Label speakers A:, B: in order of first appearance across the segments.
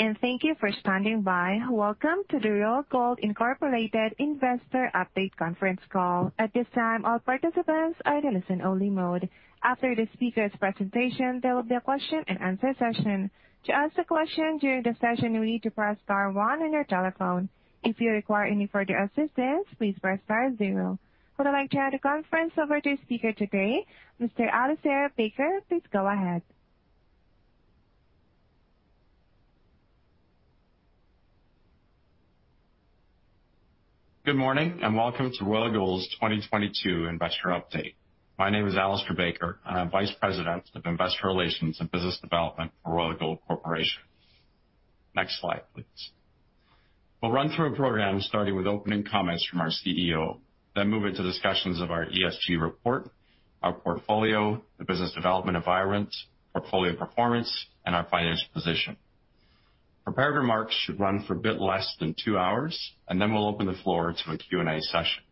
A: Good day, and thank you for standing by. Welcome to the Royal Gold Incorporated Investor Update conference call. At this time, all participants are in listen only mode. After the speaker's presentation, there will be a question and answer session. To ask a question during the session, you will need to press star one on your telephone. If you require any further assistance, please press star zero. I would like to hand the conference over to speaker today, Mr. Alistair Baker. Please go ahead.
B: Good morning, and welcome to Royal Gold's 2022 investor update. My name is Alistair Baker. I'm Vice President of Investor Relations and Business Development for Royal Gold, Inc. Next slide, please. We'll run through a program starting with opening comments from our CEO, then move into discussions of our ESG report, our portfolio, the business development environment, portfolio performance, and our financial position. Prepared remarks should run for a bit less than two hours, and then we'll open the floor to a Q&A session.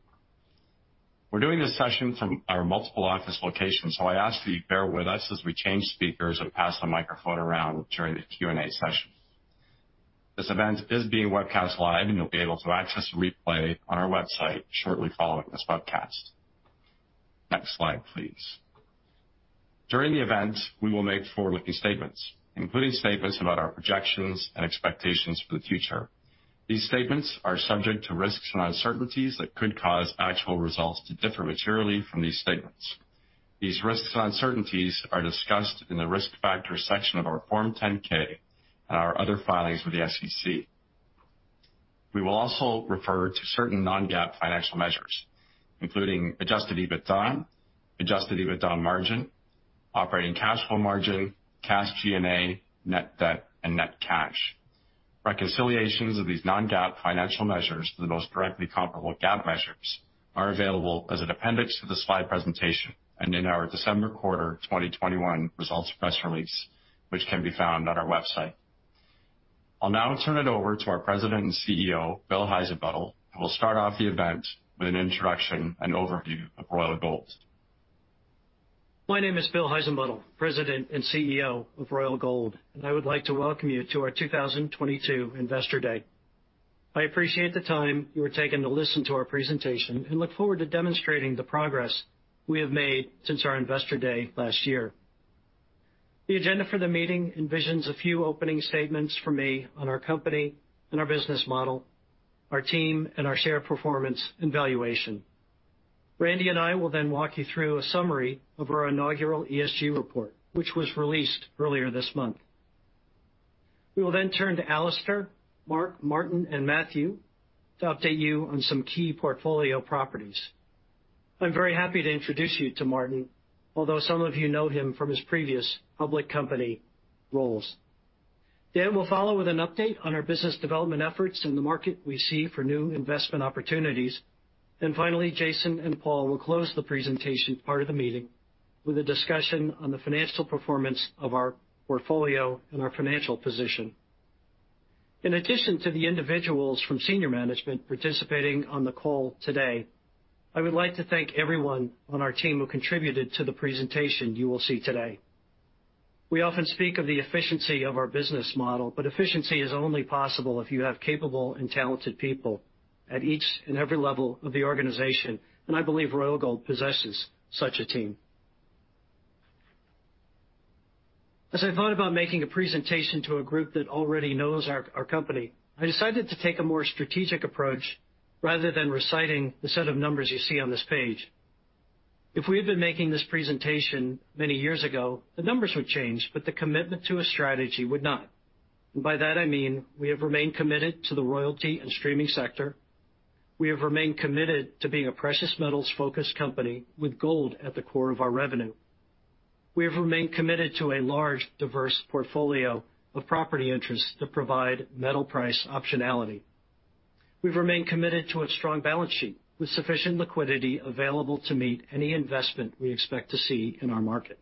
B: We're doing this session from our multiple office locations, so I ask that you bear with us as we change speakers and pass the microphone around during the Q&A session. This event is being webcast live, and you'll be able to access the replay on our website shortly following this webcast. Next slide, please. During the event, we will make forward-looking statements, including statements about our projections and expectations for the future. These statements are subject to risks and uncertainties that could cause actual results to differ materially from these statements. These risks and uncertainties are discussed in the Risk Factors section of our Form 10-K and our other filings with the SEC. We will also refer to certain non-GAAP financial measures, including adjusted EBITDA, adjusted EBITDA margin, operating cash flow margin, cash G&A, net debt, and net cash. Reconciliations of these non-GAAP financial measures to the most directly comparable GAAP measures are available as an appendix to the slide presentation and in our December quarter 2021 results press release, which can be found on our website. I'll now turn it over to our President and CEO, Bill Heissenbuttel, who will start off the event with an introduction and overview of Royal Gold.
C: My name is Bill Heissenbuttel, President and CEO of Royal Gold, and I would like to welcome you to our 2022 Investor Day. I appreciate the time you are taking to listen to our presentation and look forward to demonstrating the progress we have made since our Investor Day last year. The agenda for the meeting envisions a few opening statements from me on our company and our business model, our team, and our share performance and valuation. Randy and I will then walk you through a summary of our inaugural ESG report, which was released earlier this month. We will then turn to Alistair, Mark, Martin, and Matt to update you on some key portfolio properties. I'm very happy to introduce you to Martin, although some of you know him from his previous public company roles. Dan will follow with an update on our business development efforts and the market we see for new investment opportunities. Finally, Jason and Paul will close the presentation part of the meeting with a discussion on the financial performance of our portfolio and our financial position. In addition to the individuals from senior management participating on the call today, I would like to thank everyone on our team who contributed to the presentation you will see today. We often speak of the efficiency of our business model, but efficiency is only possible if you have capable and talented people at each and every level of the organization, and I believe Royal Gold possesses such a team. As I thought about making a presentation to a group that already knows our company, I decided to take a more strategic approach rather than reciting the set of numbers you see on this page. If we had been making this presentation many years ago, the numbers would change, but the commitment to a strategy would not. By that I mean we have remained committed to the royalty and streaming sector. We have remained committed to being a precious metals-focused company with gold at the core of our revenue. We have remained committed to a large, diverse portfolio of property interests that provide metal price optionality. We've remained committed to a strong balance sheet with sufficient liquidity available to meet any investment we expect to see in our market.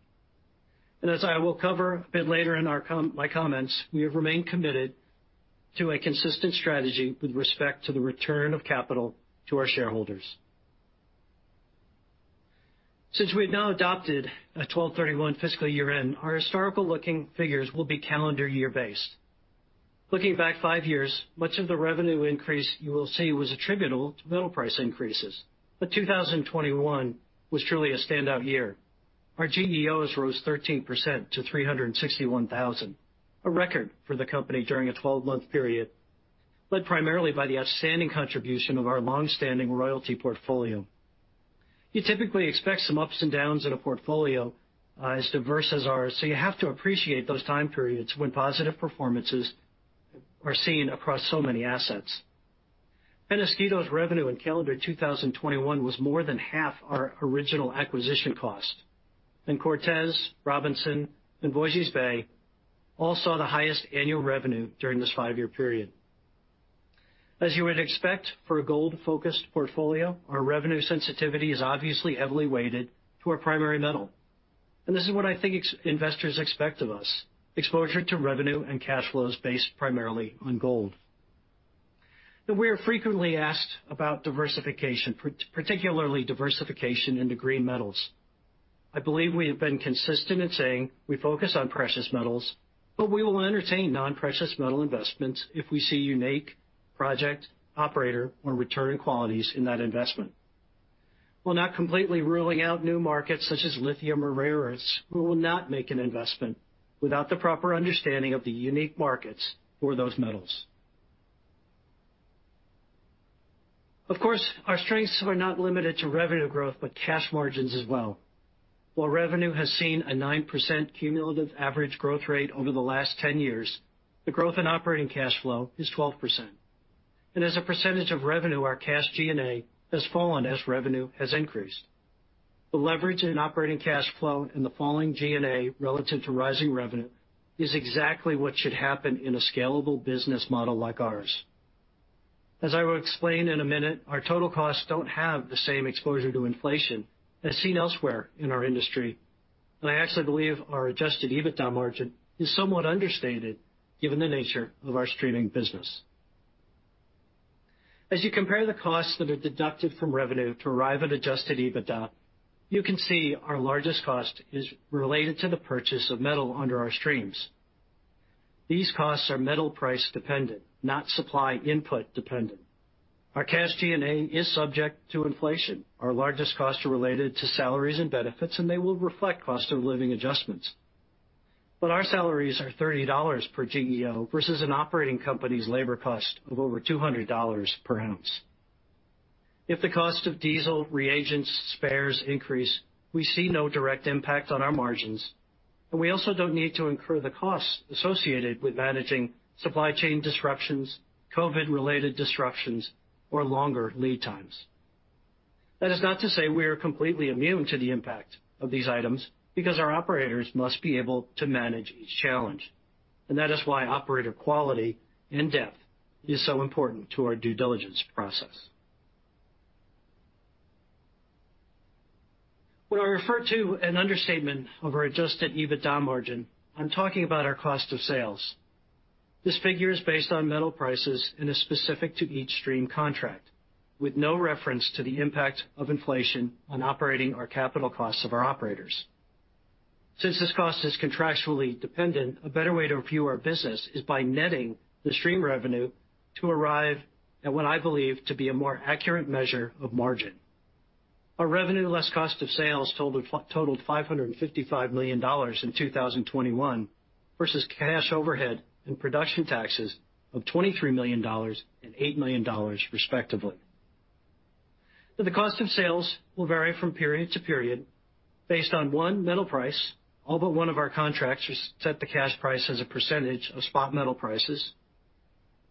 C: As I will cover a bit later in my comments, we have remained committed to a consistent strategy with respect to the return of capital to our shareholders. Since we've now adopted a December 31 fiscal year-end, our historical looking figures will be calendar year-based. Looking back five years, much of the revenue increase you will see was attributable to metal price increases, but 2021 was truly a standout year. Our GEOs rose 13% to 361,000, a record for the company during a 12-month period, led primarily by the outstanding contribution of our long-standing royalty portfolio. You typically expect some ups and downs in a portfolio, as diverse as ours, so you have to appreciate those time periods when positive performances are seen across so many assets. Peñasquito's revenue in calendar 2021 was more than half our original acquisition cost. Cortez, Robinson, and Voisey's Bay all saw the highest annual revenue during this five-year period. As you would expect for a gold-focused portfolio, our revenue sensitivity is obviously heavily weighted to our primary metal. This is what I think existing investors expect of us, exposure to revenue and cash flows based primarily on gold. We are frequently asked about diversification, particularly diversification into green metals. I believe we have been consistent in saying we focus on precious metals, but we will entertain non-precious metal investments if we see unique project operator or return qualities in that investment. While not completely ruling out new markets such as lithium or rare earths, we will not make an investment without the proper understanding of the unique markets for those metals. Of course, our strengths are not limited to revenue growth, but cash margins as well. While revenue has seen a 9% cumulative average growth rate over the last 10 years, the growth in operating cash flow is 12%. As a percentage of revenue, our cash G&A has fallen as revenue has increased. The leverage in operating cash flow and the falling G&A relative to rising revenue is exactly what should happen in a scalable business model like ours. As I will explain in a minute, our total costs don't have the same exposure to inflation as seen elsewhere in our industry. I actually believe our adjusted EBITDA margin is somewhat understated given the nature of our streaming business. As you compare the costs that are deducted from revenue to arrive at adjusted EBITDA, you can see our largest cost is related to the purchase of metal under our streams. These costs are metal price dependent, not supply input dependent. Our cash G&A is subject to inflation. Our largest costs are related to salaries and benefits, and they will reflect cost of living adjustments. Our salaries are $30 per GEO versus an operating company's labor cost of over $200 per oz. If the cost of diesel, reagents, spares increase, we see no direct impact on our margins, and we also don't need to incur the costs associated with managing supply chain disruptions, COVID-related disruptions, or longer lead times. That is not to say we are completely immune to the impact of these items, because our operators must be able to manage each challenge. That is why operator quality and depth is so important to our due diligence process. When I refer to an understatement of our adjusted EBITDA margin, I'm talking about our cost of sales. This figure is based on metal prices and is specific to each stream contract, with no reference to the impact of inflation on operating or capital costs of our operators. Since this cost is contractually dependent, a better way to view our business is by netting the stream revenue to arrive at what I believe to be a more accurate measure of margin. Our revenue less cost of sales totaled $555 million in 2021, versus cash overhead and production taxes of $23 million and $8 million respectively. The cost of sales will vary from period to period based on, one, metal price. All but one of our contracts set the cash price as a percentage of spot metal prices.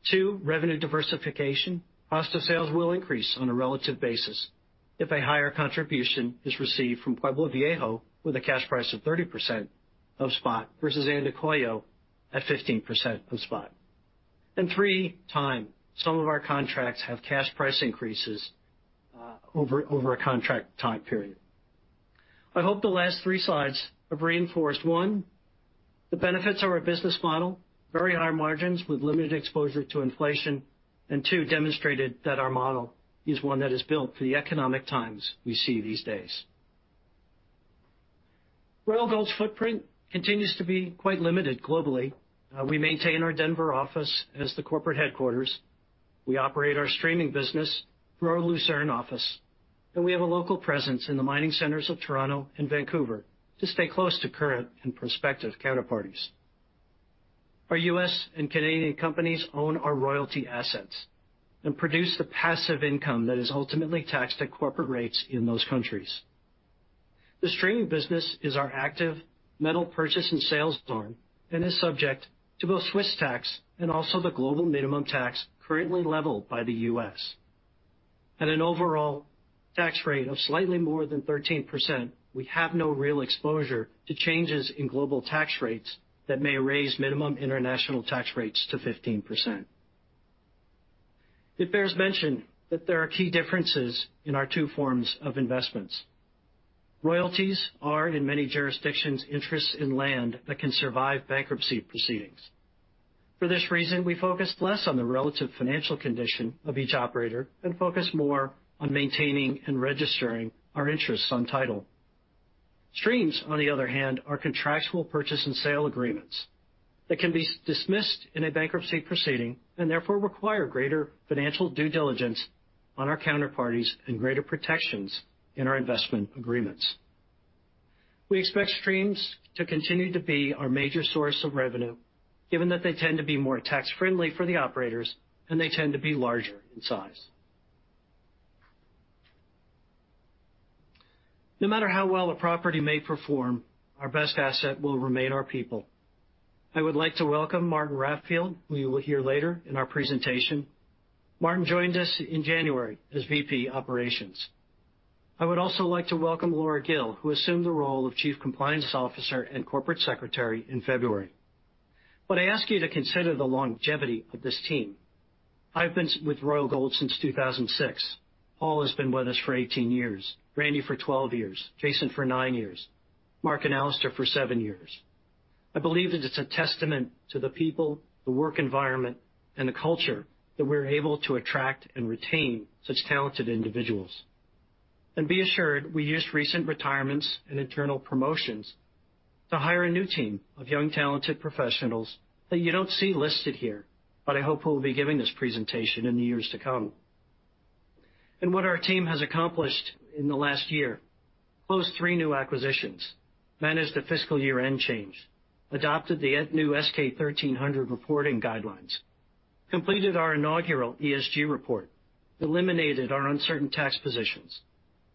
C: Two, revenue diversification. Cost of sales will increase on a relative basis if a higher contribution is received from Pueblo Viejo with a cash price of 30% of spot versus Andacollo at 15% of spot. Three, time. Some of our contracts have cash price increases over a contract time period. I hope the last three slides have reinforced, one, the benefits of our business model, very high margins with limited exposure to inflation. Two, demonstrated that our model is one that is built for the economic times we see these days. Royal Gold's footprint continues to be quite limited globally. We maintain our Denver office as the corporate headquarters. We operate our streaming business through our Lucerne office, and we have a local presence in the mining centers of Toronto and Vancouver to stay close to current and prospective counterparties. Our U.S. and Canadian companies own our royalty assets and produce the passive income that is ultimately taxed at corporate rates in those countries. The streaming business is our active metal purchase and sales arm and is subject to both Swiss tax and also the global minimum tax currently levied by the U.S. At an overall tax rate of slightly more than 13%, we have no real exposure to changes in global tax rates that may raise minimum international tax rates to 15%. It bears mention that there are key differences in our two forms of investments. Royalties are, in many jurisdictions, interests in land that can survive bankruptcy proceedings. For this reason, we focus less on the relative financial condition of each operator and focus more on maintaining and registering our interests on title. Streams, on the other hand, are contractual purchase and sale agreements that can be dismissed in a bankruptcy proceeding and therefore require greater financial due diligence on our counterparties and greater protections in our investment agreements. We expect streams to continue to be our major source of revenue, given that they tend to be more tax-friendly for the operators, and they tend to be larger in size. No matter how well a property may perform, our best asset will remain our people. I would like to welcome Martin Raffield, who you will hear later in our presentation. Martin joined us in January as VP, Operations. I would also like to welcome Laura Gill, who assumed the role of Chief Compliance Officer and Corporate Secretary in February. I ask you to consider the longevity of this team. I've been with Royal Gold since 2006. Paul has been with us for 18 years, Randy for 12 years, Jason for nine years, Mark and Alistair for seven years. I believe that it's a testament to the people, the work environment, and the culture that we're able to attract and retain such talented individuals. Be assured, we used recent retirements and internal promotions to hire a new team of young talented professionals that you don't see listed here, but I hope will be giving this presentation in the years to come. What our team has accomplished in the last year, closed three new acquisitions, managed the fiscal year-end change, adopted the new SK-1300 reporting guidelines, completed our inaugural ESG report, eliminated our uncertain tax positions,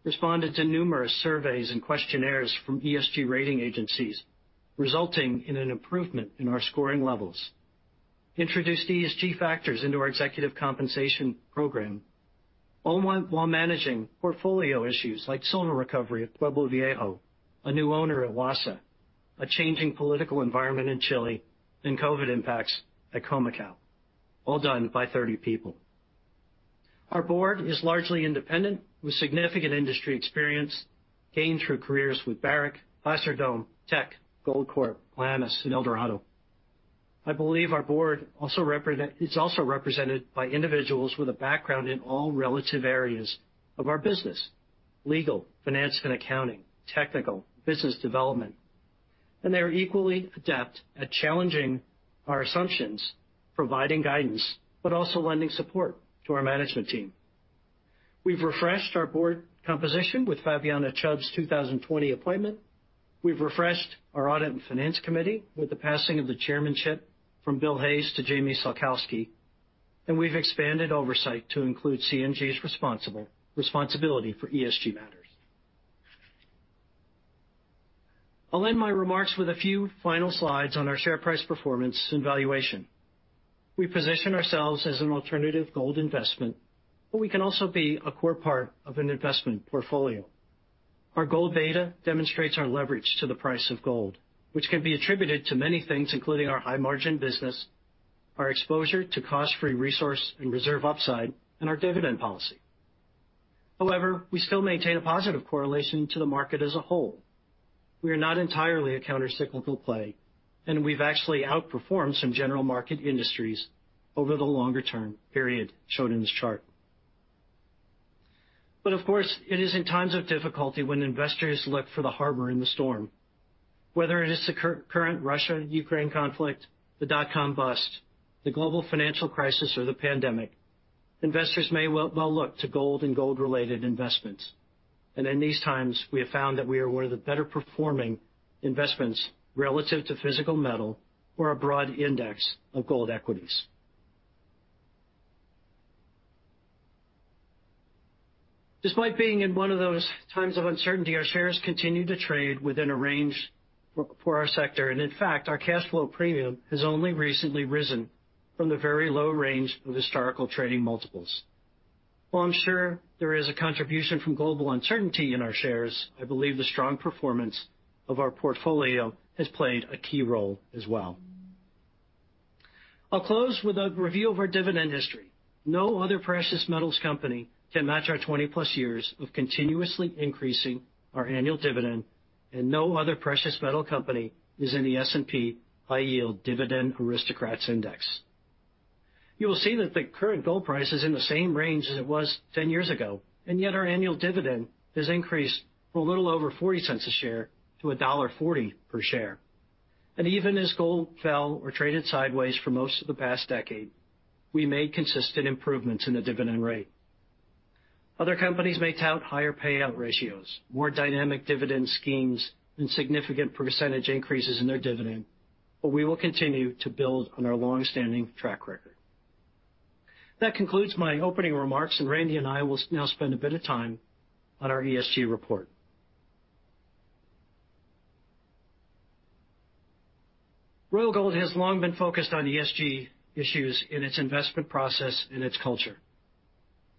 C: responded to numerous surveys and questionnaires from ESG rating agencies, resulting in an improvement in our scoring levels, introduced ESG factors into our executive compensation program, all while managing portfolio issues like solar recovery at Pueblo Viejo, a new owner at Wassa, a changing political environment in Chile, and COVID impacts at Khoemacau, all done by 30 people. Our board is largely independent with significant industry experience gained through careers with Barrick, Placer Dome, Teck, Goldcorp, Placer Dome, and Eldorado. I believe our board is also represented by individuals with a background in all relative areas of our business, legal, finance and accounting, technical, business development, and they are equally adept at challenging our assumptions, providing guidance, but also lending support to our management team. We've refreshed our board composition with Fabiana Chubbs's 2020 appointment. We've refreshed our audit and finance committee with the passing of the chairmanship from Bill Hayes to Jamie Sokalsky, and we've expanded oversight to include CNG's responsibility for ESG matters. I'll end my remarks with a few final slides on our share price performance and valuation. We position ourselves as an alternative gold investment, but we can also be a core part of an investment portfolio. Our gold beta demonstrates our leverage to the price of gold, which can be attributed to many things, including our high-margin business, our exposure to cost-free resource and reserve upside, and our dividend policy. However, we still maintain a positive correlation to the market as a whole. We are not entirely a counter-cyclical play, and we've actually outperformed some general market industries over the longer term period shown in this chart. But of course, it is in times of difficulty when investors look for the harbor in the storm. Whether it is the current Russia, Ukraine conflict, the dot-com bust, the global financial crisis, or the pandemic, investors may well look to gold and gold-related investments. In these times, we have found that we are one of the better performing investments relative to physical metal or a broad index of gold equities. Despite being in one of those times of uncertainty, our shares continue to trade within a range for our sector. In fact, our cash flow premium has only recently risen from the very low range of historical trading multiples. While I'm sure there is a contribution from global uncertainty in our shares, I believe the strong performance of our portfolio has played a key role as well. I'll close with a review of our dividend history. No other precious metals company can match our 20+ years of continuously increasing our annual dividend, and no other precious metal company is in the S&P High Yield Dividend Aristocrats index. You will see that the current gold price is in the same range as it was 10 years ago, and yet our annual dividend has increased from a little over $0.40 a share to $1.40 per share. Even as gold fell or traded sideways for most of the past decade, we made consistent improvements in the dividend rate. Other companies may tout higher payout ratios, more dynamic dividend schemes, and significant percentage increases in their dividend, but we will continue to build on our long-standing track record. That concludes my opening remarks, and Randy and I will now spend a bit of time on our ESG report. Royal Gold has long been focused on ESG issues in its investment process and its culture.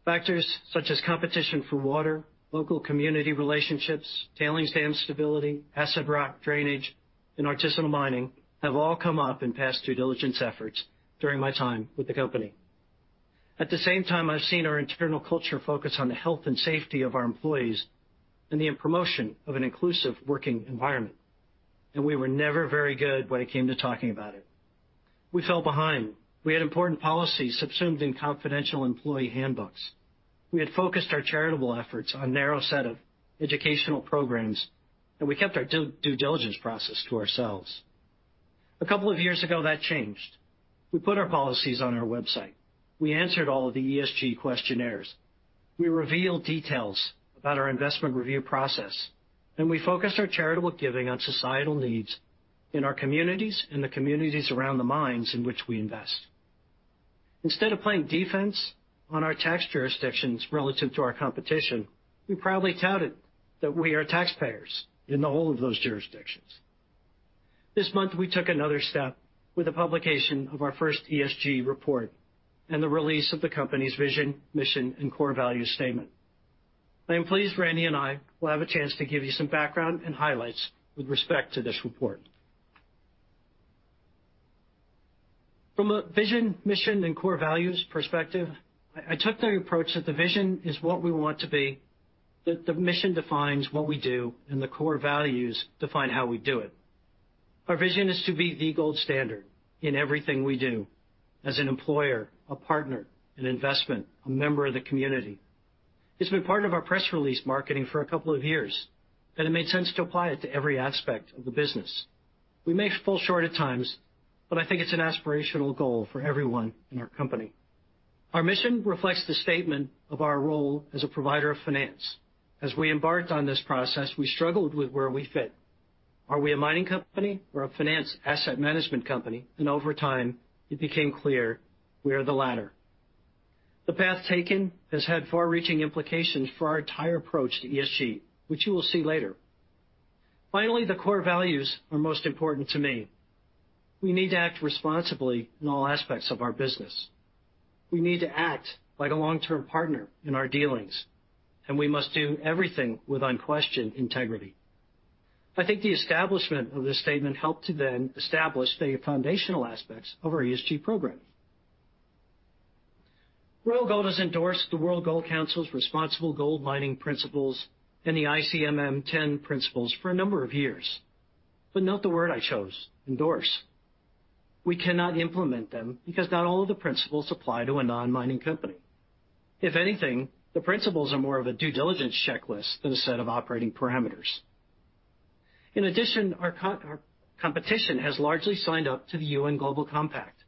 C: Factors such as competition for water, local community relationships, tailings dam stability, acid rock drainage, and artisanal mining have all come up in past due diligence efforts during my time with the company. At the same time, I've seen our internal culture focus on the health and safety of our employees and the promotion of an inclusive working environment. We were never very good when it came to talking about it. We fell behind. We had important policies subsumed in confidential employee handbooks. We had focused our charitable efforts on a narrow set of educational prog, and we kept our due diligence process to ourselves. A couple of years ago, that changed. We put our policies on our website. We answered all of the ESG questionnaires. We revealed details about our investment review process, and we focused our charitable giving on societal needs in our communities and the communities around the mines in which we invest. Instead of playing defense on our tax jurisdictions relative to our competition, we proudly touted that we are taxpayers in the whole of those jurisdictions. This month, we took another step with the publication of our first ESG report and the release of the company's vision, mission, and core value statement. I am pleased Randy and I will have a chance to give you some background and highlights with respect to this report. From a vision, mission, and core values perspective, I took the approach that the vision is what we want to be, that the mission defines what we do, and the core values define how we do it. Our vision is to be the gold standard in everything we do as an employer, a partner, an investment, a member of the community. It's been part of our press release marketing for a couple of years, and it made sense to apply it to every aspect of the business. We may fall short at times, but I think it's an aspirational goal for everyone in our company. Our mission reflects the statement of our role as a provider of finance. As we embarked on this process, we struggled with where we fit. Are we a mining company or a finance asset management company? Over time, it became clear we are the latter. The path taken has had far-reaching implications for our entire approach to ESG, which you will see later. Finally, the core values are most important to me. We need to act responsibly in all aspects of our business. We need to act like a long-term partner in our dealings, and we must do everything with unquestioned integrity. I think the establishment of this statement helped to then establish the foundational aspects of our ESG program. Royal Gold has endorsed the World Gold Council's Responsible Gold Mining Principles and the ICMM 10 principles for a number of years. Note the word I chose, endorse. We cannot implement them because not all of the principles apply to a non-mining company. If anything, the principles are more of a due diligence checklist than a set of operating param. In addition, our competition has largely signed up to the UN Global Compact.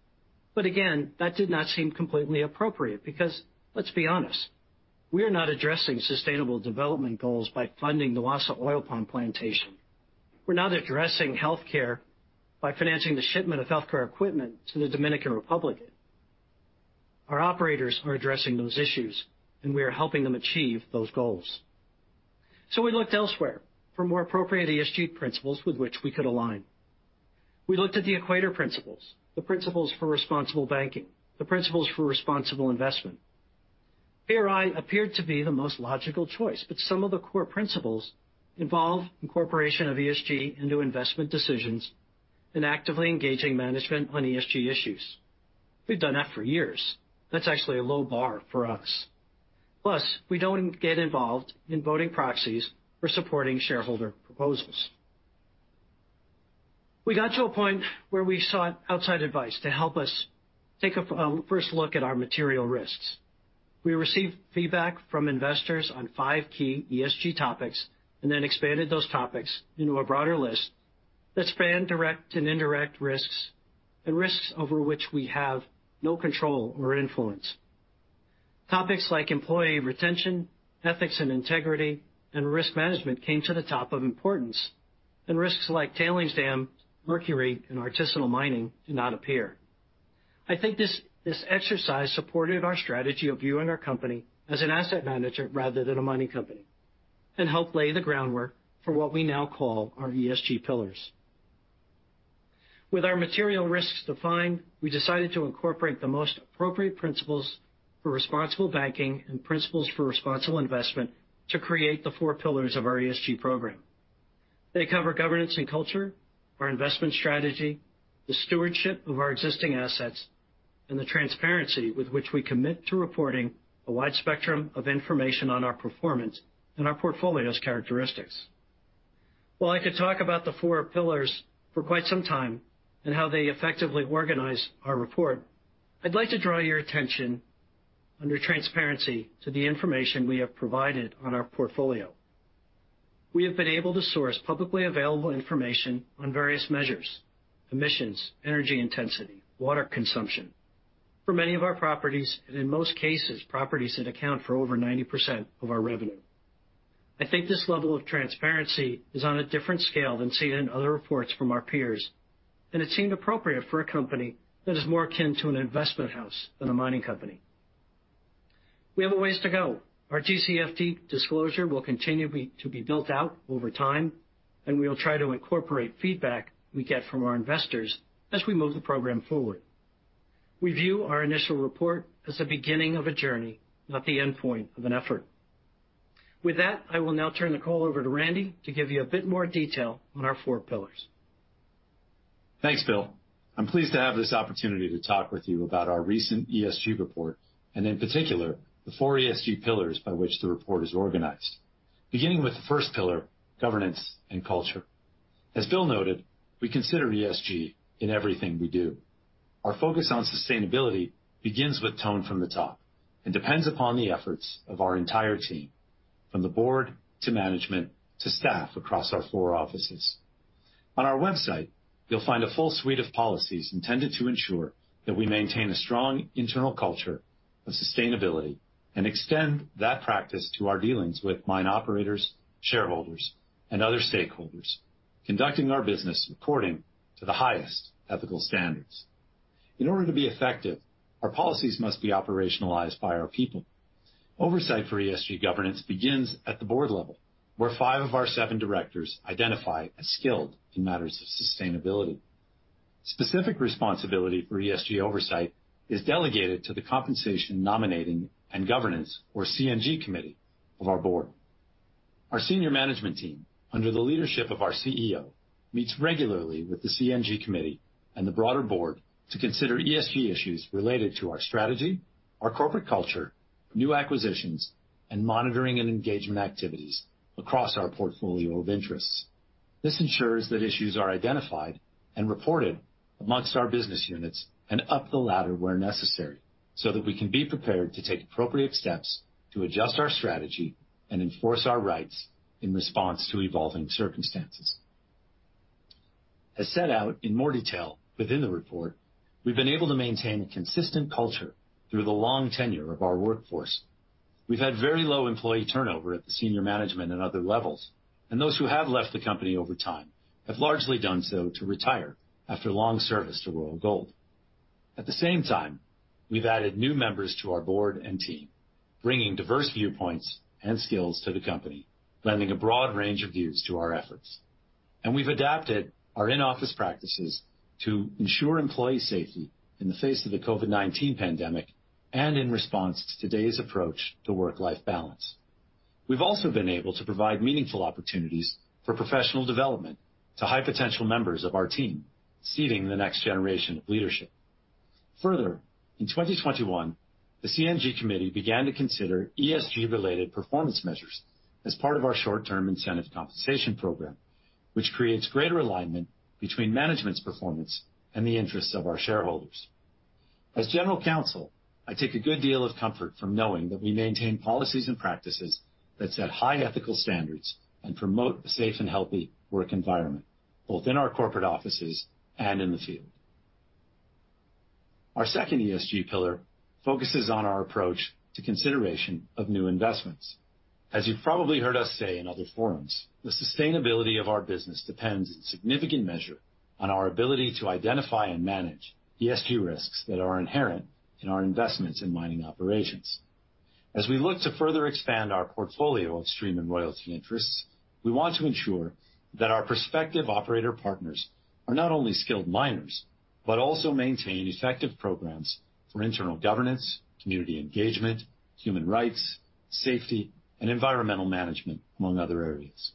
C: Again, that did not seem completely appropriate because, let's be honest, we are not addressing sustainable development goals by funding the Wassa oil palm plantation. We're not addressing healthcare by financing the shipment of healthcare equipment to the Dominican Republic. Our operators are addressing those issues, and we are helping them achieve those goals. We looked elsewhere for more appropriate ESG principles with which we could align. We looked at the Equator Principles, the Principles for Responsible Banking, the Principles for Responsible Investment. PRI appeared to be the most logical choice, but some of the core principles involve incorporation of ESG into investment decisions and actively engaging management on ESG issues. We've done that for years. That's actually a low bar for us. Plus, we don't get involved in voting proxies or supporting shareholder proposals. We got to a point where we sought outside advice to help us take a first look at our material risks. We received feedback from investors on five key ESG topics, and then expanded those topics into a broader list that span direct and indirect risks and risks over which we have no control or influence. Topics like employee retention, ethics and integrity, and risk management came to the top of importance, and risks like tailings dam, mercury, and artisanal mining did not appear. I think this exercise supported our strategy of viewing our company as an asset manager rather than a mining company and helped lay the groundwork for what we now call our ESG pillars. With our material risks defined, we decided to incorporate the most appropriate Principles for Responsible Banking and Principles for Responsible Investment to create the four pillars of our ESG program. They cover governance and culture, our investment strategy, the stewardship of our existing assets, and the transparency with which we commit to reporting a wide spectrum of information on our performance and our portfolio's characteristics. While I could talk about the four pillars for quite some time and how they effectively organize our report, I'd like to draw your attention under transparency to the information we have provided on our portfolio. We have been able to source publicly available information on various measures, emissions, energy intensity, water consumption, for many of our properties, and in most cases, properties that account for over 90% of our revenue. I think this level of transparency is on a different scale than seen in other reports from our peers, and it seemed appropriate for a company that is more akin to an investment house than a mining company. We have a ways to go. Our TCFD disclosure will continue to be built out over time, and we will try to incorporate feedback we get from our investors as we move the program forward. We view our initial report as the beginning of a journey, not the endpoint of an effort. With that, I will now turn the call over to Randy to give you a bit more detail on our four pillars.
D: Thanks, Bill. I'm pleased to have this opportunity to talk with you about our recent ESG report, and in particular, the four ESG pillars by which the report is organized. Beginning with the first pillar, governance and culture. As Bill noted, we consider ESG in everything we do. Our focus on sustainability begins with tone from the top and depends upon the efforts of our entire team, from the board to management to staff across our four offices. On our website, you'll find a full suite of policies intended to ensure that we maintain a strong internal culture of sustainability and extend that practice to our dealings with mine operators, shareholders, and other stakeholders, conducting our business according to the highest ethical standards. In order to be effective, our policies must be operationalized by our people. Oversight for ESG governance begins at the board level, where five of our seven directors identify as skilled in matters of sustainability. Specific responsibility for ESG oversight is delegated to the compensation, nominating, and governance, or CNG committee of our board. Our senior management team, under the leadership of our CEO, meets regularly with the CNG committee and the broader board to consider ESG issues related to our strategy, our corporate culture, new acquisitions, and monitoring and engagement activities across our portfolio of interests. This ensures that issues are identified and reported among our business units and up the ladder where necessary, so that we can be prepared to take appropriate steps to adjust our strategy and enforce our rights in response to evolving circumstances. As set out in more detail within the report, we've been able to maintain a consistent culture through the long tenure of our workforce. We've had very low employee turnover at the senior management and other levels, and those who have left the company over time have largely done so to retire after long service to Royal Gold. At the same time, we've added new members to our board and team, bringing diverse viewpoints and skills to the company, lending a broad range of views to our efforts. We've adapted our in-office practices to ensure employee safety in the face of the COVID-19 pandemic and in response to today's approach to work-life balance. We've also been able to provide meaningful opportunities for professional development to high potential members of our team, seeding the next generation of leadership. Further, in 2021, the CNG Committee began to consider ESG related performance measures as part of our short-term incentive compensation program, which creates greater alignment between management's performance and the interests of our shareholders. As general counsel, I take a good deal of comfort from knowing that we maintain policies and practices that set high ethical standards and promote a safe and healthy work environment, both in our corporate offices and in the field. Our second ESG pillar focuses on our approach to consideration of new investments. As you've probably heard us say in other forums, the sustainability of our business depends in significant measure on our ability to identify and manage ESG risks that are inherent in our investments in mining operations. As we look to further expand our portfolio of stream and royalty interests, we want to ensure that our prospective operator partners are not only skilled miners, but also maintain effective prog for internal governance, community engagement, human rights, safety, and environmental management, among other areas.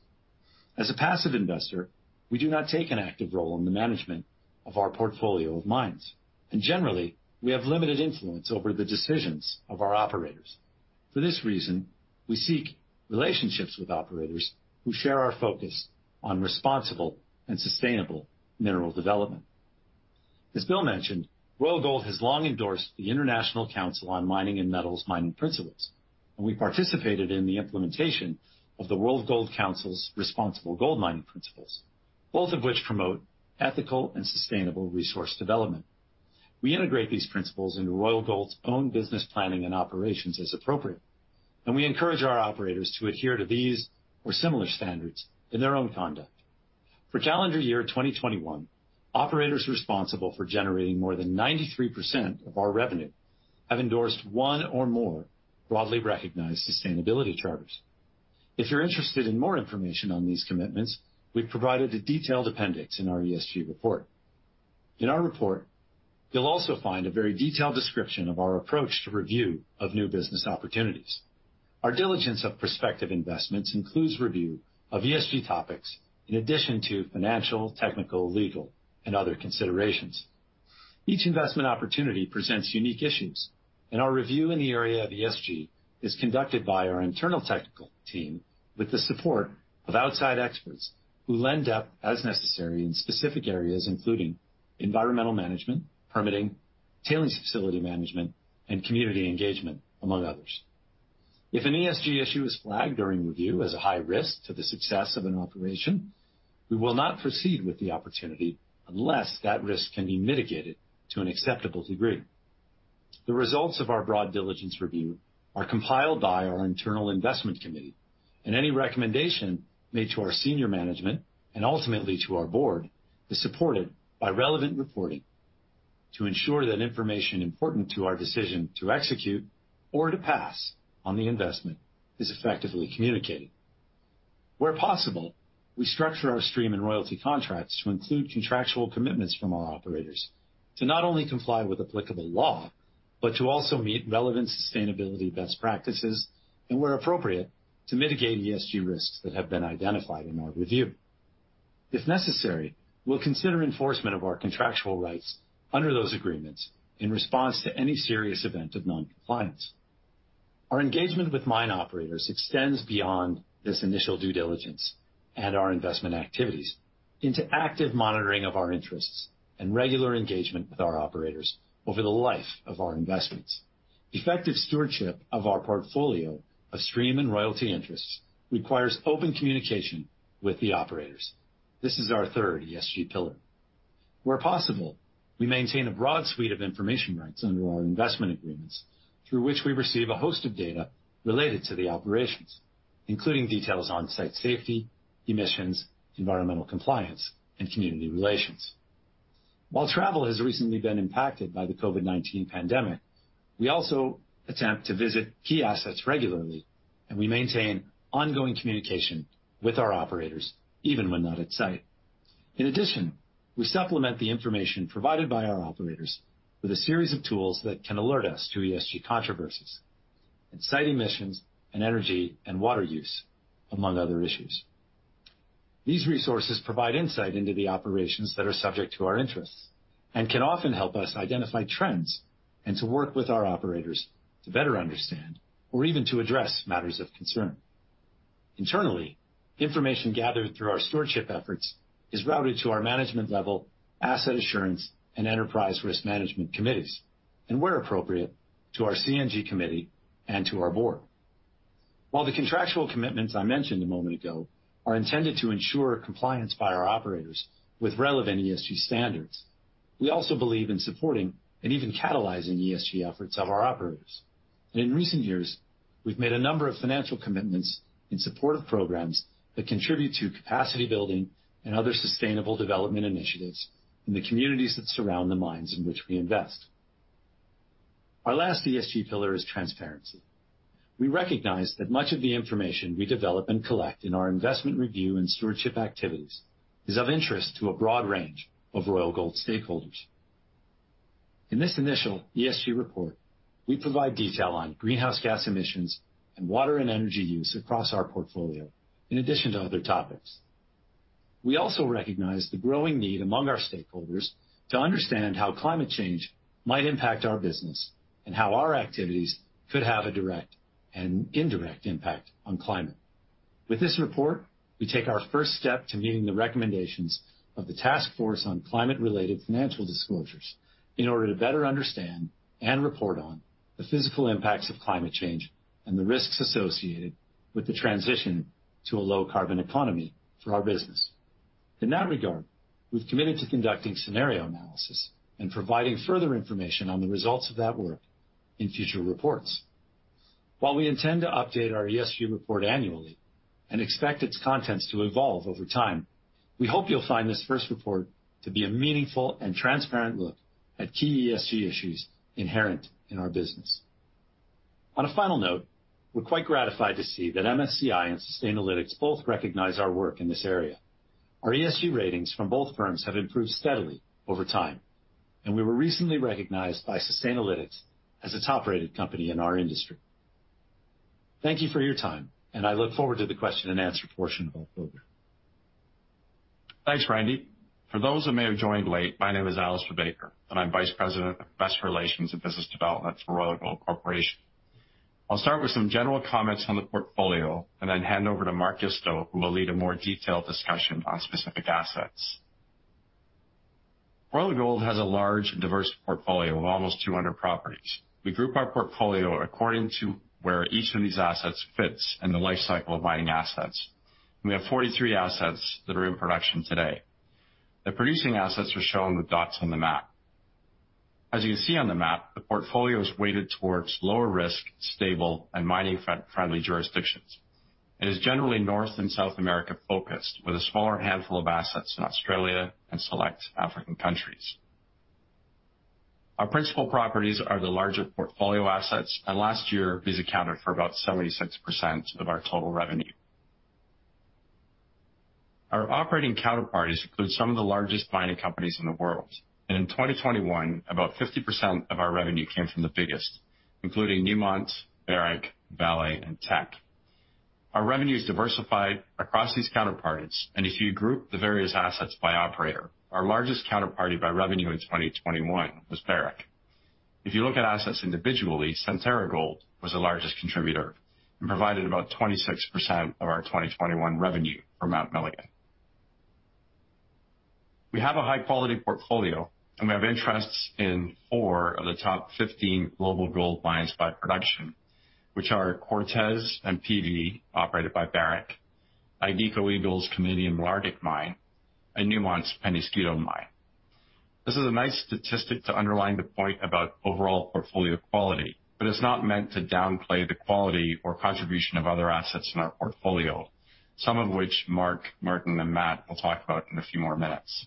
D: As a passive investor, we do not take an active role in the management of our portfolio of mines, and generally, we have limited influence over the decisions of our operators. For this reason, we seek relationships with operators who share our focus on responsible and sustainable mineral development. As Bill mentioned, Royal Gold has long endorsed the International Council on Mining and Metals' Mining Principles, and we participated in the implementation of the World Gold Council's Responsible Gold Mining Principles, both of which promote ethical and sustainable resource development. We integrate these principles into Royal Gold's own business planning and operations as appropriate, and we encourage our operators to adhere to these or similar standards in their own conduct. For calendar year 2021, operators responsible for generating more than 93% of our revenue have endorsed one or more broadly recognized sustainability charters. If you're interested in more information on these commitments, we've provided a detailed appendix in our ESG report. In our report, you'll also find a very detailed description of our approach to review of new business opportunities. Our diligence of prospective investments includes review of ESG topics in addition to financial, technical, legal, and other considerations. Each investment opportunity presents unique issues, and our review in the area of ESG is conducted by our internal technical team with the support of outside experts who lend depth as necessary in specific areas, including environmental management, permitting, tailings facility management, and community engagement, among others. If an ESG issue is flagged during review as a high risk to the success of an operation, we will not proceed with the opportunity unless that risk can be mitigated to an acceptable degree. The results of our broad diligence review are compiled by our internal investment committee, and any recommendation made to our senior management and ultimately to our board is supported by relevant reporting to ensure that information important to our decision to execute or to pass on the investment is effectively communicated. Where possible, we structure our stream and royalty contracts to include contractual commitments from our operators to not only comply with applicable law, but to also meet relevant sustainability best practices and where appropriate, to mitigate ESG risks that have been identified in our review. If necessary, we'll consider enforcement of our contractual rights under those agreements in response to any serious event of non-compliance. Our engagement with mine operators extends beyond this initial due diligence and our investment activities into active monitoring of our interests and regular engagement with our operators over the life of our investments. Effective stewardship of our portfolio of stream and royalty interests requires open communication with the operators. This is our third ESG pillar. Where possible, we maintain a broad suite of information rights under our investment agreements through which we receive a host of data related to the operations, including details on site safety, emissions, environmental compliance, and community relations. While travel has recently been impacted by the COVID-19 pandemic, we also attempt to visit key assets regularly, and we maintain ongoing communication with our operators, even when not at site. In addition, we supplement the information provided by our operators with a series of tools that can alert us to ESG controversies and site emissions and energy and water use, among other issues. These resources provide insight into the operations that are subject to our interests, and can often help us identify trends and to work with our operators to better understand or even to address matters of concern. Internally, information gathered through our stewardship efforts is routed to our management level, asset assurance, and enterprise risk management committees, and where appropriate, to our CNG committee and to our board. While the contractual commitments I mentioned a moment ago are intended to ensure compliance by our operators with relevant ESG standards, we also believe in supporting and even catalyzing ESG efforts of our operators. In recent years, we've made a number of financial commitments in support of prog that contribute to capacity building and other sustainable development initiatives in the communities that surround the mines in which we invest. Our last ESG pillar is transparency. We recognize that much of the information we develop and collect in our investment review and stewardship activities is of interest to a broad range of Royal Gold stakeholders. In this initial ESG report, we provide detail on greenhouse gas emissions and water and energy use across our portfolio, in addition to other topics. We also recognize the growing need among our stakeholders to understand how climate change might impact our business and how our activities could have a direct and indirect impact on climate. With this report, we take our first step to meeting the recommendations of the task force on climate-related financial disclosures in order to better understand and report on the physical impacts of climate change and the risks associated with the transition to a low carbon economy for our business. In that regard, we've committed to conducting scenario analysis and providing further information on the results of that work in future reports. While we intend to update our ESG report annually and expect its contents to evolve over time, we hope you'll find this first report to be a meaningful and transparent look at key ESG issues inherent in our business. On a final note, we're quite gratified to see that MSCI and Sustainalytics both recognize our work in this area. Our ESG ratings from both firms have improved steadily over time, and we were recently recognized by Sustainalytics as a top-rated company in our industry. Thank you for your time, and I look forward to the question and answer portion of our program.
B: Thanks, Randy. For those that may have joined late, my name is Alistair Baker, and I'm Vice President of Investor Relations and Business Development for Royal Gold Corporation. I'll start with some general comments on the portfolio and then hand over to Mark Isto, who will lead a more detailed discussion on specific assets. Royal Gold has a large and diverse portfolio of almost 200 properties. We group our portfolio according to where each of these assets fits in the life cycle of mining assets. We have 43 assets that are in production today. The producing assets are shown with dots on the map. As you can see on the map, the portfolio is weighted towards lower risk, stable and mining friendly jurisdictions, and is generally North and South America-focused with a smaller handful of assets in Australia and select African countries. Our principal properties are the larger portfolio assets, and last year, these accounted for about 76% of our total revenue. Our operating counterparties include some of the largest mining companies in the world. In 2021, about 50% of our revenue came from the biggest, including Newmont, Barrick, Vale, and Teck. Our revenue is diversified across these counterparties, and if you group the various assets by operator, our largest counterparty by revenue in 2021 was Barrick. If you look at assets individually, Centerra Gold was the largest contributor and provided about 26% of our 2021 revenue for Mount Milligan. We have a high-quality portfolio, and we have interests in four of the top 15 global gold mines by production, which are Cortez and Peñasquito operated by Barrick, Agnico Eagle's Canadian Malartic Mine, and Newmont's Peñasquito Mine. This is a nice statistic to underline the point about overall portfolio quality, but it's not meant to downplay the quality or contribution of other assets in our portfolio, some of which Mark, Martin, and Matt will talk about in a few more minutes.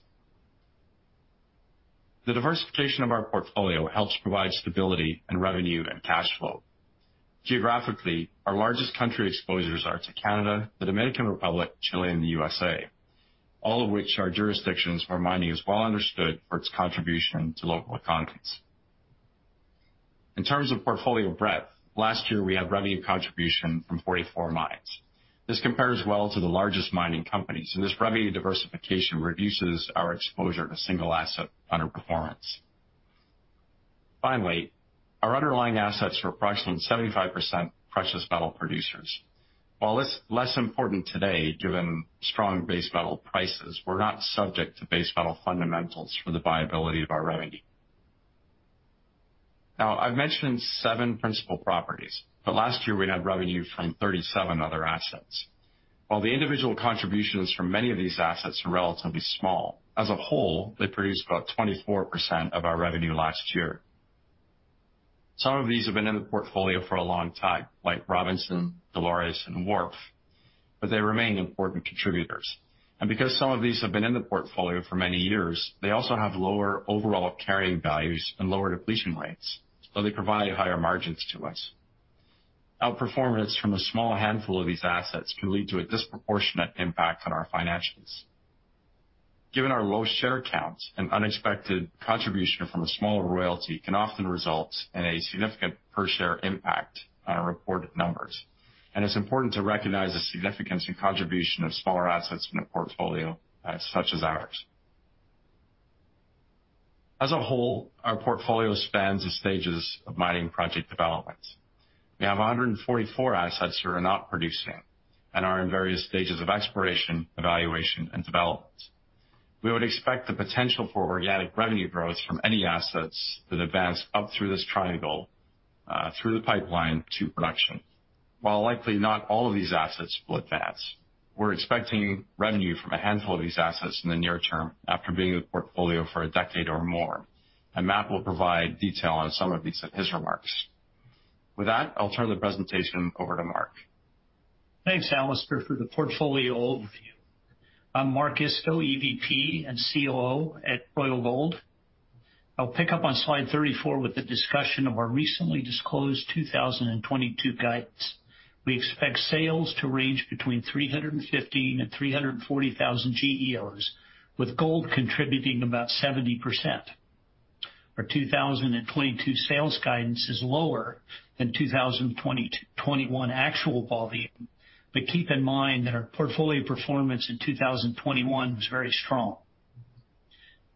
B: The diversification of our portfolio helps provide stability in revenue and cash flow. Geographically, our largest country exposures are to Canada, the Dominican Republic, Chile, and the U.S.A., all of which are jurisdictions where mining is well understood for its contribution to local economies. In terms of portfolio breadth, last year we had revenue contribution from 44 mines. This compares well to the largest mining companies, and this revenue diversification reduces our exposure to single asset underperformance. Finally, our underlying assets were approximately 75% precious metal producers. While this is less important today, given strong base metal prices, we're not subject to base metal fundamentals for the viability of our revenue. Now, I've mentioned seven principal properties, but last year we had revenue from 37 other assets. While the individual contributions from many of these assets are relatively small, as a whole, they produced about 24% of our revenue last year. Some of these have been in the portfolio for a long time, like Robinson, Dolores, and Wharf, but they remain important contributors. Because some of these have been in the portfolio for many years, they also have lower overall carrying values and lower depletion rates, so they provide higher margins to us. Outperformance from a small handful of these assets can lead to a disproportionate impact on our financials. Given our low share count, an unexpected contribution from a small royalty can often result in a significant per share impact on our reported numbers, and it's important to recognize the significance and contribution of smaller assets in a portfolio, such as ours. As a whole, our portfolio spans the stages of mining project development. We have 144 assets that are not producing and are in various stages of exploration, evaluation, and development. We would expect the potential for organic revenue growth from any assets that advance up through this triangle, through the pipeline to production. While likely not all of these assets will advance, we're expecting revenue from a handful of these assets in the near term after being in the portfolio for a decade or more, and Matt will provide detail on some of these in his remarks. With that, I'll turn the presentation over to Mark.
E: Thanks, Alistair, for the portfolio overview. I'm Mark Isto, EVP and COO at Royal Gold. I'll pick up on slide 34 with the discussion of our recently disclosed 2022 guidance. We expect sales to range between 315,000 and 340,000 GEOs, with gold contributing about 70%. Our 2022 sales guidance is lower than 2021 actual volume. Keep in mind that our portfolio performance in 2021 was very strong.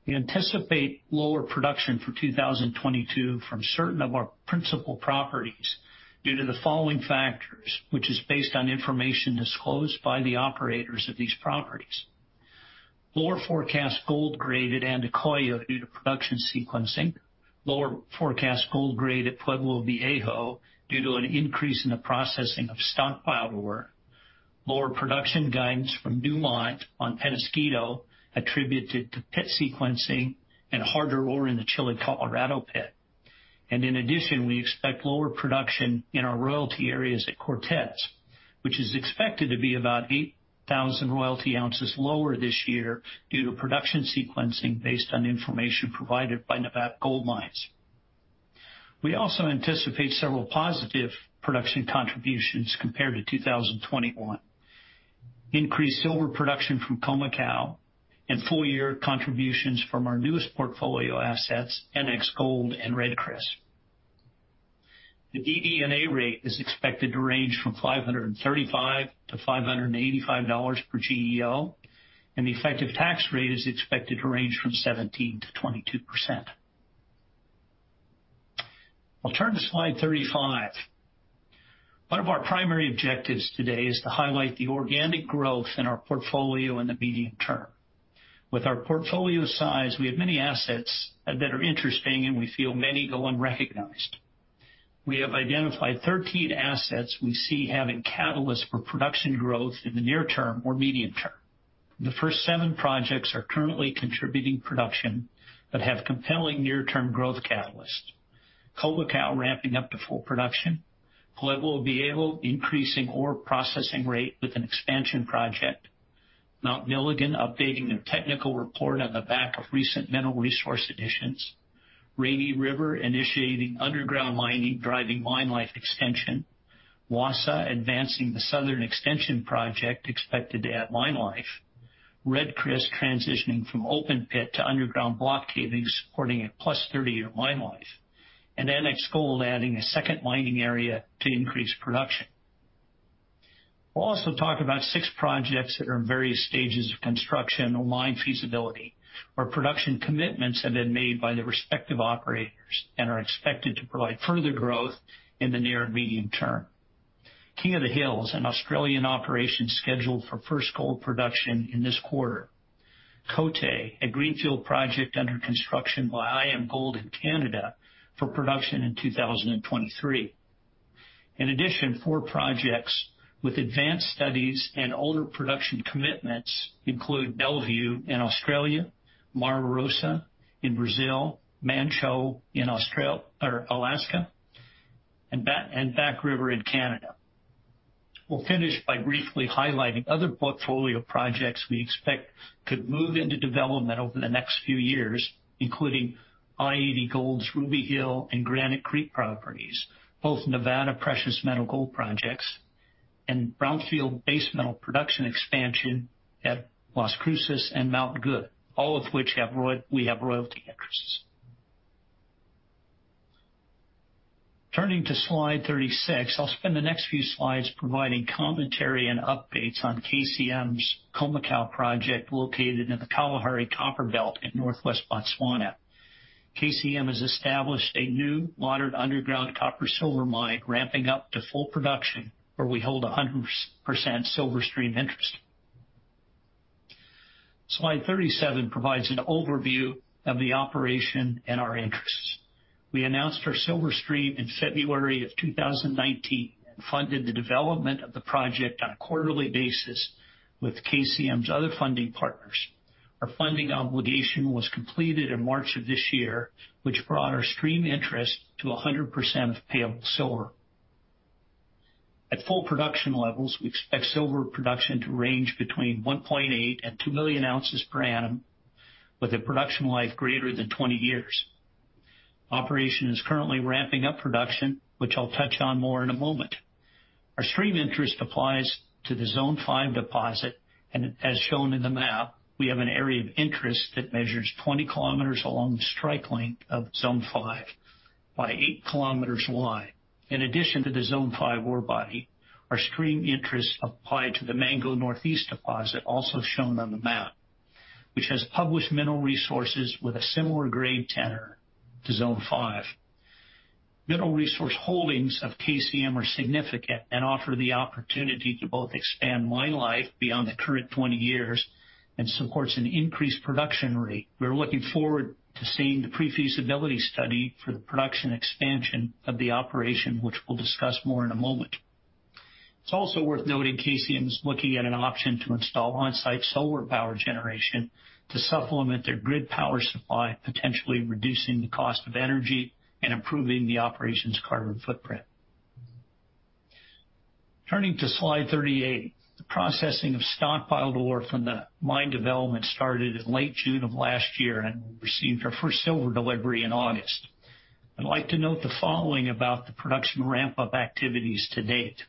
E: We anticipate lower production for 2022 from certain of our principal properties due to the following factors, which is based on information disclosed by the operators of these properties. Lower forecast gold grade at Andacollo due to production sequencing, lower forecast gold grade at Pueblo Viejo due to an increase in the processing of stockpile ore, lower production guidance from Newmont on Peñasquito attributed to pit sequencing and harder ore in the Chile Colorado pit. In addition, we expect lower production in our royalty areas at Cortez, which is expected to be about 8,000 royalty oz lower this year due to production sequencing based on information provided by Nevada Gold Mines. We also anticipate several positive production contributions compared to 2021. Increased silver production from Khoemacau and full-year contributions from our newest portfolio assets, NX Gold and Red Chris. The DD&A rate is expected to range from $535-$585 per GEO, and the effective tax rate is expected to range from 17%-22%. I'll turn to slide 35. One of our primary objectives today is to highlight the organic growth in our portfolio in the medium term. With our portfolio size, we have many assets that are interesting, and we feel many go unrecognized. We have identified 13 assets we see having catalysts for production growth in the near term or medium term. The first seven projects are currently contributing production but have compelling near-term growth catalysts. Khoemacau ramping up to full production. Pueblo Viejo increasing ore processing rate with an expansion project. Mount Milligan updating a technical report on the back of recent mineral resource additions. Rainy River initiating underground mining, driving mine life extension. Wassa advancing the southern extension project expected to add mine life. Red Chris transitioning from open pit to underground block caving, supporting a +30-year mine life. NX Gold adding a second mining area to increase production. We'll also talk about six projects that are in various stages of construction or mine feasibility, where production commitments have been made by the respective operators and are expected to provide further growth in the near and medium term. King of the Hills, an Australian operation scheduled for first gold production in this quarter. Côté, a greenfield project under construction by IAMGOLD in Canada for production in 2023. In addition, four projects with advanced studies and older production commitments include Bellevue in Australia, Mara Rosa in Brazil, Manh Choh in Alaska, and Back River in Canada. We'll finish by briefly highlighting other portfolio projects we expect could move into development over the next few years, including i-80 Gold's Ruby Hill and Granite Creek properties, both Nevada precious metal gold projects, and brownfield base metal production expansion at Las Cruces and Mount Goode, all of which we have royalty interests. Turning to slide 36, I'll spend the next few slides providing commentary and updates on KCM's Khoemacau project located in the Kalahari Copper Belt in northwest Botswana. KCM has established a new modern underground copper silver mine ramping up to full production, where we hold a 100% silver stream interest. Slide 37 provides an overview of the operation and our interests. We announced our silver stream in February 2019 and funded the development of the project on a quarterly basis with KCM's other funding partners. Our funding obligation was completed in March of this year, which brought our stream interest to 100% of payable silver. At full production levels, we expect silver production to range between 1.8 oz-2 million oz per annum, with a production life greater than 20 years. Operation is currently ramping up production, which I'll touch on more in a moment. Our stream interest applies to the Zone 5 deposit, and as shown in the map, we have an area of interest that measures 20 km along the strike length of Zone 5 by 8 km wide. In addition to the Zone 5 ore body, our stream interests apply to the Mango Northeast deposit, also shown on the map, which has published mineral resources with a similar grade tenor to Zone 5. Mineral resource holdings of KCM are significant and offer the opportunity to both expand mine life beyond the current 20 years and supports an increased production rate. We're looking forward to seeing the pre-feasibility study for the production expansion of the operation, which we'll discuss more in a moment. It's also worth noting KCM is looking at an option to install on-site solar power generation to supplement their grid power supply, potentially reducing the cost of energy and improving the operation's carbon footprint. Turning to slide 38, the processing of stockpiled ore from the mine development started in late June of last year, and we received our first silver delivery in August. I'd like to note the following about the production ramp-up activities to date.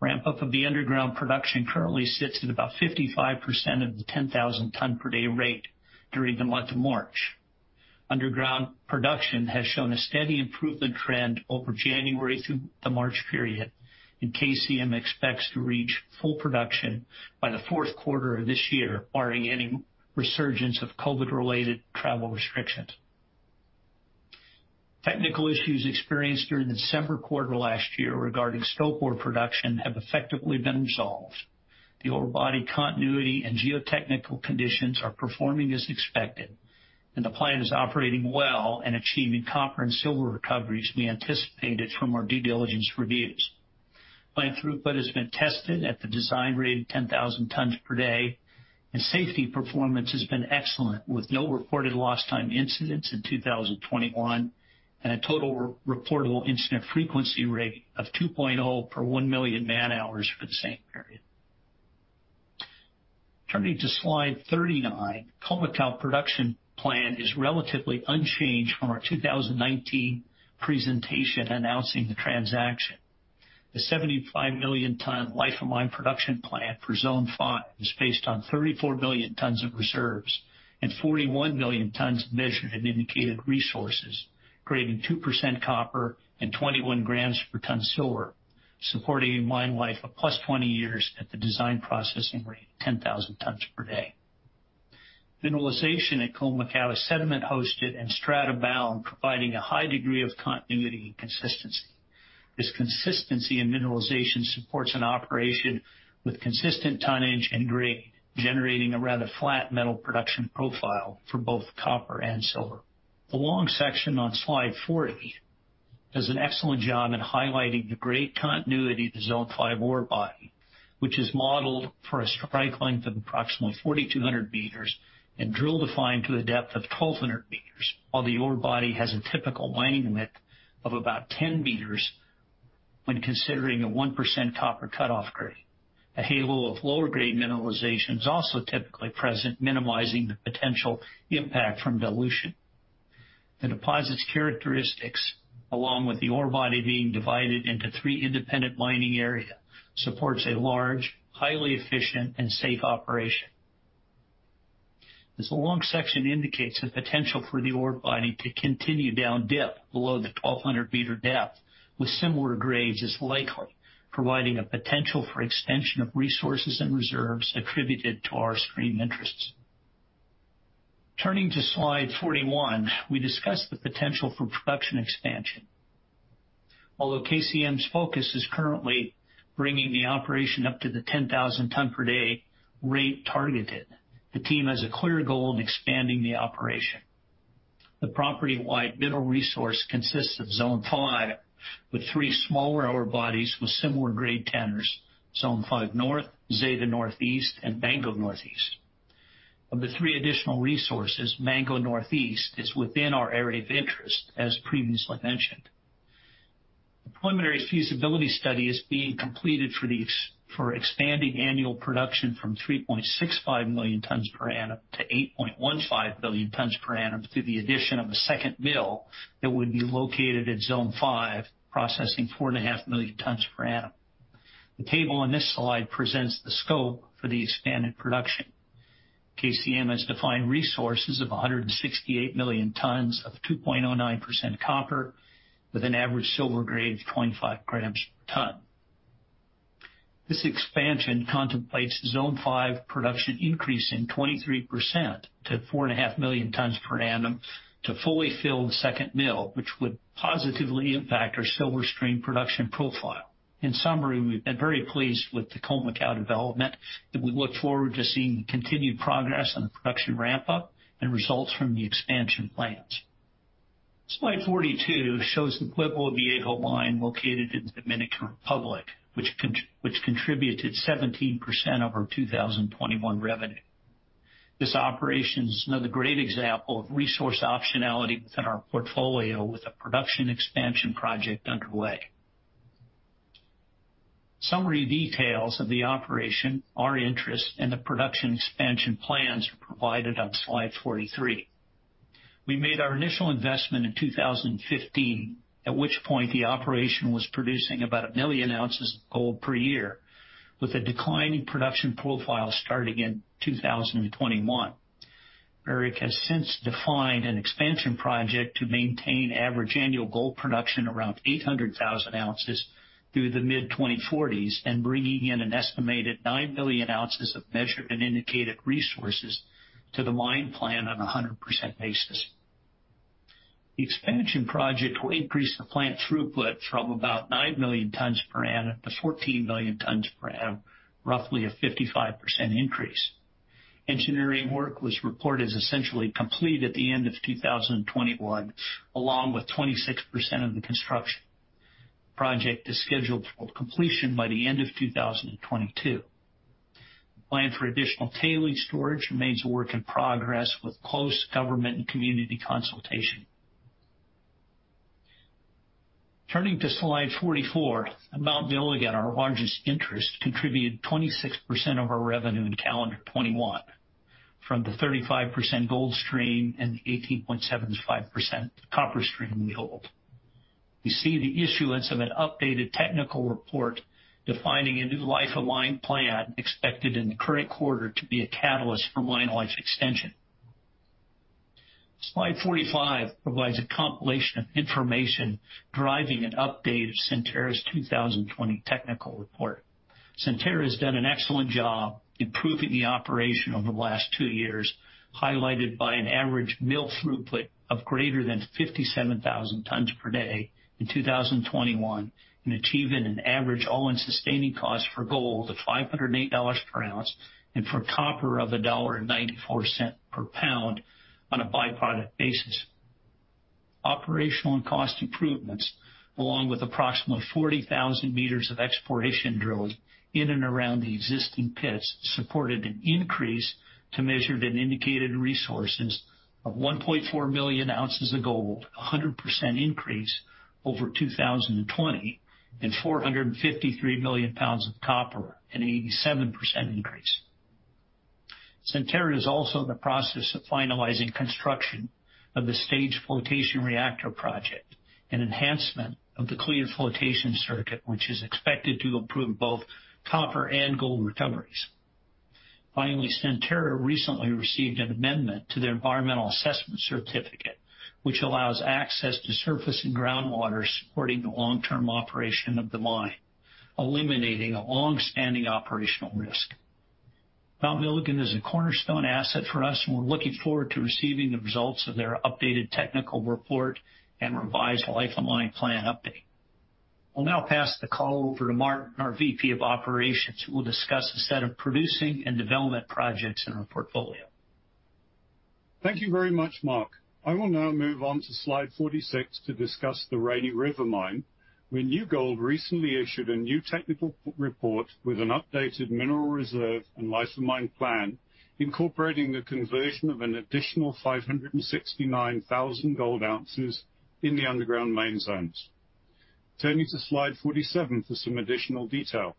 E: Ramp-up of the underground production currently sits at about 55% of the 10,000 ton per day rate during the month of March. Underground production has shown a steady improvement trend over January through the March period, and KCM expects to reach full production by the fourth quarter of this year, barring any resurgence of COVID-related travel restrictions. Technical issues experienced during the December quarter last year regarding stope ore production have effectively been resolved. The ore body continuity and geotechnical conditions are performing as expected, and the plant is operating well and achieving copper and silver recoveries we anticipated from our due diligence reviews. Plant throughput has been tested at the design rate of 10,000 tons per day, and safety performance has been excellent, with no reported lost time incidents in 2021 and a total reportable incident frequency rate of 2.0 per 1 million man-hours for the same period. Turning to slide 39, Colmaaco production plan is relatively unchanged from our 2019 presentation announcing the transaction. The 75 million ton life of mine production plan for Zone 5 is based on 34 million tons of reserves and 41 million tons of measured and indicated resources, grading 2% copper and 21 g per ton silver, supporting a mine life of +20 years at the design processing rate of 10,000 tons per day. Mineralization at Colmaaco is sediment-hosted and strata-bound, providing a high degree of continuity and consistency. This consistency in mineralization supports an operation with consistent tonnage and grade, generating a rather flat metal production profile for both copper and silver. The long section on slide 40 does an excellent job at highlighting the great continuity of the Zone 5 ore body, which is modeled for a strike length of approximately 4,200 m and drill defined to a depth of 1,200 m. While the ore body has a typical mining width of about 10 m when considering a 1% copper cutoff grade, a halo of lower grade mineralization is also typically present, minimizing the potential impact from dilution. The deposit's characteristics, along with the ore body being divided into three independent mining area, supports a large, highly efficient and safe operation. This long section indicates the potential for the ore body to continue down dip below the 1,200-m depth with similar grades, is likely, providing a potential for extension of resources and reserves attributed to our stream interests. Turning to slide 41, we discuss the potential for production expansion. Although KCM's focus is currently bringing the operation up to the 10,000 ton per day rate targeted, the team has a clear goal in expanding the operation. The property-wide mineral resource consists of Zone Five, with three smaller ore bodies with similar grade tenors, Zone 5 North, Zeta Northeast, and Mango Northeast. Of the three additional resources, Mango Northeast is within our area of interest, as previously mentioned. A preliminary feasibility study is being completed for expanding annual production from 3.65 million tons per annum to 8.15 million tons per annum through the addition of a second mill that would be located at Zone 5, processing 4.5 million tons per annum. The table on this slide presents the scope for the expanded production. KCM has defined resources of 168 million tons of 2.09% copper with an average silver grade of 0.5 g per ton. This expansion contemplates Zone Five production increase in 23% to 4.5 million tons per annum to fully fill the second mill, which would positively impact our silver stream production profile. In summary, we've been very pleased with the Khoemacau development, and we look forward to seeing continued progress on the production ramp-up and results from the expansion plans. Slide 42 shows the Pueblo Viejo mine located in the Dominican Republic, which contributed 17% of our 2021 revenue. This operation is another great example of resource optionality within our portfolio with a production expansion project underway. Summary details of the operation, our interest, and the production expansion plans are provided on Slide 43. We made our initial investment in 2015, at which point the operation was producing about 1 million oz of gold per year, with a declining production profile starting in 2021. Barrick has since defined an expansion project to maintain average annual gold production around 800,000 oz through the mid-2040s and bringing in an estimated 9 billion oz of measured and indicated resources to the mine plan on a 100% basis. The expansion project will increase the plant throughput from about 9 million tons per annum to 14 million tons per annum, roughly a 55% increase. Engineering work was reported as essentially complete at the end of 2021, along with 26% of the construction. The project is scheduled for completion by the end of 2022. The plan for additional tailings storage remains a work in progress with close government and community consultation. Turning to Slide 44, Mount Milligan, our largest interest, contributed 26% of our revenue in calendar 2021 from the 35% gold stream and the 18.75% copper stream we hold. We see the issuance of an updated technical report defining a new life of mine plan expected in the current quarter to be a catalyst for mine life extension. Slide 45 provides a compilation of information driving an update of Centerra's 2020 technical report. Centerra has done an excellent job improving the operation over the last two years, highlighted by an average mill throughput of greater than 57,000 tons per day in 2021 and achieving an average all-in sustaining cost for gold of $508 per oz and for copper of $1.94 per pound on a byproduct basis. Operational and cost improvements, along with approximately 40,000 m of exploration drilling in and around the existing pits, supported an increase to measured and indicated resources of 1.4 million oz of gold, a 100% increase over 2020, and 453 million pounds of copper, an 87% increase. Centerra is also in the process of finalizing construction of the staged flotation reactor project, an enhancement of the clean flotation circuit, which is expected to improve both copper and gold recoveries. Finally, Centerra recently received an amendment to their environmental assessment certificate, which allows access to surface and groundwater supporting the long-term operation of the mine, eliminating a long-standing operational risk. Mount Milligan is a cornerstone asset for us, and we're looking forward to receiving the results of their updated technical report and revised life of mine plan update. I'll now pass the call over to Martin, our VP of Operations, who will discuss a set of producing and development projects in our portfolio.
F: Thank you very much, Mark. I will now move on to slide 46 to discuss the Rainy River mine, where New Gold recently issued a new technical report with an updated mineral reserve and life of mine plan, incorporating the conversion of an additional 569,000 gold oz in the underground mine zones. Turning to slide 47 for some additional detail.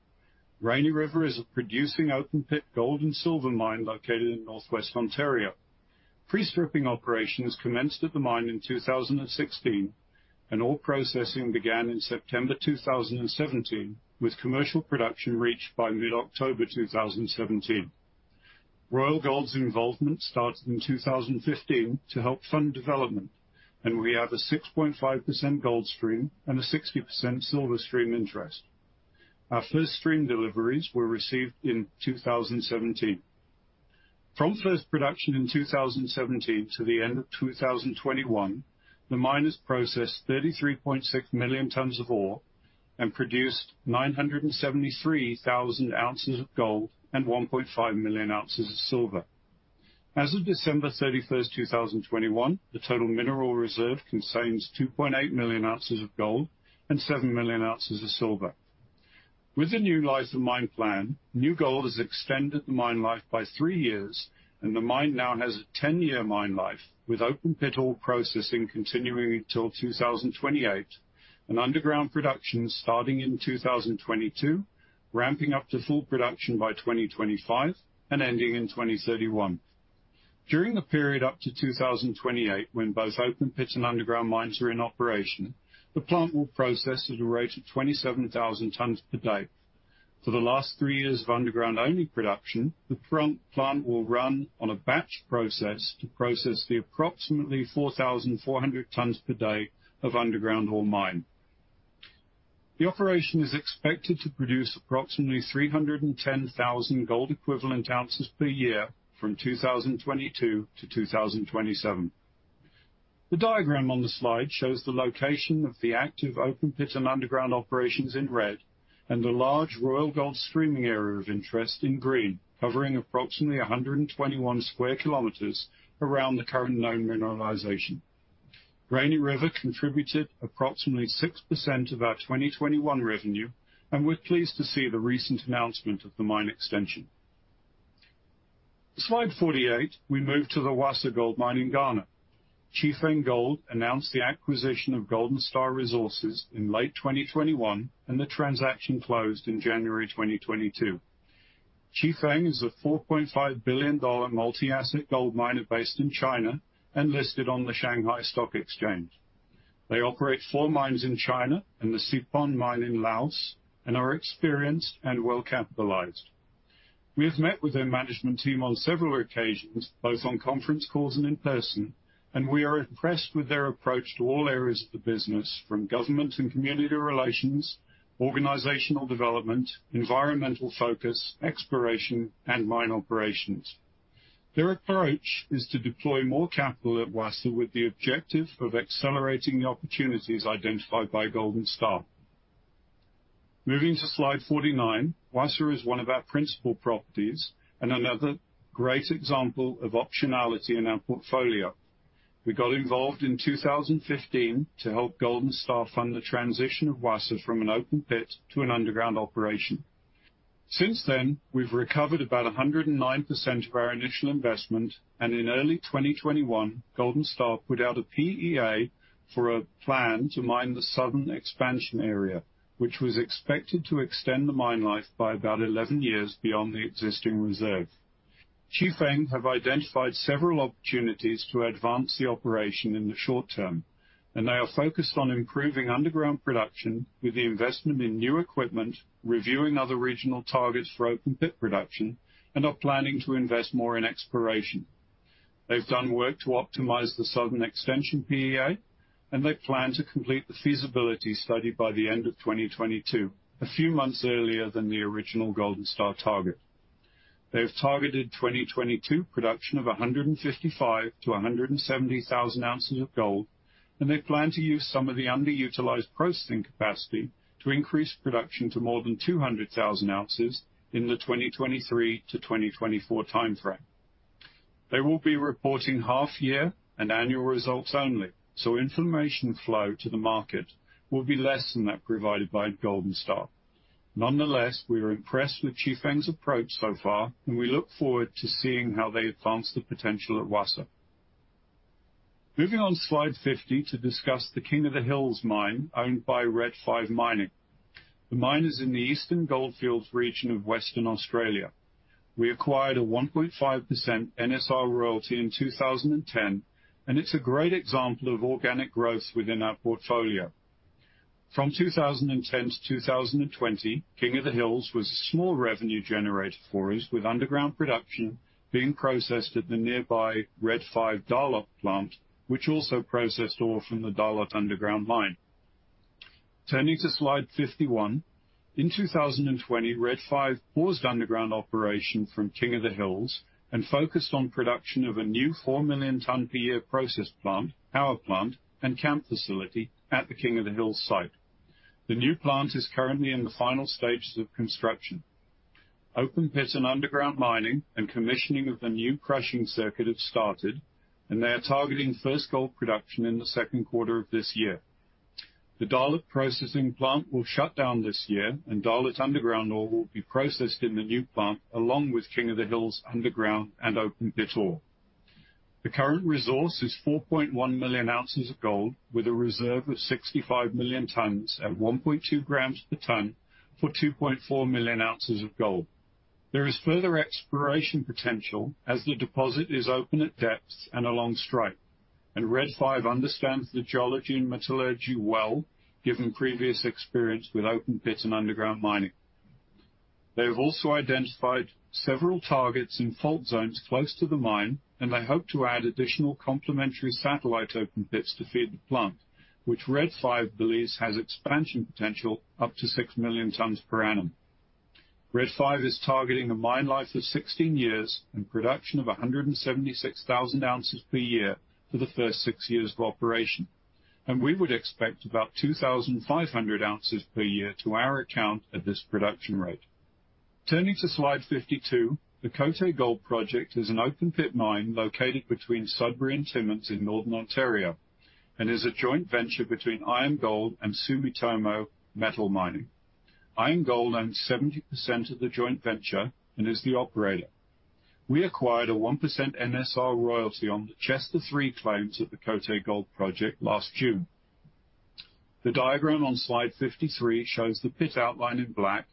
F: Rainy River is a producing open pit gold and silver mine located in Northwest Ontario. Pre-stripping operations commenced at the mine in 2016, and ore processing began in September 2017, with commercial production reached by mid-October 2017. Royal Gold's involvement started in 2015 to help fund development, and we have a 6.5% gold stream and a 60% silver stream interest. Our first stream deliveries were received in 2017. From first production in 2017 to the end of 2021, the mine has processed 33.6 million tons of ore and produced 973,000 oz of gold and 1.5 million oz of silver. As of December 31, 2021, the total mineral reserve contains 2.8 million oz of gold and 7 million oz of silver. With the new life of mine plan, New Gold has extended the mine life by three years, and the mine now has a 10-year mine life, with open pit ore processing continuing until 2028 and underground production starting in 2022, ramping up to full production by 2025 and ending in 2031. During the period up to 2028, when both open pit and underground mines are in operation, the plant will process at a rate of 27,000 tons per day. For the last three years of underground-only production, the front plant will run on a batch process to process the approximately 4,400 tons per day of underground ore mined. The operation is expected to produce approximately 310,000 gold equivalent oz per year from 2022 to 2027. The diagram on the slide shows the location of the active open pit and underground operations in red and the large Royal Gold streaming area of interest in green, covering approximately 121 sq km around the current known mineralization. Rainy River contributed approximately 6% of our 2021 revenue, and we're pleased to see the recent annozment of the mine extension. Slide 48, we move to the Wassa Gold Mine in Ghana. Chifeng Gold announced the acquisition of Golden Star Resources in late 2021, and the transaction closed in January 2022. Chifeng Gold is a $4.5 billion multi-asset gold miner based in China and listed on the Shanghai Stock Exchange. They operate four mines in China and the Sepon mine in Laos and are experienced and well capitalized. We have met with their management team on several occasions, both on conference calls and in person, and we are impressed with their approach to all areas of the business, from government and community relations, organizational development, environmental focus, exploration, and mine operations. Their approach is to deploy more capital at Wassa with the objective of accelerating the opportunities identified by Golden Star. Moving to slide 49. Wassa is one of our principal properties and another great example of optionality in our portfolio. We got involved in 2015 to help Golden Star fund the transition of Wassa from an open pit to an underground operation. Since then, we've recovered about 109% of our initial investment, and in early 2021, Golden Star put out a PEA for a plan to mine the southern expansion area, which was expected to extend the mine life by about 11 years beyond the existing reserve. Chifeng have identified several opportunities to advance the operation in the short term, and they are focused on improving underground production with the investment in new equipment, reviewing other regional targets for open pit production, and are planning to invest more in exploration. They've done work to optimize the southern extension PEA, and they plan to complete the feasibility study by the end of 2022, a few months earlier than the original Golden Star target. They have targeted 2022 production of 155,000 oz-170,000 oz of gold, and they plan to use some of the underutilized processing capacity to increase production to more than 200,000 oz in the 2023-2024 time frame. They will be reporting half year and annual results only, so information flow to the market will be less than that provided by Golden Star. Nonetheless, we are impressed with Chifeng's approach so far, and we look forward to seeing how they advance the potential at Wassa. Moving on slide 50 to discuss the King of the Hills mine owned by Red 5. The mine is in the Eastern Goldfields region of Western Australia. We acquired a 1.5% NSR royalty in 2010, and it's a great example of organic growth within our portfolio. From 2010 to 2020, King of the Hills was a small revenue generator for us, with underground production being processed at the nearby Red 5 Darlot plant, which also processed ore from the Darlot underground mine. Turning to slide 51. In 2020, Red 5 paused underground operation from King of the Hills and focused on production of a new 4 million ton per year process plant, power plant and camp facility at the King of the Hills site. The new plant is currently in the final stages of construction. Open pit and underground mining and commissioning of the new crushing circuit have started, and they are targeting first gold production in the second quarter of this year. The Darlot processing plant will shut down this year, and Darlot underground ore will be processed in the new plant, along with King of the Hills underground and open pit ore. The current resource is 4.1 million oz of gold, with a reserve of 65 million tons at 1.2 g per ton for 2.4 million oz of gold. There is further exploration potential as the deposit is open at depths and along strike, and Red 5 understands the geology and metallurgy well, given previous experience with open pit and underground mining. They have also identified several targets in fault zones close to the mine, and they hope to add additional complementary satellite open pits to feed the plant, which Red 5 believes has expansion potential up to 6 million tons per annum. Red 5 is targeting a mine life of 16 years and production of 176,000 oz per year for the first six years of operation, and we would expect about 2,500 oz per year to our account at this production rate. Turning to slide 52. The Côté Gold Project is an open-pit mine located between Sudbury and Timmins in northern Ontario and is a joint venture between IAMGOLD and Sumitomo Metal Mining. IAMGOLD owns 70% of the joint venture and is the operator. We acquired a 1% NSR royalty on the Chester 3 claims at the Côté Gold project last June. The diagram on slide 53 shows the pit outline in black,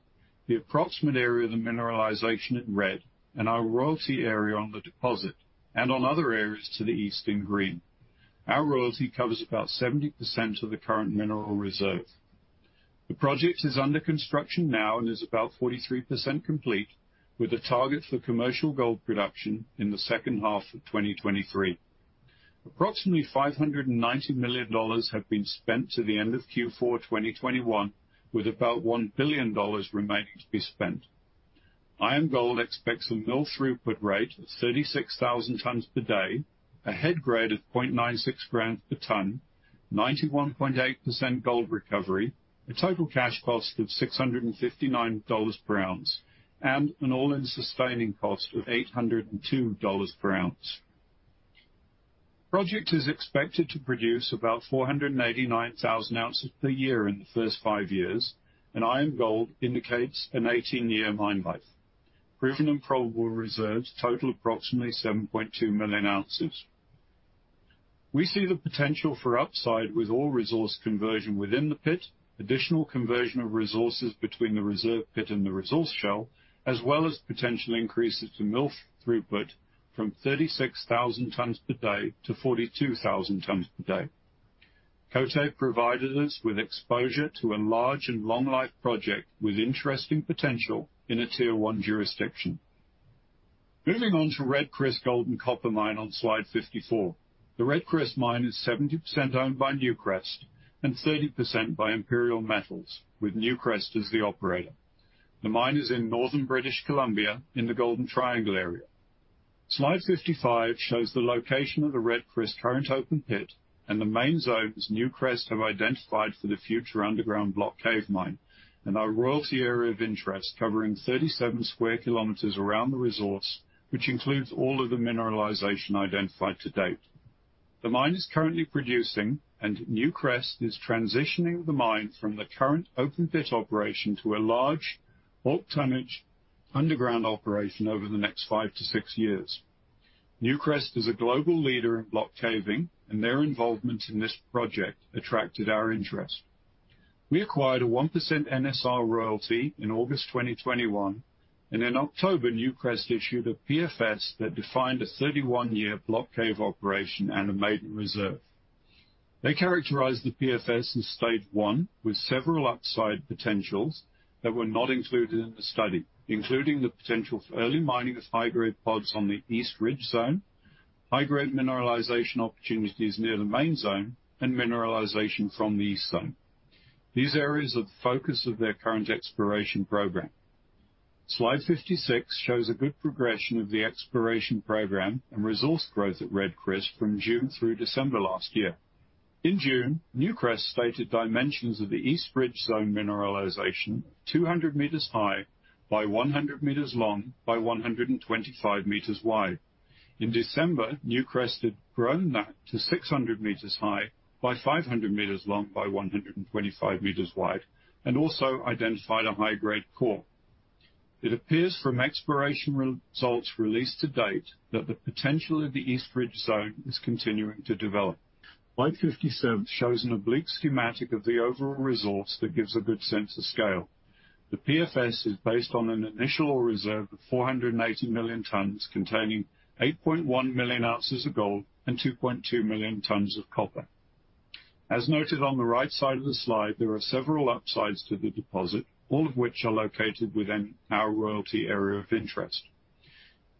F: the approximate area of the mineralization in red, and our royalty area on the deposit and on other areas to the east in green. Our royalty covers about 70% of the current mineral reserve. The project is under construction now and is about 43% complete, with a target for commercial gold production in the second half of 2023. Approximately $590 million have been spent to the end of Q4 2021, with about $1 billion remaining to be spent. IAMGOLD expects a mill throughput rate of 36,000 tons per day, a head grade of 0.96 g per ton. 91.8% gold recovery, a total cash cost of $659 per oz, and an all-in sustaining cost of $802 per oz. Project is expected to produce about 489,000 oz per year in the first five years, and IAMGOLD indicates an 18-year mine life. Proven and probable reserves total approximately 7.2 million oz. We see the potential for upside with all resource conversion within the pit, additional conversion of resources between the reserve pit and the resource shell, as well as potential increases to mill throughput from 36,000 tons-42,000 tons per day. Côté provided us with exposure to a large and long life project with interesting potential in a tier one jurisdiction. Moving on to Red Chris Gold and Copper Mine on slide 54. The Red Chris mine is 70% owned by Newcrest and 30% by Imperial Metals, with Newcrest as the operator. The mine is in northern British Columbia in the Golden Triangle area. Slide 55 shows the location of the Red Chris current open pit and the main zones Newcrest have identified for the future underground block cave mine and our royalty area of interest covering 37 sq km around the resource, which includes all of the mineralization identified to date. The mine is currently producing, and Newcrest is transitioning the mine from the current open pit operation to a large bulk tonnage underground operation over the next five to six years. Newcrest is a global leader in block caving, and their involvement in this project attracted our interest. We acquired a 1% NSR royalty in August 2021, and in October, Newcrest issued a PFS that defined a 31-year block cave operation and a maiden reserve. They characterized the PFS in stage one with several upside potentials that were not included in the study, including the potential for early mining of high-grade pods on the East Ridge zone, high-grade mineralization opportunities near the main zone, and mineralization from the East Zone. These areas are the focus of their current exploration program. Slide 56 shows a good progression of the exploration program and resource growth at Red Chris from June through December last year. In June, Newcrest stated dimensions of the East Ridge zone mineralization, 200 m high by 100 m long by 125 m wide. In December, Newcrest had grown that to 600 m high by 500 m long by 125 m wide and also identified a high-grade core. It appears from exploration results released to date that the potential of the East Ridge zone is continuing to develop. Slide 57 shows an oblique schematic of the overall resource that gives a good sense of scale. The PFS is based on an initial reserve of 480 million tons containing 8.1 million oz of gold and 2.2 million tons of copper. As noted on the right side of the slide, there are several upsides to the deposit, all of which are located within our royalty area of interest.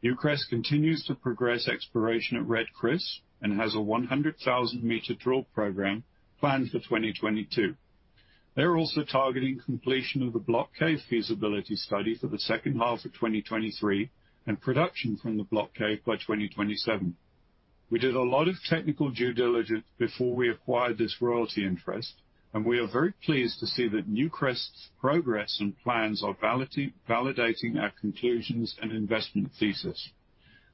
F: Newcrest continues to progress exploration at Red Chris and has a 100,000-meter drill program planned for 2022. They're also targeting completion of the block cave feasibility study for the second half of 2023 and production from the block cave by 2027. We did a lot of technical due diligence before we acquired this royalty interest, and we are very pleased to see that Newcrest's progress and plans are validating our conclusions and investment thesis.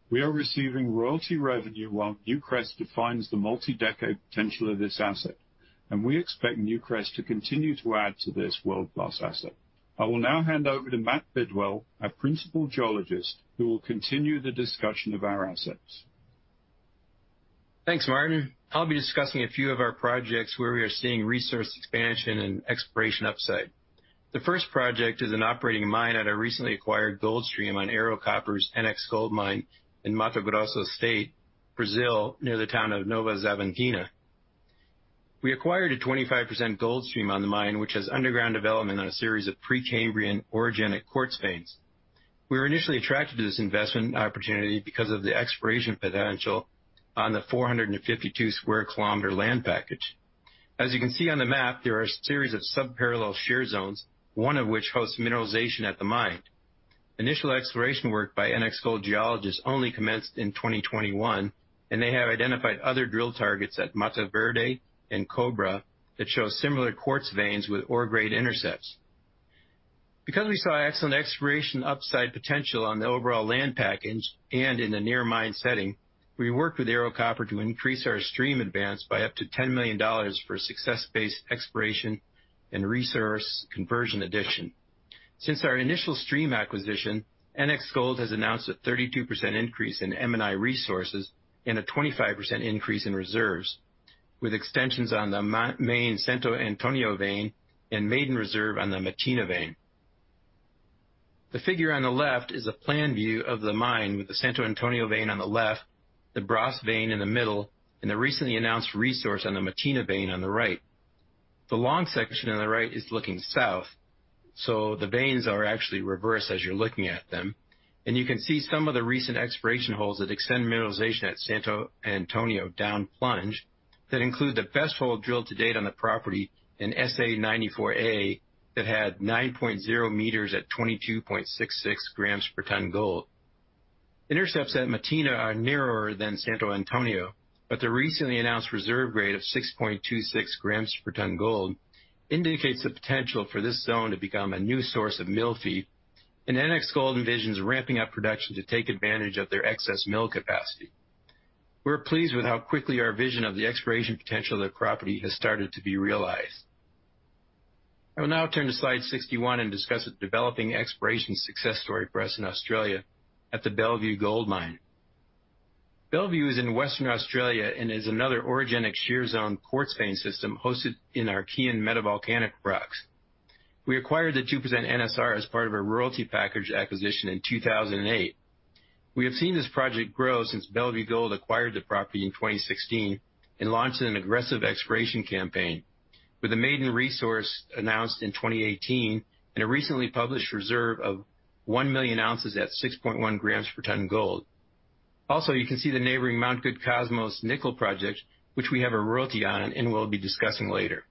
F: We are receiving royalty revenue while Newcrest defines the multi-decade potential of this asset, and we expect Newcrest to continue to add to this world-class asset. I will now hand over to Matt Biddell, our principal geologist, who will continue the discussion of our assets.
G: Thanks, Martin. I'll be discussing a few of our projects where we are seeing resource expansion and exploration upside. The first project is an operating mine at a recently acquired gold stream on Ero Copper's NX Gold Mine in Mato Grosso State, Brazil, near the town of Nova Xavantina. We acquired a 25% gold stream on the mine, which has underground development on a series of Precambrian orogenic quartz veins. We were initially attracted to this investment opportunity because of the exploration potential on the 452 sq km land package. As you can see on the map, there are a series of sub-parallel shear zones, one of which hosts mineralization at the mine. Initial exploration work by NX Gold geologists only commenced in 2021, and they have identified other drill targets at Mata Verde and Cobra that show similar quartz veins with ore grade intercepts. Because we saw excellent exploration upside potential on the overall land package and in a near mine setting, we worked with Ero Copper to increase our stream advance by up to $10 million for success-based exploration and resource conversion addition. Since our initial stream acquisition, NX Gold has annozd a 32% increase in M&I resources and a 25% increase in reserves, with extensions on the main Santo Antonio vein and maiden reserve on the Matina vein. The figure on the left is a plan view of the mine with the Santo Antonio vein on the left, the Brás vein in the middle, and the recently annozd resource on the Matina vein on the right. The long section on the right is looking south, so the veins are actually reversed as you're looking at them, and you can see some of the recent exploration holes that extend mineralization at Santo Antonio down plunge that include the best hole drilled to date on the property, an SA 94A, that had 9.0 m at 22.66 g per ton gold. Intercepts at Matina are narrower than Santo Antonio, but the recently annozd reserve grade of 6.26 g per ton gold indicates the potential for this zone to become a new source of mill feed, and NX Gold envisions ramping up production to take advantage of their excess mill capacity. We're pleased with how quickly our vision of the exploration potential of the property has started to be realized. I will now turn to slide 61 and discuss a developing exploration success story for us in Australia at the Bellevue Gold Mine. Bellevue is in Western Australia and is another orogenic shear zone quartz vein system hosted in Archean metavolcanic rocks. We acquired the 2% NSR as part of a royalty package acquisition in 2008. We have seen this project grow since Bellevue Gold acquired the property in 2016 and launched an aggressive exploration campaign with a maiden resource annozd in 2018 and a recently published reserve of 1 million oz at 6.1 g per ton gold. Also, you can see the neighboring Mount Goode Cosmos nickel project, which we have a royalty on and will be discussing later.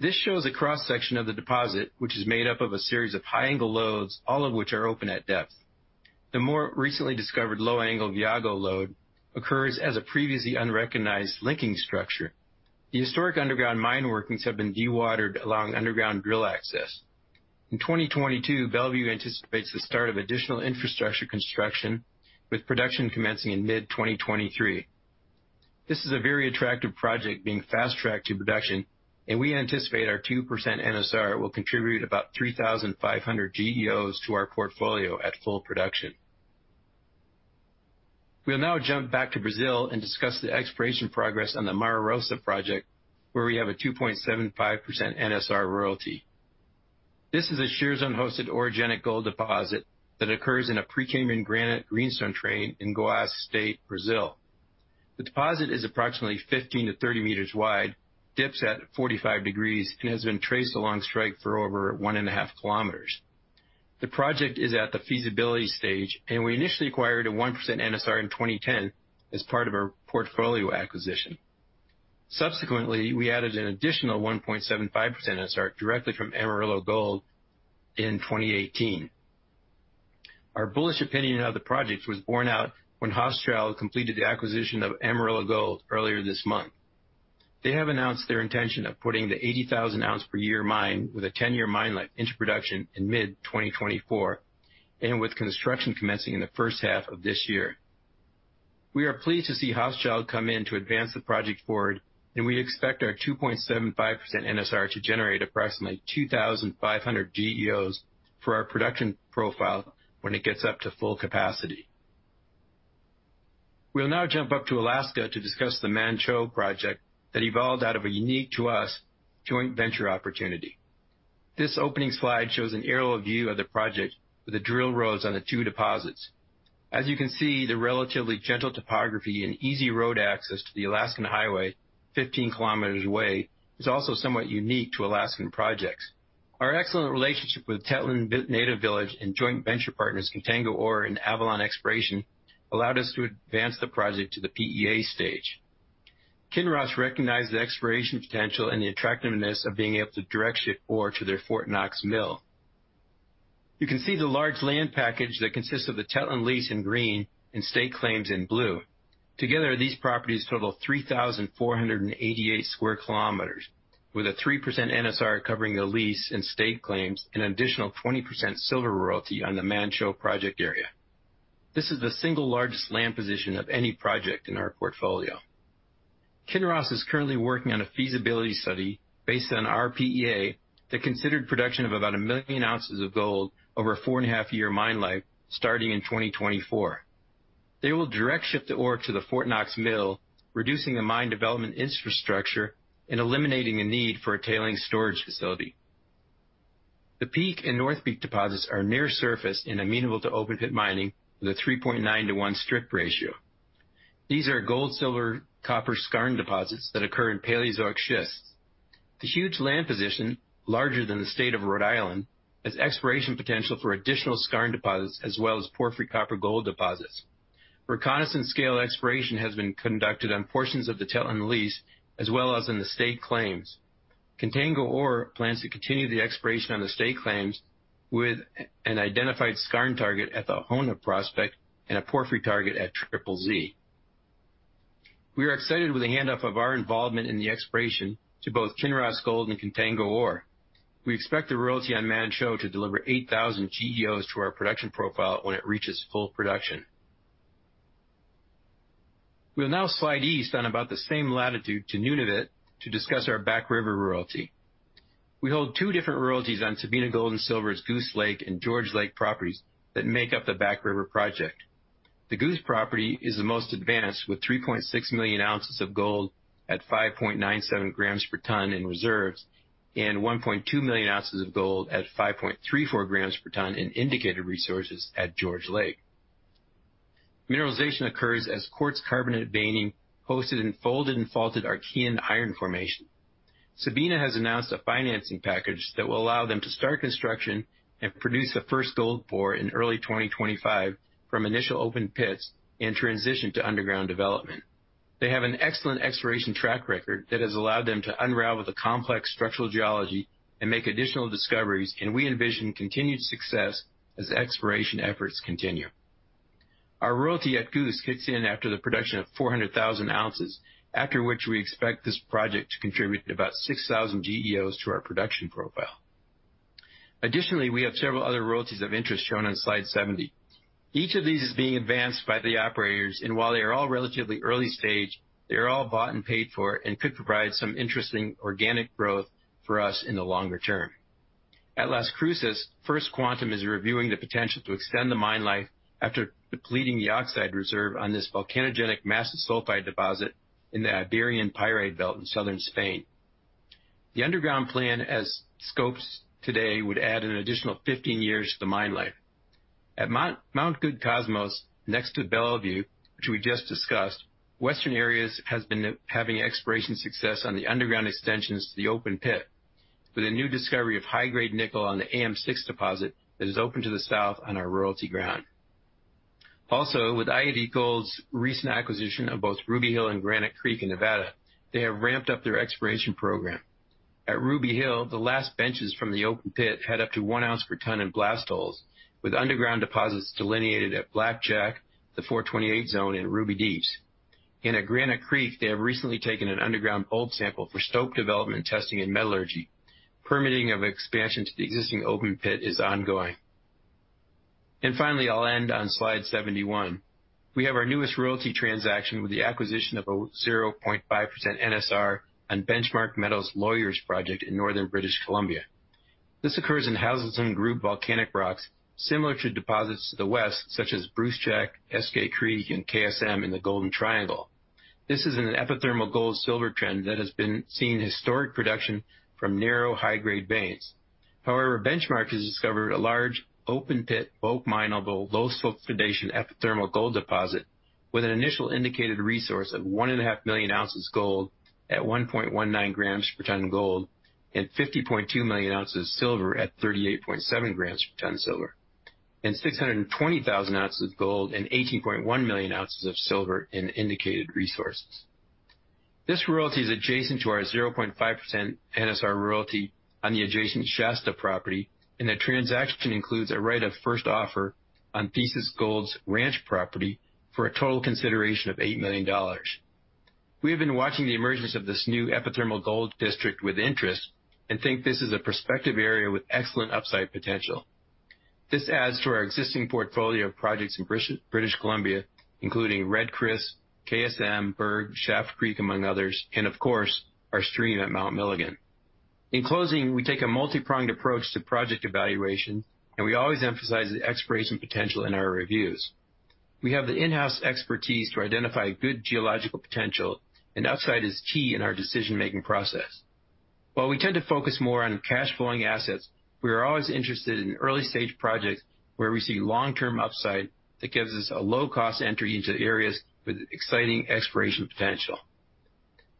G: This shows a cross-section of the deposit, which is made up of a series of high-angle lodes, all of which are open at depth. The more recently discovered low-angle Viago lode occurs as a previously unrecognized linking structure. The historic underground mine workings have been dewatered along underground drill access. In 2022, Bellevue anticipates the start of additional infrastructure construction, with production commencing in mid-2023. This is a very attractive project being fast-tracked to production, and we anticipate our 2% NSR will contribute about 3,500 GEOs to our portfolio at full production. We'll now jump back to Brazil and discuss the exploration progress on the Mara Rosa project, where we have a 2.75% NSR royalty. This is a shear zone-hosted orogenic gold deposit that occurs in a Precambrian granite greenstone terrane in Goiás State, Brazil. The deposit is approximately 15 m-30 m wide, dips at 45 degrees, and has been traced along strike for over 1.5 km. The project is at the feasibility stage, and we initially acquired a 1% NSR in 2010 as part of our portfolio acquisition. Subsequently, we added an additional 1.75% NSR directly from Amarillo Gold in 2018. Our bullish opinion of the project was borne out when Hochschild completed the acquisition of Amarillo Gold earlier this month. They have annozd their intention of putting the 80,000-oz-per-year mine with a 10-year mine life into production in mid-2024 and with construction commencing in the first half of this year. We are pleased to see Hochschild come in to advance the project forward, and we expect our 2.75% NSR to generate approximately 2,500 GEOs for our production profile when it gets up to full capacity. We'll now jump up to Alaska to discuss the Manh Choh project that evolved out of a unique to us joint venture opportunity. This opening slide shows an aerial view of the project with the drill roads on the two deposits. As you can see, the relatively gentle topography and easy road access to the Alaska Highway 15 km away is also somewhat unique to Alaskan projects. Our excellent relationship with Tetlin Native Village and joint venture partners Contango Ore and Avalon Exploration allowed us to advance the project to the PEA stage. Kinross recognized the exploration potential and the attractiveness of being able to direct ship ore to their Fort Knox mill. You can see the large land package that consists of the Tetlin lease in green and state claims in blue. Together, these properties total 3,488 sq km with a 3% NSR covering the lease and state claims, an additional 20% silver royalty on the Manh Choh project area. This is the single largest land position of any project in our portfolio. Kinross is currently working on a feasibility study based on our PEA that considered production of about 1 million oz of gold over a 4.5-year mine life starting in 2024. They will direct ship the ore to the Fort Knox mill, reducing the mine development infrastructure and eliminating a need for a tailing storage facility. The Peak and North Peak deposits are near surface and amenable to open-pit mining with a 3.9-to-1 strip ratio. These are gold, silver, copper skarn deposits that occur in Paleozoic schists. The huge land position, larger than the state of Rhode Island, has exploration potential for additional skarn deposits as well as porphyry copper gold deposits. Reconnaissance scale exploration has been conducted on portions of the Tetlin lease as well as in the state claims. Contango ORE plans to continue the exploration on the state claims with an identified skarn target at the Hona Prospect and a porphyry target at Triple Z. We are excited with the handoff of our involvement in the exploration to both Kinross Gold and Contango ORE. We expect the royalty on Manh Choh to deliver 8,000 GEOs to our production profile when it reaches full production. We'll now slide east on about the same latitude to Nunavut to discuss our Back River royalty. We hold two different royalties on Sabina Gold & Silver's Goose Lake and George Lake properties that make up the Back River project. The Goose property is the most advanced with 3.6 million oz of gold at 5.97 g per ton in reserves and 1.2 million oz of gold at 5.34 g per ton in indicated resources at George Lake. Mineralization occurs as quartz carbonate veining hosted in folded and faulted Archean iron formation. Sabina has annozd a financing package that will allow them to start construction and produce the first gold pour in early 2025 from initial open pits and transition to underground development. They have an excellent exploration track record that has allowed them to unravel the complex structural geology and make additional discoveries, and we envision continued success as exploration efforts continue. Our royalty at Goose kicks in after the production of 400,000 oz, after which we expect this project to contribute about 6,000 GEOs to our production profile. Additionally, we have several other royalties of interest shown on slide 70. Each of these is being advanced by the operators, and while they are all relatively early stage, they are all bought and paid for and could provide some interesting organic growth for us in the longer term. At Las Cruces, First Quantum is reviewing the potential to extend the mine life after depleting the oxide reserve on this volcanogenic massive sulfide deposit in the Iberian Pyrite Belt in southern Spain. The underground plan as scoped today would add an additional 15 years to the mine life. At Mount Goode Cosmos, next to Bellevue, which we just discussed, Western Areas has been having exploration success on the underground extensions to the open pit, with a new discovery of high-grade nickel on the AM6 deposit that is open to the south on our royalty ground. Also, with i-80 Gold's recent acquisition of both Ruby Hill and Granite Creek in Nevada, they have ramped up their exploration program. At Ruby Hill, the last benches from the open pit had up to 1 oz per ton in blast holes, with underground deposits delineated at Blackjack, the 428 zone, and Ruby Deeps. In Granite Creek, they have recently taken an underground bolt sample for stope development testing and metallurgy. Permitting of expansion to the existing open pit is ongoing. Finally, I'll end on slide 71. We have our newest royalty transaction with the acquisition of a 0.5% NSR on Benchmark Metals' Lawyers Project in northern British Columbia. This occurs in Hazelton Group volcanic rocks similar to deposits to the west, such as Brucejack, Schaft Creek, and KSM in the Golden Triangle. This is an epithermal gold/silver trend that has been seeing historic production from narrow high-grade veins. However, Benchmark has discovered a large open-pit, bulk mineable, low-sulfidation epithermal gold deposit with an initial indicated resource of 1.5 million oz gold at 1.19 g per ton of gold and 50.2 million oz silver at 38.7 g per ton silver, and 620,000 oz of gold and 18.1 million oz of silver in indicated resources. This royalty is adjacent to our 0.5% NSR royalty on the adjacent Shasta property, and the transaction includes a right of first offer on Thesis Gold's Ranch property for a total consideration of $8 million. We have been watching the emergence of this new epithermal gold district with interest and think this is a prospective area with excellent upside potential. This adds to our existing portfolio of projects in British Columbia, including Red Chris, KSM, Berg, Schaft Creek, among others, and of course, our stream at Mount Milligan. In closing, we take a multi-pronged approach to project evaluation, and we always emphasize the exploration potential in our reviews. We have the in-house expertise to identify good geological potential, and upside is key in our decision-making process. While we tend to focus more on cash flowing assets, we are always interested in early-stage projects where we see long-term upside that gives us a low-cost entry into areas with exciting exploration potential.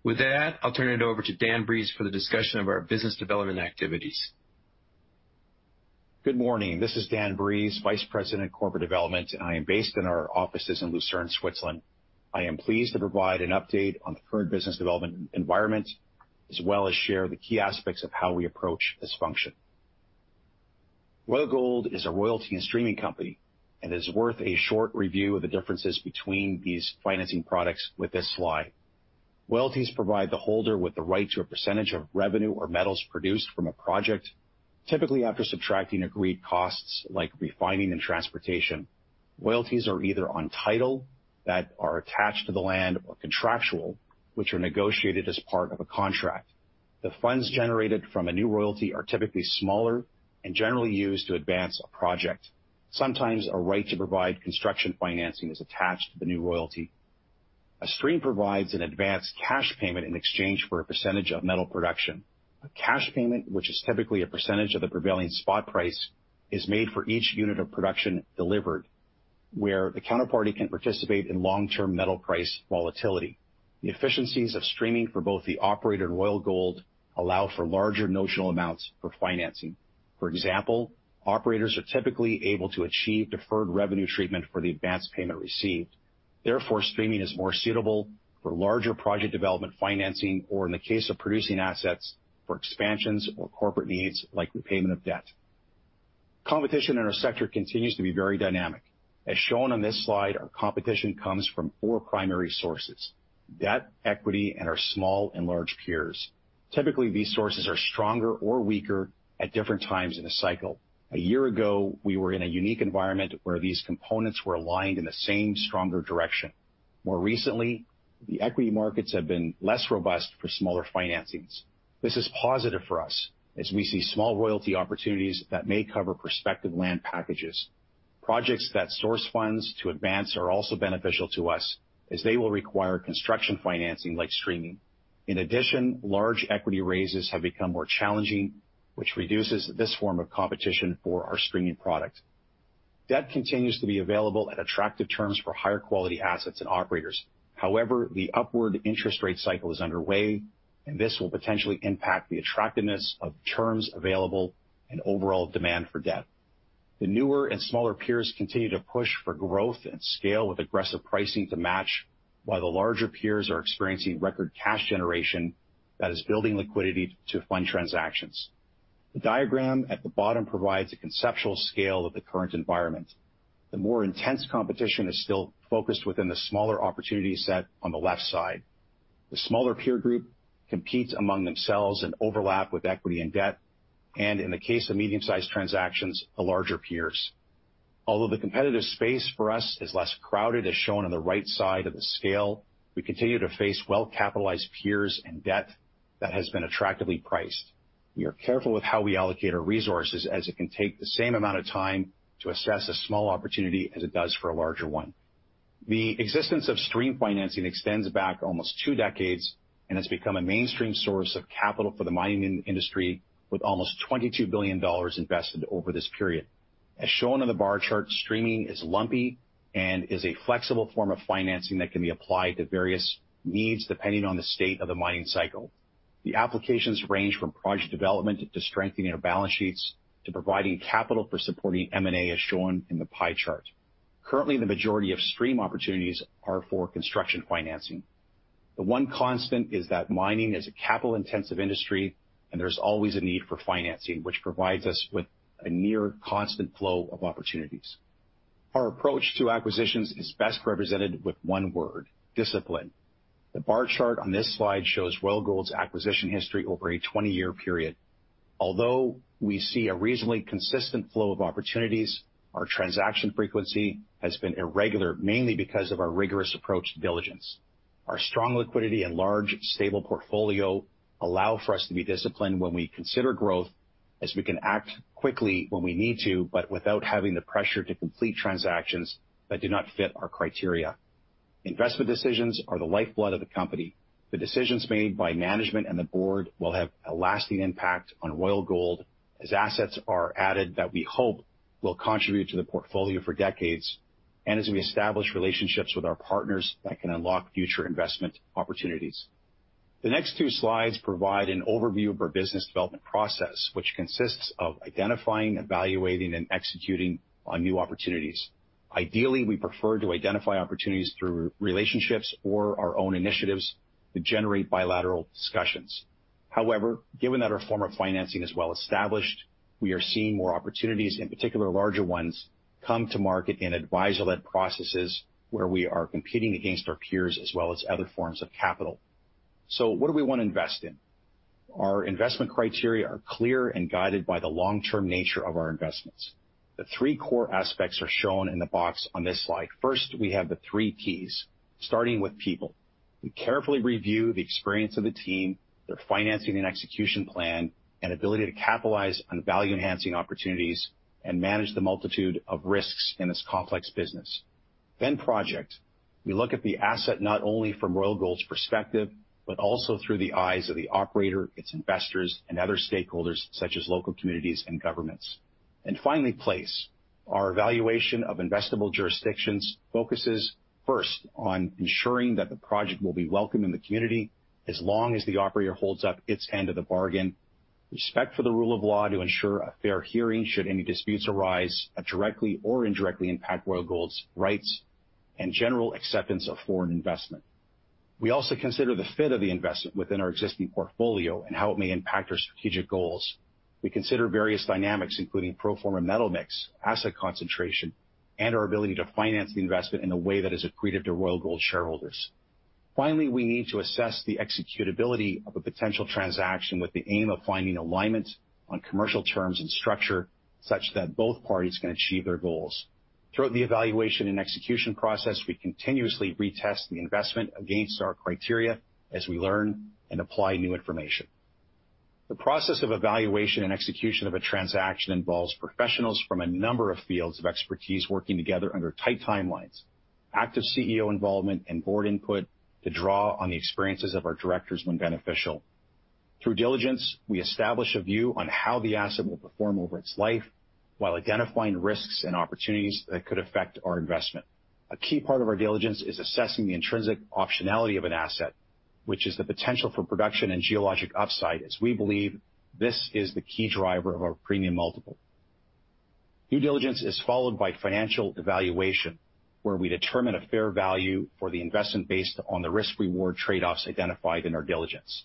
G: With that, I'll turn it over to Dan Breeze for the discussion of our business development activities.
H: Good morning. This is Dan Breeze, Vice President of Corporate Development, and I am based in our offices in Lucerne, Switzerland. I am pleased to provide an update on the current business development environment, as well as share the key aspects of how we approach this function. Royal Gold is a royalty and streaming company, and it is worth a short review of the differences between these financing products with this slide. Royalties provide the holder with the right to a percentage of revenue or metals produced from a project, typically after subtracting agreed costs like refining and transportation. Royalties are either on title that are attached to the land or contractual, which are negotiated as part of a contract. The funds generated from a new royalty are typically smaller and generally used to advance a project. Sometimes a right to provide construction financing is attached to the new royalty. A stream provides an advanced cash payment in exchange for a percentage of metal production. A cash payment, which is typically a percentage of the prevailing spot price, is made for each unit of production delivered, where the counterparty can participate in long-term metal price volatility. The efficiencies of streaming for both the operator and Royal Gold allow for larger notional amounts for financing. For example, operators are typically able to achieve deferred revenue treatment for the advanced payment received. Therefore, streaming is more suitable for larger project development financing or in the case of producing assets for expansions or corporate needs like repayment of debt. Competition in our sector continues to be very dynamic. As shown on this slide, our competition comes from four primary sources, debt, equity, and our small and large peers. Typically, these sources are stronger or weaker at different times in a cycle. A year ago, we were in a unique environment where these components were aligned in the same stronger direction. More recently, the equity markets have been less robust for smaller financings. This is positive for us as we see small royalty opportunities that may cover prospective land packages. Projects that source funds to advance are also beneficial to us as they will require construction financing like streaming. In addition, large equity raises have become more challenging, which reduces this form of competition for our streaming product. Debt continues to be available at attractive terms for higher quality assets and operators. However, the upward interest rate cycle is underway, and this will potentially impact the attractiveness of terms available and overall demand for debt. The newer and smaller peers continue to push for growth and scale with aggressive pricing to match, while the larger peers are experiencing record cash generation that is building liquidity to fund transactions. The diagram at the bottom provides a conceptual scale of the current environment. The more intense competition is still focused within the smaller opportunity set on the left side. The smaller peer group competes among themselves and overlap with equity and debt, and in the case of medium-sized transactions, the larger peers. Although the competitive space for us is less crowded as shown on the right side of the scale, we continue to face well-capitalized peers in debt that has been attractively priced. We are careful with how we allocate our resources, as it can take the same amount of time to assess a small opportunity as it does for a larger one. The existence of stream financing extends back almost two decades and has become a mainstream source of capital for the mining industry, with almost $22 billion invested over this period. As shown on the bar chart, streaming is lumpy and is a flexible form of financing that can be applied to various needs depending on the state of the mining cycle. The applications range from project development to strengthening our balance sheets to providing capital for supporting M&A, as shown in the pie chart. Currently, the majority of stream opportunities are for construction financing. The one constant is that mining is a capital-intensive industry, and there's always a need for financing, which provides us with a near constant flow of opportunities. Our approach to acquisitions is best represented with one word, discipline. The bar chart on this slide shows Royal Gold's acquisition history over a 20-year period. Although we see a reasonably consistent flow of opportunities, our transaction frequency has been irregular, mainly because of our rigorous approach to diligence. Our strong liquidity and large, stable portfolio allow for us to be disciplined when we consider growth, as we can act quickly when we need to, but without having the pressure to complete transactions that do not fit our criteria. Investment decisions are the lifeblood of the company. The decisions made by management and the board will have a lasting impact on Royal Gold as assets are added that we hope will contribute to the portfolio for decades, and as we establish relationships with our partners that can unlock future investment opportunities. The next two slides provide an overview of our business development process, which consists of identifying, evaluating, and executing on new opportunities. Ideally, we prefer to identify opportunities through relationships or our own initiatives that generate bilateral discussions. However, given that our form of financing is well established, we are seeing more opportunities, in particular larger ones, come to market in advisor-led processes where we are competing against our peers as well as other forms of capital. What do we want to invest in? Our investment criteria are clear and guided by the long-term nature of our investments. The three core aspects are shown in the box on this slide. First, we have the three keys, starting with people. We carefully review the experience of the team, their financing and execution plan, and ability to capitalize on value-enhancing opportunities and manage the multitude of risks in this complex business. Project. We look at the asset not only from Royal Gold's perspective, but also through the eyes of the operator, its investors, and other stakeholders such as local communities and governments. Finally, place. Our evaluation of investable jurisdictions focuses first on ensuring that the project will be welcome in the community as long as the operator holds up its end of the bargain, respect for the rule of law to ensure a fair hearing should any disputes arise that directly or indirectly impact Royal Gold's rights, and general acceptance of foreign investment. We also consider the fit of the investment within our existing portfolio and how it may impact our strategic goals. We consider various dynamics, including pro forma metal mix, asset concentration, and our ability to finance the investment in a way that is accretive to Royal Gold shareholders. Finally, we need to assess the executability of a potential transaction with the aim of finding alignment on commercial terms and structure such that both parties can achieve their goals. Throughout the evaluation and execution process, we continuously retest the investment against our criteria as we learn and apply new information. The process of evaluation and execution of a transaction involves professionals from a number of fields of expertise working together under tight timelines, active CEO involvement, and board input to draw on the experiences of our directors when beneficial. Through diligence, we establish a view on how the asset will perform over its life while identifying risks and opportunities that could affect our investment. A key part of our diligence is assessing the intrinsic optionality of an asset, which is the potential for production and geologic upside, as we believe this is the key driver of our premium multiple. Due diligence is followed by financial evaluation, where we determine a fair value for the investment based on the risk-reward trade-offs identified in our diligence.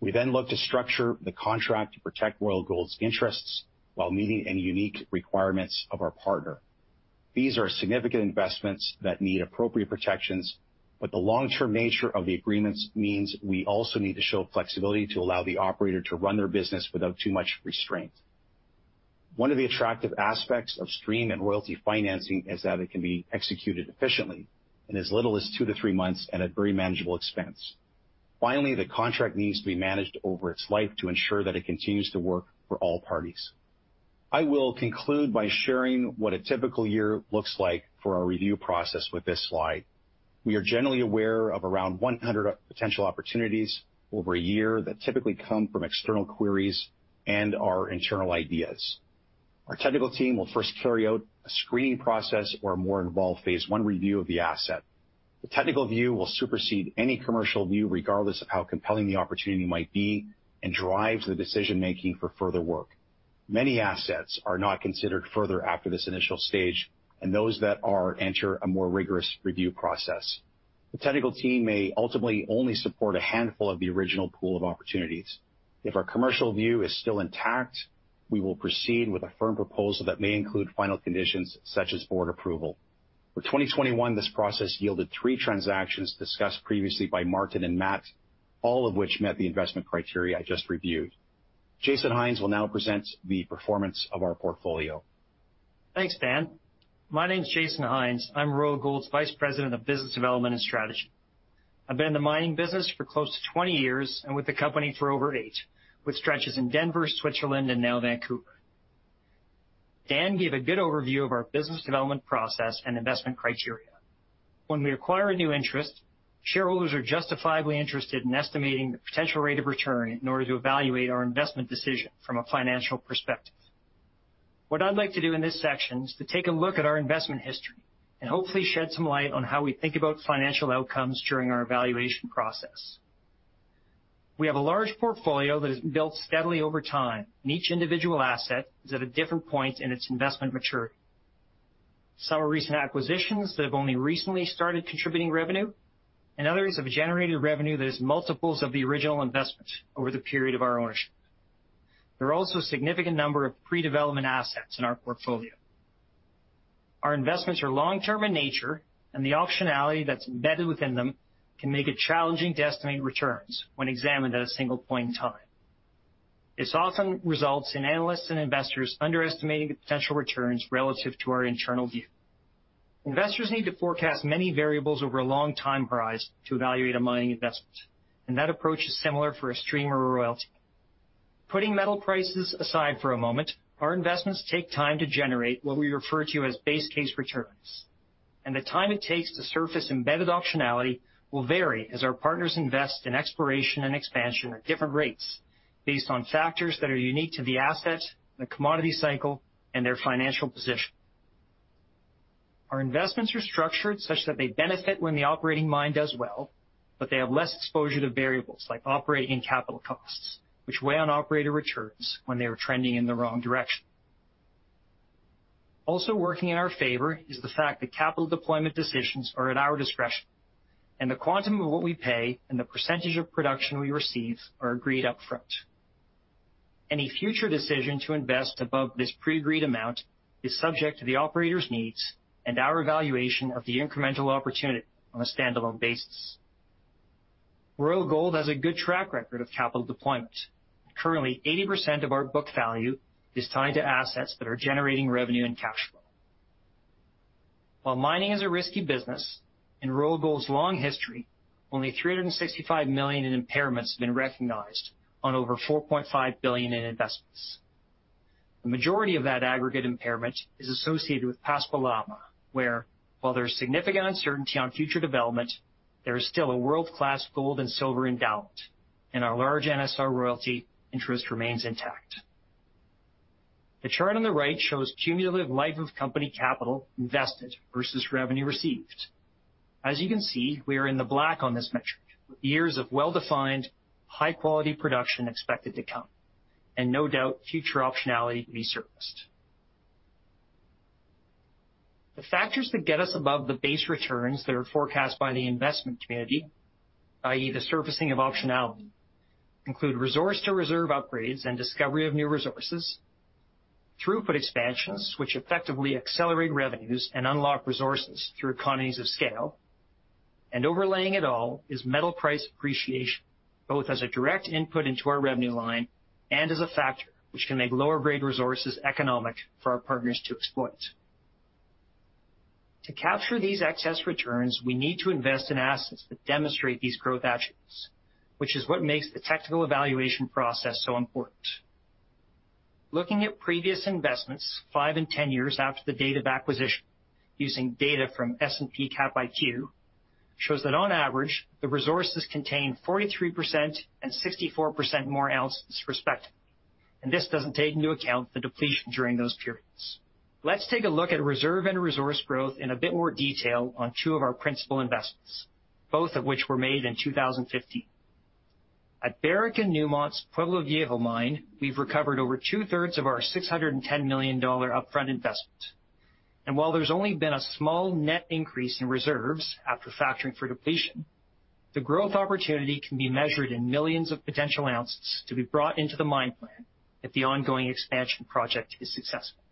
H: We then look to structure the contract to protect Royal Gold's interests while meeting any unique requirements of our partner. These are significant investments that need appropriate protections, but the long-term nature of the agreements means we also need to show flexibility to allow the operator to run their business without too much restraint. One of the attractive aspects of stream and royalty financing is that it can be executed efficiently in as little as two to three months at a very manageable expense. Finally, the contract needs to be managed over its life to ensure that it continues to work for all parties. I will conclude by sharing what a typical year looks like for our review process with this slide. We are generally aware of around 100 potential opportunities over a year that typically come from external queries and our internal ideas. Our technical team will first carry out a screening process or a more involved phase one review of the asset. The technical view will supersede any commercial view, regardless of how compelling the opportunity might be, and drives the decision-making for further work. Many assets are not considered further after this initial stage, and those that are enter a more rigorous review process. The technical team may ultimately only support a handful of the original pool of opportunities. If our commercial view is still intact, we will proceed with a firm proposal that may include final conditions such as board approval. For 2021, this process yielded three transactions discussed previously by Martin and Matt, all of which met the investment criteria I just reviewed. Jason Hynes will now present the performance of our portfolio.
I: Thanks, Dan. My name is Jason Hynes. I'm Royal Gold's Vice President of Business Development and Strategy. I've been in the mining business for close to 20 years and with the company for over eight, with stretches in Denver, Switzerland, and now Vancouver. Dan gave a good overview of our business development process and investment criteria. When we acquire a new interest, shareholders are justifiably interested in estimating the potential rate of return in order to evaluate our investment decision from a financial perspective. What I'd like to do in this section is to take a look at our investment history and hopefully shed some light on how we think about financial outcomes during our evaluation process. We have a large portfolio that has built steadily over time, and each individual asset is at a different point in its investment maturity. Some are recent acquisitions that have only recently started contributing revenue, and others have generated revenue that is multiples of the original investment over the period of our ownership. There are also a significant number of pre-development assets in our portfolio. Our investments are long-term in nature, and the optionality that's embedded within them can make it challenging to estimate returns when examined at a single point in time. This often results in analysts and investors underestimating the potential returns relative to our internal view. Investors need to forecast many variables over a long time horizon to evaluate a mining investment, and that approach is similar for a stream or a royalty. Putting metal prices aside for a moment, our investments take time to generate what we refer to as base case returns. The time it takes to surface embedded optionality will vary as our partners invest in exploration and expansion at different rates based on factors that are unique to the asset, the commodity cycle, and their financial position. Our investments are structured such that they benefit when the operating mine does well, but they have less exposure to variables like operating capital costs, which weigh on operator returns when they are trending in the wrong direction. Also working in our favor is the fact that capital deployment decisions are at our discretion, and the quantum of what we pay and the percentage of production we receive are agreed upfront. Any future decision to invest above this pre-agreed amount is subject to the operator's needs and our evaluation of the incremental opportunity on a standalone basis. Royal Gold has a good track record of capital deployment. Currently, 80% of our book value is tied to assets that are generating revenue and cash flow. While mining is a risky business, in Royal Gold's long history, only $365 million in impairments have been recognized on over $4.5 billion in investments. The majority of that aggregate impairment is associated with Pascua-Lama, where, while there's significant uncertainty on future development, there is still a world-class gold and silver endowment, and our large NSR royalty interest remains intact. The chart on the right shows cumulative life of company capital invested versus revenue received. As you can see, we are in the black on this metric, with years of well-defined, high quality production expected to come, and no doubt future optionality to be surfaced. The factors that get us above the base returns that are forecast by the investment community, i.e., the surfacing of optionality, include resource to reserve upgrades and discovery of new resources, throughput expansions, which effectively accelerate revenues and unlock resources through economies of scale. Overlaying it all is metal price appreciation, both as a direct input into our revenue line and as a factor which can make lower grade resources economic for our partners to exploit. To capture these excess returns, we need to invest in assets that demonstrate these growth attributes, which is what makes the technical evaluation process so important. Looking at previous investments 5 and 10 years after the date of acquisition using data from S&P Capital IQ shows that on average, the resources contain 43% and 64% more oz respectively, and this doesn't take into account the depletion during those periods. Let's take a look at reserve and resource growth in a bit more detail on two of our principal investments, both of which were made in 2015. At Barrick and Newmont's Pueblo Viejo mine, we've recovered over 2/3 of our $610 million upfront investment. While there's only been a small net increase in reserves after factoring for depletion, the growth opportunity can be measured in millions of potential oz to be brought into the mine plan if the ongoing expansion project is successful.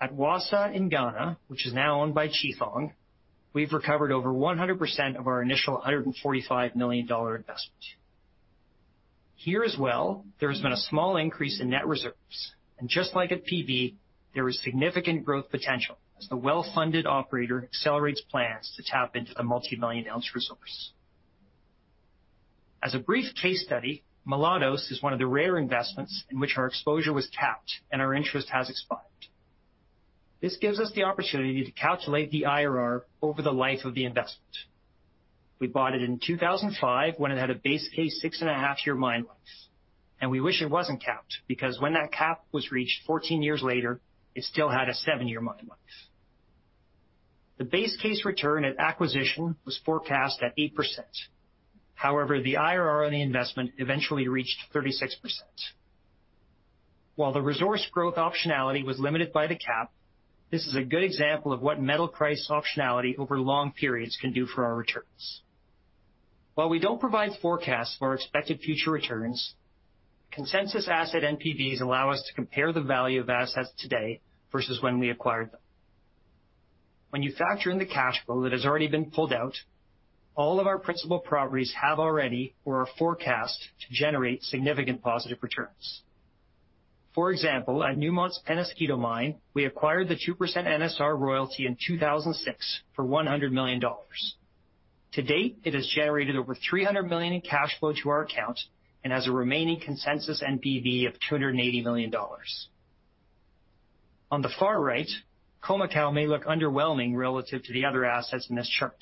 I: At Wassa in Ghana, which is now owned by Chifeng, we've recovered over 100% of our initial $145 million investment. Here as well, there has been a small increase in net reserves. Just like at PV, there is significant growth potential as the well-funded operator accelerates plans to tap into the multi-million oz resource. As a brief case study, Mulatos is one of the rare investments in which our exposure was capped and our interest has expired. This gives us the opportunity to calculate the IRR over the life of the investment. We bought it in 2005 when it had a base case 6.5-year mine life. We wish it wasn't capped, because when that cap was reached 14 years later, it still had a seven-year mine life. The base case return at acquisition was forecast at 8%. However, the IRR on the investment eventually reached 36%. While the resource growth optionality was limited by the cap, this is a good example of what metal price optionality over long periods can do for our returns. While we don't provide forecasts for expected future returns, consensus asset NPVs allow us to compare the value of assets today versus when we acquired them. When you factor in the cash flow that has already been pulled out, all of our principal properties have already or are forecast to generate significant positive returns. For example, at Newmont's Peñasquito mine, we acquired the 2% NSR royalty in 2006 for $100 million. To date, it has generated over $300 million in cash flow to our account and has a remaining consensus NPV of $280 million. On the far right, Comical may look underwhelming relative to the other assets in this chart,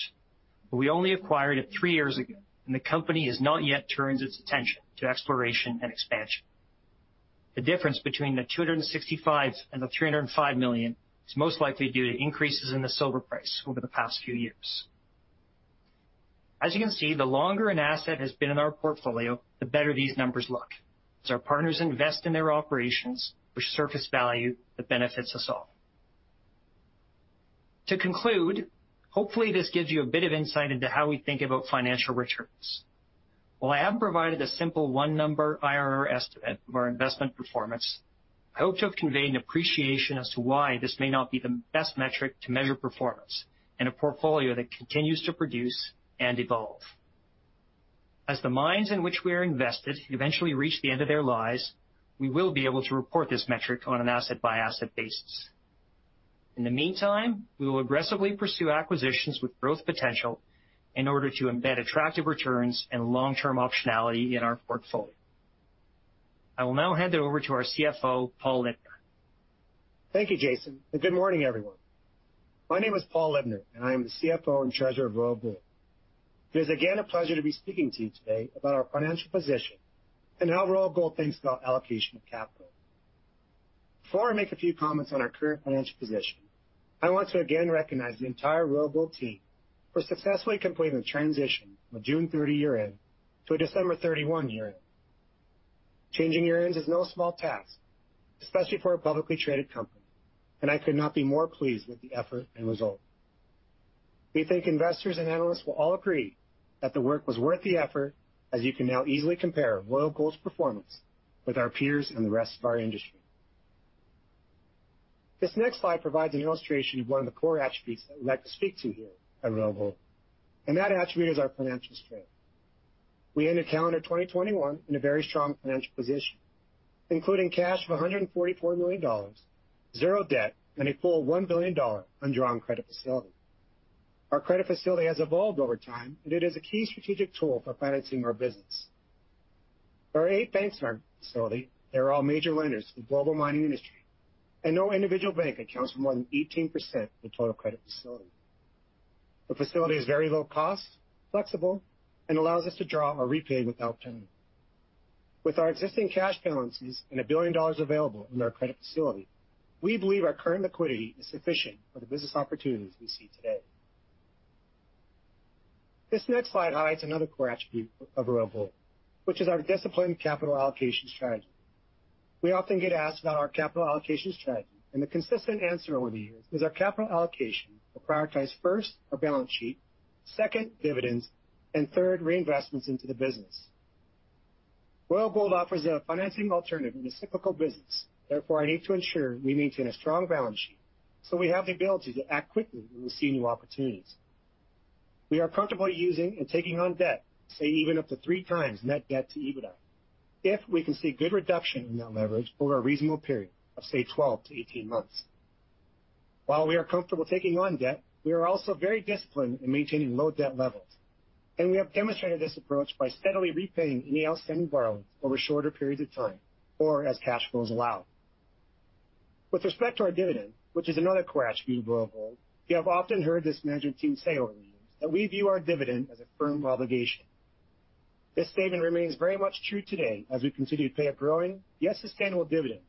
I: but we only acquired it three years ago, and the company has not yet turned its attention to exploration and expansion. The difference between the $265 million and the $305 million is most likely due to increases in the silver price over the past few years. As you can see, the longer an asset has been in our portfolio, the better these numbers look. As our partners invest in their operations, which surfaces value that benefits us all. To conclude, hopefully, this gives you a bit of insight into how we think about financial returns. While I have provided a simple one-number IRR estimate of our investment performance, I hope to have conveyed an appreciation as to why this may not be the best metric to measure performance in a portfolio that continues to produce and evolve. As the mines in which we are invested eventually reach the end of their lives, we will be able to report this metric on an asset-by-asset basis. In the meantime, we will aggressively pursue acquisitions with growth potential in order to embed attractive returns and long-term optionality in our portfolio. I will now hand it over to our CFO, Paul Libner.
J: Thank you, Jason, and good morning, everyone. My name is Paul Libner, and I am the CFO and Treasurer of Royal Gold. It is again a pleasure to be speaking to you today about our financial position and how Royal Gold thinks about allocation of capital. Before I make a few comments on our current financial position, I want to again recognize the entire Royal Gold team for successfully completing the transition from a June 30 year-end to a December 31 year-end. Changing year-ends is no small task, especially for a publicly traded company, and I could not be more pleased with the effort and result. We think investors and analysts will all agree that the work was worth the effort, as you can now easily compare Royal Gold's performance with our peers and the rest of our industry. This next slide provides an illustration of one of the core attributes that we'd like to speak to here at Royal Gold, and that attribute is our financial strength. We ended calendar 2021 in a very strong financial position, including cash of $144 million, zero debt, and a full $1 billion undrawn credit facility. Our credit facility has evolved over time, and it is a key strategic tool for financing our business. There are eight banks in our facility. They're all major lenders in the global mining industry, and no individual bank accounts for more than 18% of the total credit facility. The facility is very low cost, flexible, and allows us to draw or repay without penalty. With our existing cash balances and $1 billion available in our credit facility, we believe our current liquidity is sufficient for the business opportunities we see today. This next slide highlights another core attribute of Royal Gold, which is our disciplined capital allocation strategy. We often get asked about our capital allocation strategy, and the consistent answer over the years is our capital allocation will prioritize first our balance sheet, second dividends, and third reinvestments into the business. Royal Gold offers a financing alternative in a cyclical business. Therefore, I need to ensure we maintain a strong balance sheet, so we have the ability to act quickly when we see new opportunities. We are comfortable using and taking on debt, say even up to 3x net debt to EBITDA, if we can see good reduction in our leverage over a reasonable period of, say, 12-18 months. While we are comfortable taking on debt, we are also very disciplined in maintaining low debt levels. We have demonstrated this approach by steadily repaying any outstanding borrowings over shorter periods of time or as cash flows allow. With respect to our dividend, which is another core attribute of Royal Gold, you have often heard this management team say over the years that we view our dividend as a firm obligation. This statement remains very much true today as we continue to pay a growing, yet sustainable dividend.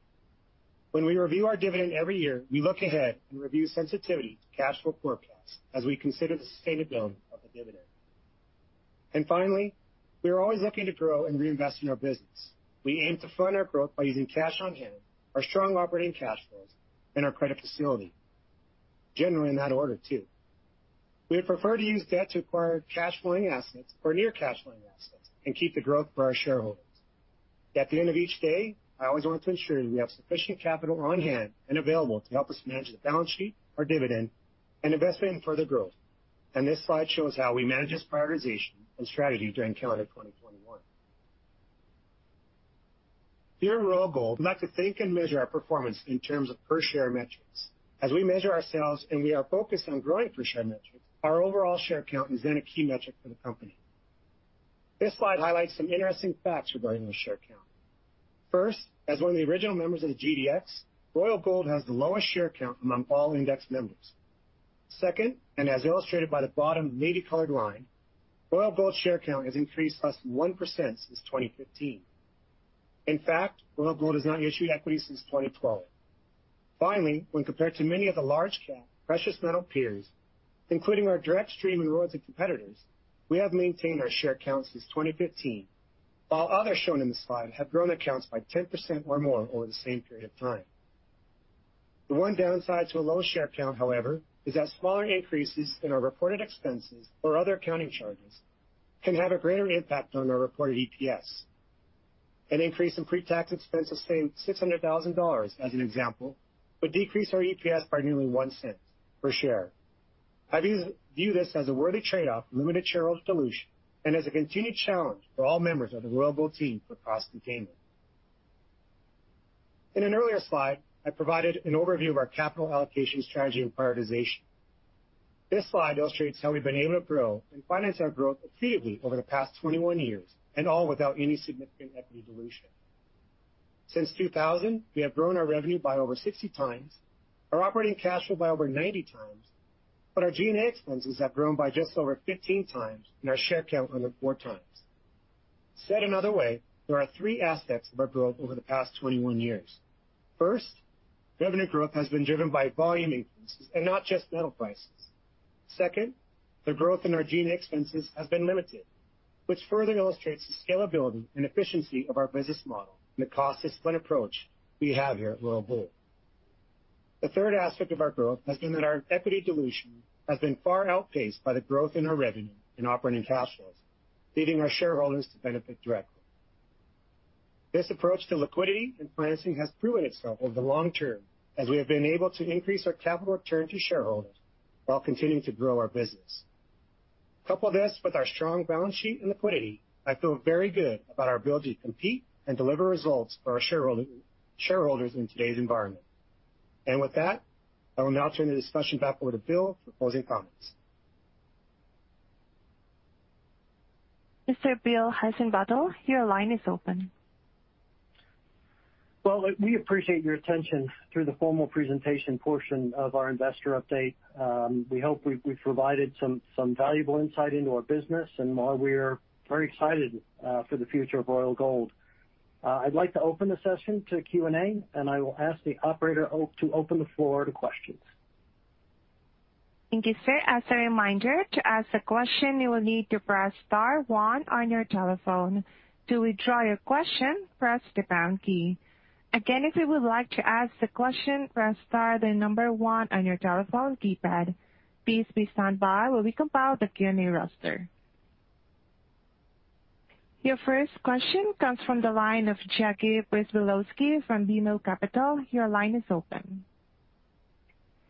J: When we review our dividend every year, we look ahead and review sensitivity to cash flow forecasts as we consider the sustainability of the dividend. Finally, we are always looking to grow and reinvest in our business. We aim to fund our growth by using cash on hand, our strong operating cash flows, and our credit facility, generally in that order too. We prefer to use debt to acquire cash flowing assets or near cash flowing assets and keep the growth for our shareholders. At the end of each day, I always want to ensure that we have sufficient capital on hand and available to help us manage the balance sheet, our dividend, and investment in further growth. This slide shows how we manage this prioritization and strategy during calendar 2021. Here at Royal Gold, we like to think and measure our performance in terms of per share metrics. As we measure ourselves and we are focused on growing per share metrics, our overall share count is then a key metric for the company. This slide highlights some interesting facts regarding the share count. First, as one of the original members of the GDX, Royal Gold has the lowest share count among all index members. Second, and as illustrated by the bottom navy colored line, Royal Gold share count has increased less than 1% since 2015. In fact, Royal Gold has not issued equity since 2012. Finally, when compared to many of the large cap precious metal peers, including our direct stream and royalty competitors, we have maintained our share count since 2015, while others shown in the slide have grown counts by 10% or more over the same period of time. The one downside to a low share count, however, is that smaller increases in our reported expenses or other accounting charges can have a greater impact on our reported EPS. An increase in pre-tax expenses of, say, $600,000 as an example, would decrease our EPS by nearly $0.01 per share. I view this as a worthy trade-off for limited shareholder dilution and as a continued challenge for all members of the Royal Gold team across the team. In an earlier slide, I provided an overview of our capital allocation strategy and prioritization. This slide illustrates how we've been able to grow and finance our growth accretively over the past 21 years, and all without any significant equity dilution. Since 2000, we have grown our revenue by over 60x, our operating cash flow by over 90x, but our G&A expenses have grown by just over 15x, and our share count under 4x. Said another way, there are three aspects of our growth over the past 21 years. First, revenue growth has been driven by volume increases and not just metal prices. Second, the growth in our G&A expenses has been limited, which further illustrates the scalability and efficiency of our business model and the cost discipline approach we have here at Royal Gold. The third aspect of our growth has been that our equity dilution has been far outpaced by the growth in our revenue and operating cash flows, leaving our shareholders to benefit directly. This approach to liquidity and financing has proven itself over the long term as we have been able to increase our capital return to shareholders while continuing to grow our business. Couple this with our strong balance sheet and liquidity, I feel very good about our ability to compete and deliver results for our shareholders in today's environment. With that, I will now turn the discussion back over to Bill for closing comments.
A: Mr. Bill Heissenbuttel, your line is open.
C: Well, we appreciate your attention through the formal presentation portion of our investor update. We hope we've provided some valuable insight into our business and why we are very excited for the future of Royal Gold. I'd like to open the session to Q&A, and I will ask the operator to open the floor to questions.
A: Thank you, sir. As a reminder, to ask a question, you will need to press star one on your telephone. To withdraw your question, press the pound key. Again, if you would like to ask the question, press star, then number one on your telephone keypad. Please stand by while we compile the Q&A roster. Your first question comes from the line of Tanya Jakusconek from BMO Capital Markets. Your line is open.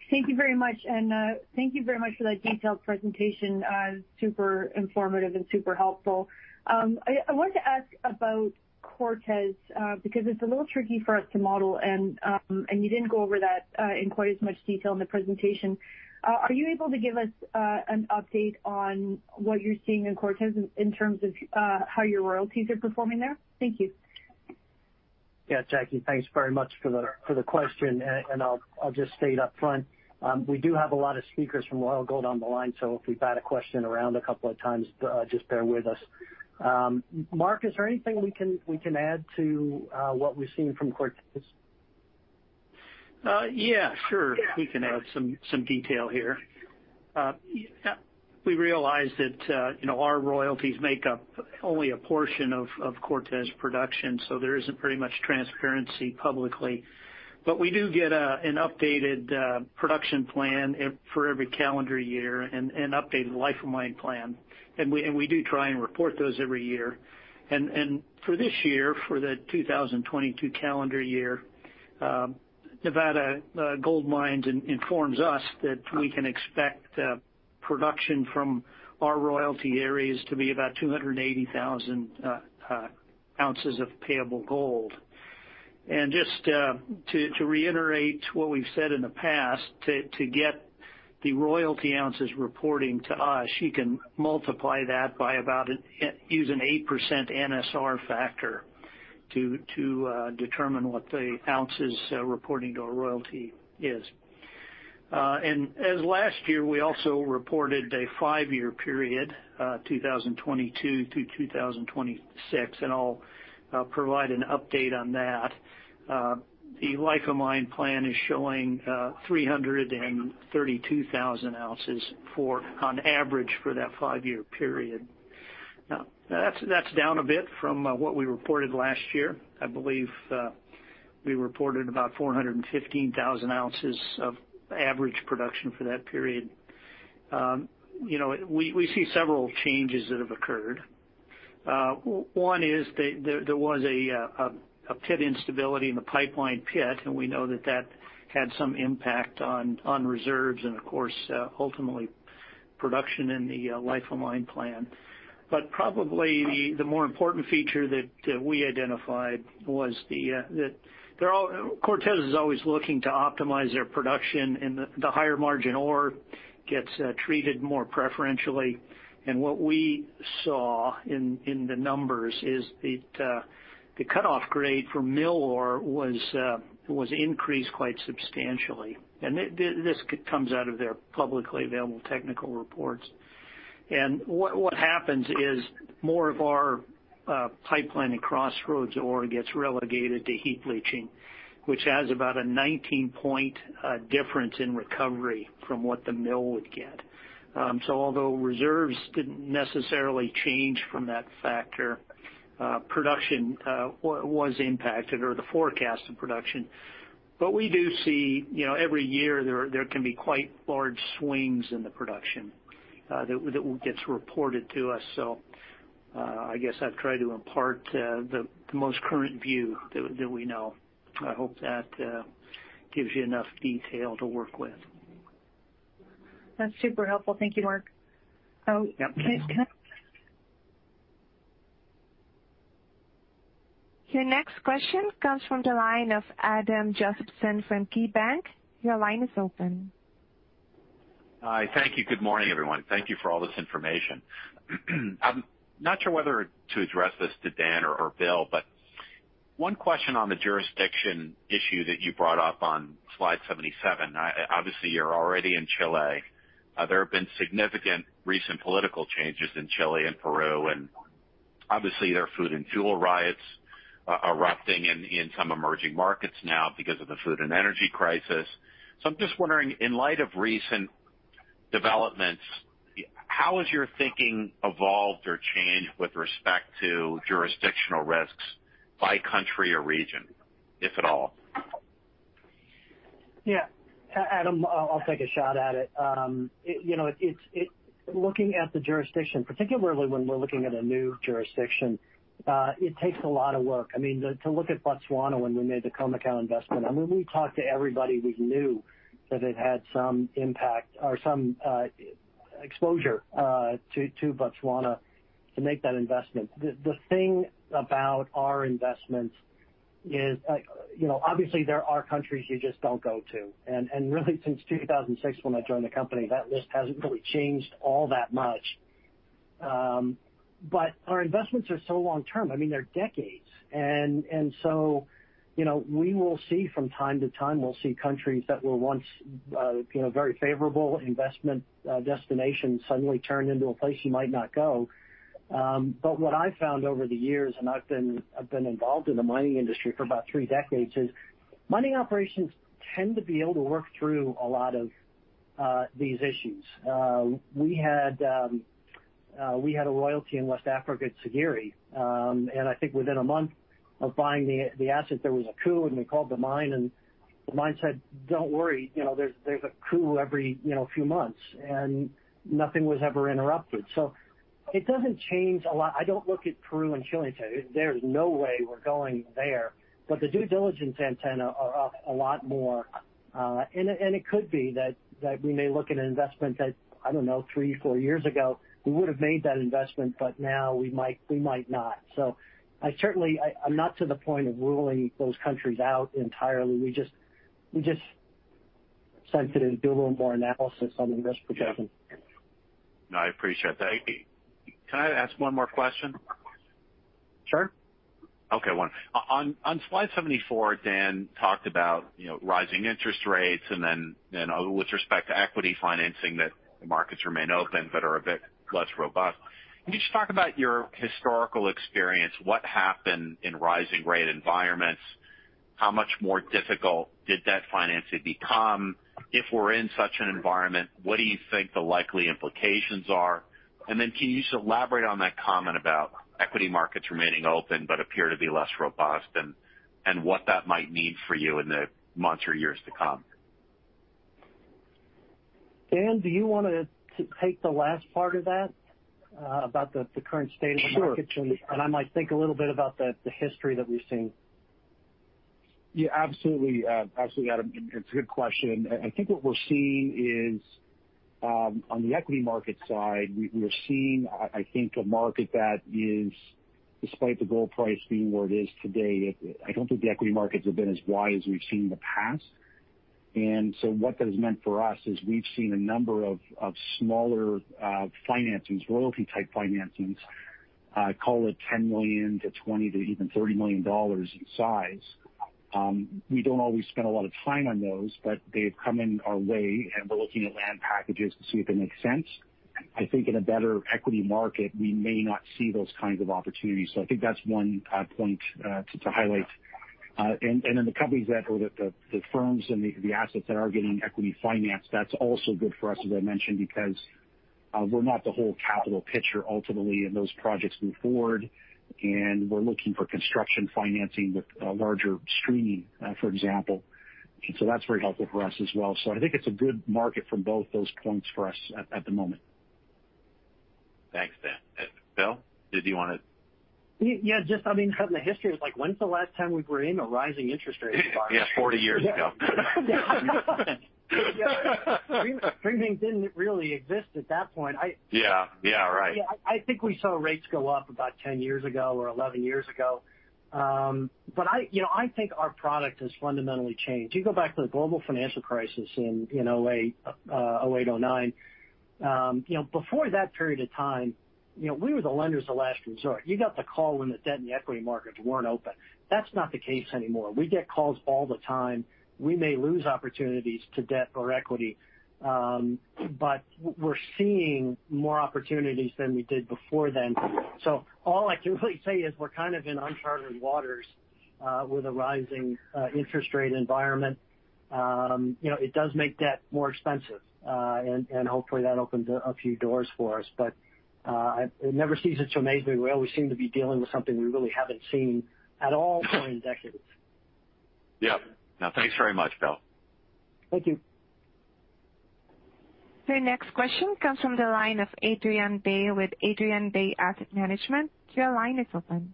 K: Thank you very much. Thank you very much for that detailed presentation. It was super informative and super helpful. I wanted to ask about Cortez, because it's a little tricky for us to model and you didn't go over that in quite as much detail in the presentation. Are you able to give us an update on what you're seeing in Cortez in terms of how your royalties are performing there? Thank you.
C: Yeah. Tanya Jakusconek, thanks very much for the question. I'll just state up front, we do have a lot of speakers from Royal Gold on the line, so if we bat a question around a couple of times, just bear with us. Mark, is there anything we can add to what we've seen from Cortez?
E: Yeah, sure. We can add some detail here. Yeah, we realize that, you know, our royalties make up only a portion of Cortez production, so there is pretty much no transparency publicly. We do get an updated production plan for every calendar year and an updated life of mine plan. We do try and report those every year. For this year, for the 2022 calendar year, Nevada Gold Mines informs us that we can expect production from our royalty areas to be about 280,000 oz of payable gold. Just to reiterate what we've said in the past, to get the royalty oz reporting to us, you can multiply that by about an 8% NSR factor to determine what the oz reporting to our royalty is. As last year, we also reported a five-year period, 2022 through 2026, and I'll provide an update on that. The life of mine plan is showing 332,000 oz on average for that five-year period. Now that's down a bit from what we reported last year. I believe we reported about 415,000 oz of average production for that period. You know, we see several changes that have occurred. One is that there was a pit instability in the Pipeline pit, and we know that had some impact on reserves and of course ultimately production in the life of mine plan. Probably the more important feature that we identified was that Cortez is always looking to optimize their production and the higher margin ore gets treated more preferentially. What we saw in the numbers is the cutoff grade for mill ore was increased quite substantially. This comes out of their publicly available technical reports. What happens is more of our Pipeline and Crossroads ore gets relegated to heap leaching, which has about a 19-point difference in recovery from what the mill would get. Although reserves didn't necessarily change from that factor, production was impacted or the forecast of production. We do see, you know, every year there can be quite large swings in the production that gets reported to us. I guess I'd try to impart the most current view that we know. I hope that gives you enough detail to work with.
K: That's super helpful. Thank you, Mark.
E: Yep.
A: Your next question comes from the line of Adam Josephson from KeyBanc. Your line is open.
L: Hi. Thank you. Good morning, everyone. Thank you for all this information. Not sure whether to address this to Dan or Bill, but one question on the jurisdiction issue that you brought up on slide 77. Obviously you're already in Chile. There have been significant recent political changes in Chile and Peru, and obviously there are food and fuel riots erupting in some emerging markets now because of the food and energy crisis. I'm just wondering, in light of recent developments, how has your thinking evolved or changed with respect to jurisdictional risks by country or region, if at all?
C: Yeah. Adam, I'll take a shot at it. Looking at the jurisdiction, particularly when we're looking at a new jurisdiction, it takes a lot of work. To look at Botswana when we made the Khoemacau investment, we talked to everybody we knew that had some impact or some exposure to Botswana to make that investment. The thing about our investments is, obviously there are countries you just don't go to. Really since 2006, when I joined the company, that list hasn't really changed all that much. Our investments are so long-term, I mean, they're decades. You know, we will see from time to time, we'll see countries that were once, you know, very favorable investment destinations suddenly turn into a place you might not go. What I found over the years, and I've been involved in the mining industry for about three decades, is mining operations tend to be able to work through a lot of these issues. We had a royalty in West Africa at Siguiri, and I think within a month of buying the asset, there was a coup and we called the mine and the mine said, "Don't worry, you know, there's a coup every few months," and nothing was ever interrupted. It doesn't change a lot. I don't look at Peru and Chile and say, "There's no way we're going there," but the due diligence antennas are up a lot more. It could be that we may look at an investment that, I don't know, three, four years ago, we would've made that investment, but now we might not. I certainly am not to the point of ruling those countries out entirely. We're just more sensitive. We do a little more analysis on the risk projection.
L: No, I appreciate that. Can I ask one more question?
C: Sure.
L: Okay. One. On slide 74, Dan talked about, you know, rising interest rates and then, you know, with respect to equity financing, that the markets remain open but are a bit less robust. Can you just talk about your historical experience, what happened in rising rate environments? How much more difficult did that financing become? If we're in such an environment, what do you think the likely implications are? Then can you just elaborate on that comment about equity markets remaining open but appear to be less robust and what that might mean for you in the months or years to come?
C: Dan, do you wanna take the last part of that, about the current state of the market?
H: Sure.
C: I might think a little bit about the history that we've seen.
H: Yeah, absolutely. Absolutely, Adam, and it's a good question. I think what we're seeing is on the equity market side, we are seeing I think a market that is, despite the gold price being where it is today, I don't think the equity markets have been as wide as we've seen in the past. What that has meant for us is we've seen a number of smaller financings, royalty type financings, call it $10 million-$20 million to even $30 million in size. We don't always spend a lot of time on those, but they've come in our way, and we're looking at land packages to see if they make sense. I think in a better equity market, we may not see those kinds of opportunities. I think that's one point to highlight. The companies, the firms and the assets that are getting equity financed, that's also good for us, as I mentioned, because we're not the whole capital picture ultimately in those projects as they move forward. We're looking for construction financing with larger streaming, for example. That's very helpful for us as well. I think it's a good market from both those points for us at the moment.
L: Thanks, Dan. Bill, did you wanna-
C: Yeah, just, I mean, kind of the history is like, when's the last time we were in a rising interest rate environment?
L: Yeah, 40 years ago.
C: Streaming didn't really exist at that point.
L: Yeah, yeah. Right.
C: I think we saw rates go up about 10 years ago or 11 years ago. But you know, I think our product has fundamentally changed. You go back to the global financial crisis in 2008, 2009. You know, before that period of time, you know, we were the lenders of last resort. You got the call when the debt and the equity markets weren't open. That's not the case anymore. We get calls all the time. We may lose opportunities to debt or equity, but we're seeing more opportunities than we did before then. All I can really say is we're kind of in uncharted waters with a rising interest rate environment. You know, it does make debt more expensive, and hopefully, that opens a few doors for us. It never ceases to amaze me. We always seem to be dealing with something we really haven't seen at all for decades.
L: Yep. Now, thanks very much, Bill.
C: Thank you.
A: Your next question comes from the line of Adrian Day with Adrian Day Asset Management. Your line is open.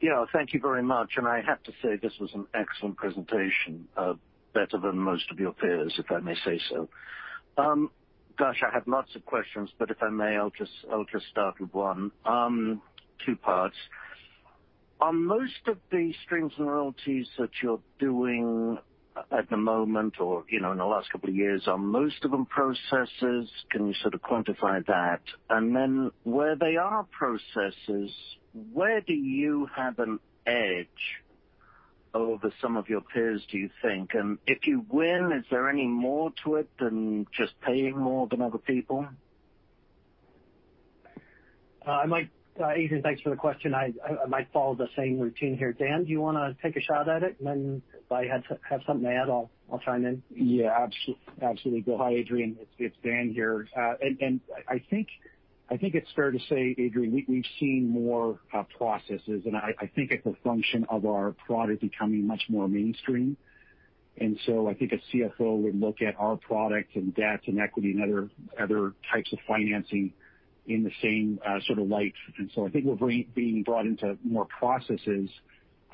M: Yeah, thank you very much. I have to say, this was an excellent presentation, better than most of your peers, if I may say so. Gosh, I have lots of questions, but if I may, I'll just start with one. Two parts. On most of the streams and royalties that you're doing at the moment or, you know, in the last couple of years, are most of them prospects? Can you sort of quantify that? And then where they are prospects, where do you have an edge over some of your peers, do you think? And if you win, is there any more to it than just paying more than other people?
C: Adrian, thanks for the question. I might follow the same routine here. Dan, do you wanna take a shot at it? Then if I have something to add, I'll chime in.
H: Yeah, absolutely. Go. Hi, Adrian. It's Dan here. I think it's fair to say, Adrian, we've seen more processes. I think it's a function of our product becoming much more mainstream. I think a CFO would look at our product and debt and equity and other types of financing in the same sort of light. I think we're being brought into more processes.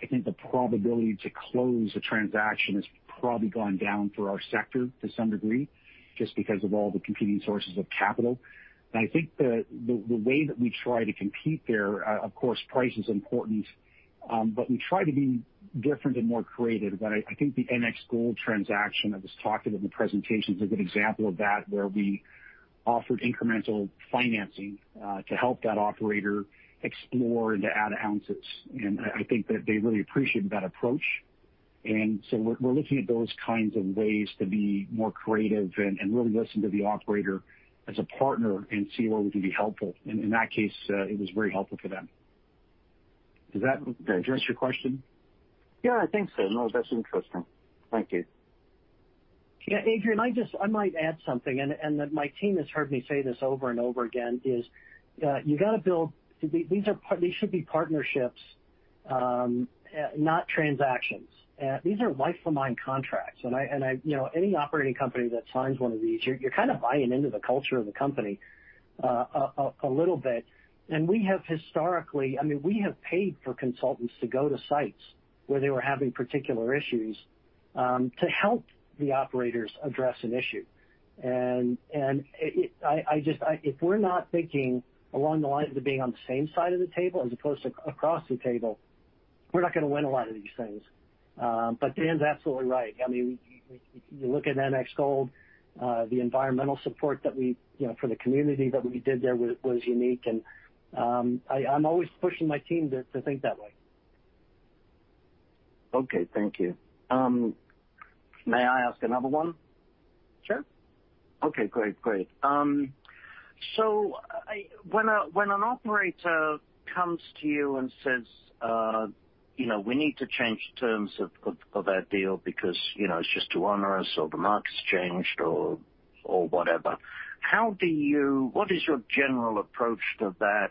H: I think the probability to close a transaction has probably gone down for our sector to some degree, just because of all the competing sources of capital. I think the way that we try to compete there, of course, price is important, but we try to be different and more creative. I think the NX Gold transaction that was talked about in the presentation is a good example of that, where we offered incremental financing to help that operator explore and to add oz. I think that they really appreciated that approach. We're looking at those kinds of ways to be more creative and really listen to the operator as a partner and see where we can be helpful. In that case, it was very helpful for them. Does that address your question?
M: Yeah, I think so. No, that's interesting. Thank you.
C: Yeah, Adrian, I might add something, and my team has heard me say this over and over again. You gotta build these. These should be partnerships, not transactions. These are life of mine contracts. You know, any operating company that signs one of these, you're kind of buying into the culture of the company a little bit. We have historically, I mean, we have paid for consultants to go to sites where they were having particular issues to help the operators address an issue. If we're not thinking along the lines of being on the same side of the table as opposed to across the table, we're not gonna win a lot of these things. But Dan's absolutely right. I mean. You look at NX Gold, the environmental support that we, you know, for the community that we did there was unique and, I'm always pushing my team to think that way.
M: Okay. Thank you. May I ask another one?
C: Sure.
M: Okay, great. Great. When an operator comes to you and says, you know, "We need to change terms of our deal because, you know, it's just too onerous or the market's changed or whatever," what is your general approach to that?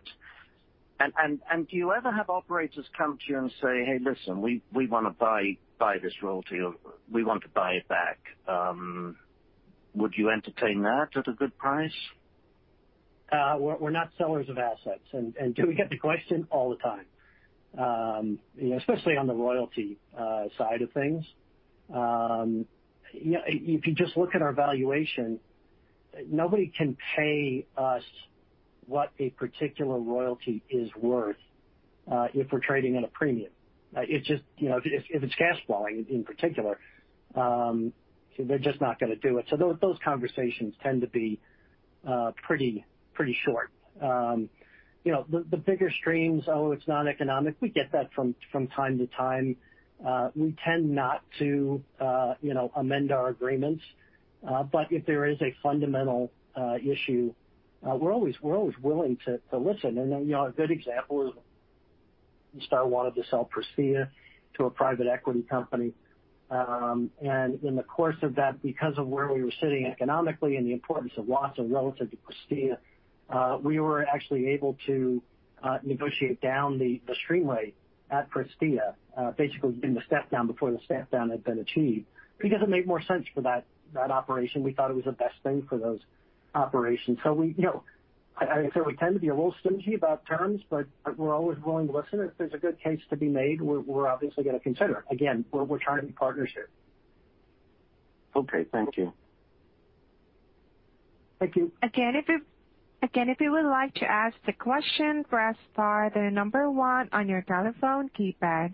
M: Do you ever have operators come to you and say, "Hey, listen, we wanna buy this royalty over. We want to buy it back." Would you entertain that at a good price?
C: We're not sellers of assets. Do we get the question all the time? You know, especially on the royalty side of things. You know, if you just look at our valuation, nobody can pay us what a particular royalty is worth if we're trading at a premium. It just, you know, if it's cash flowing in particular, they're just not gonna do it. Those conversations tend to be pretty short. The bigger streams, "Oh, it's not economic," we get that from time to time. We tend not to amend our agreements. If there is a fundamental issue, we're always willing to listen. A good example, Star wanted to sell Prestea to a private equity company. In the course of that, because of where we were sitting economically and the importance of Wassa relative to Prestea, we were actually able to negotiate down the stream rate at Prestea, basically in the step down before the step down had been achieved, because it made more sense for that operation. We thought it was the best thing for those operations. We, you know, I certainly tend to be a little stingy about terms, but we're always willing to listen. If there's a good case to be made, we're obviously gonna consider it. Again, we're trying to be partners here.
M: Okay, thank you.
C: Thank you.
A: Again, if you would like to ask the question, press star then 1 on your telephone keypad.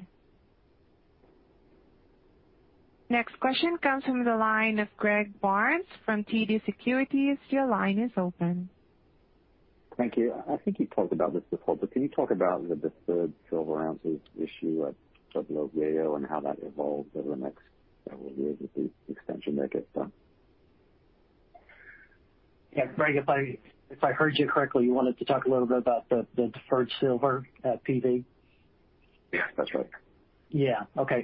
A: Next question comes from the line of Greg Barnes from TD Securities. Your line is open.
N: Thank you. I think you talked about this before, but can you talk about the deferred silver oz issue at Pueblo Viejo and how that evolved over the next several years with the extension that gets done?
C: Yeah. Greg, if I heard you correctly, you wanted to talk a little bit about the deferred silver at PV?
N: Yeah, that's right.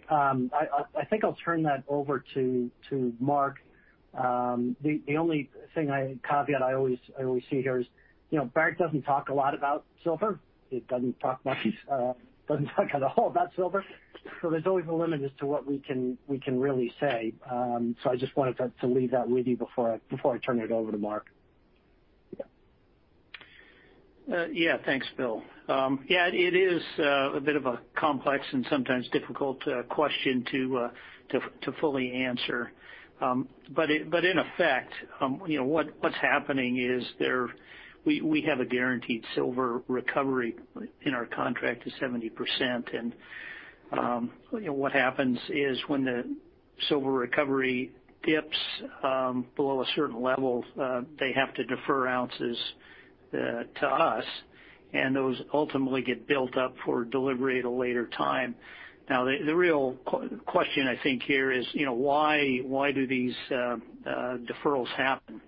C: I think I'll turn that over to Mark. The only caveat I always see here is, you know, Barrick doesn't talk a lot about silver. It doesn't talk much, doesn't talk at all about silver. So there's always a limit as to what we can really say. So I just wanted to leave that with you before I turn it over to Mark.
N: Yeah.
E: Yeah, thanks, Bill. Yeah, it is a bit of a complex and sometimes difficult question to fully answer. In effect, you know, what's happening is we have a guaranteed silver recovery in our contract to 70%. You know, what happens is when the silver recovery dips below a certain level, they have to defer oz to us, and those ultimately get built up for delivery at a later time. Now, the real question I think here is, you know, why do these deferrals happen?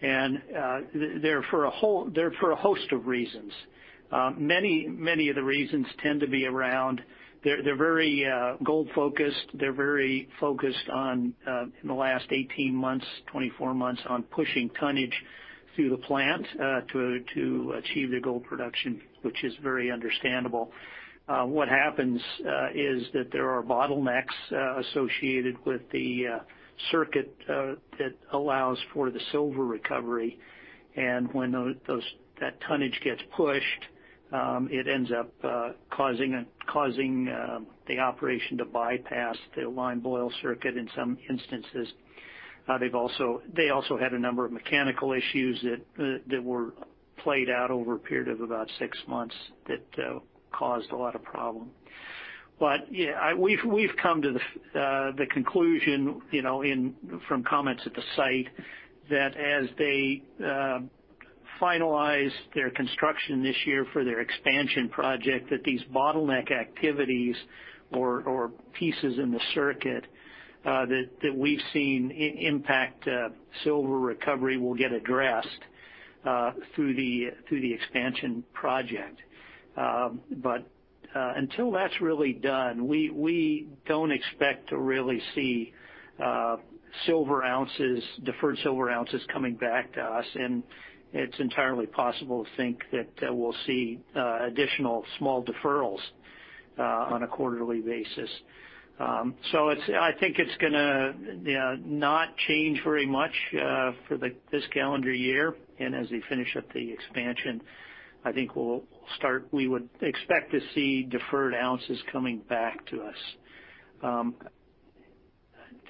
E: They're for a host of reasons. Many of the reasons tend to be around. They're very gold-focused. They're very focused on in the last 18 months, 24 months, on pushing tonnage through the plant to achieve the gold production, which is very understandable. What happens is that there are bottlenecks associated with the circuit that allows for the silver recovery. When that tonnage gets pushed, it ends up causing the operation to bypass the lime boil in some instances. They also had a number of mechanical issues that were played out over a period of about six months that caused a lot of problem. Yeah, we've come to the conclusion, you know, from comments at the site, that as they finalize their construction this year for their expansion project, that these bottleneck activities or pieces in the circuit that we've seen impact silver recovery will get addressed through the expansion project. Until that's really done, we don't expect to really see silver oz, deferred silver oz coming back to us, and it's entirely possible to think that we'll see additional small deferrals on a quarterly basis. It's gonna, you know, not change very much for this calendar year. As we finish up the expansion, I think we'll start. We would expect to see deferred oz coming back to us.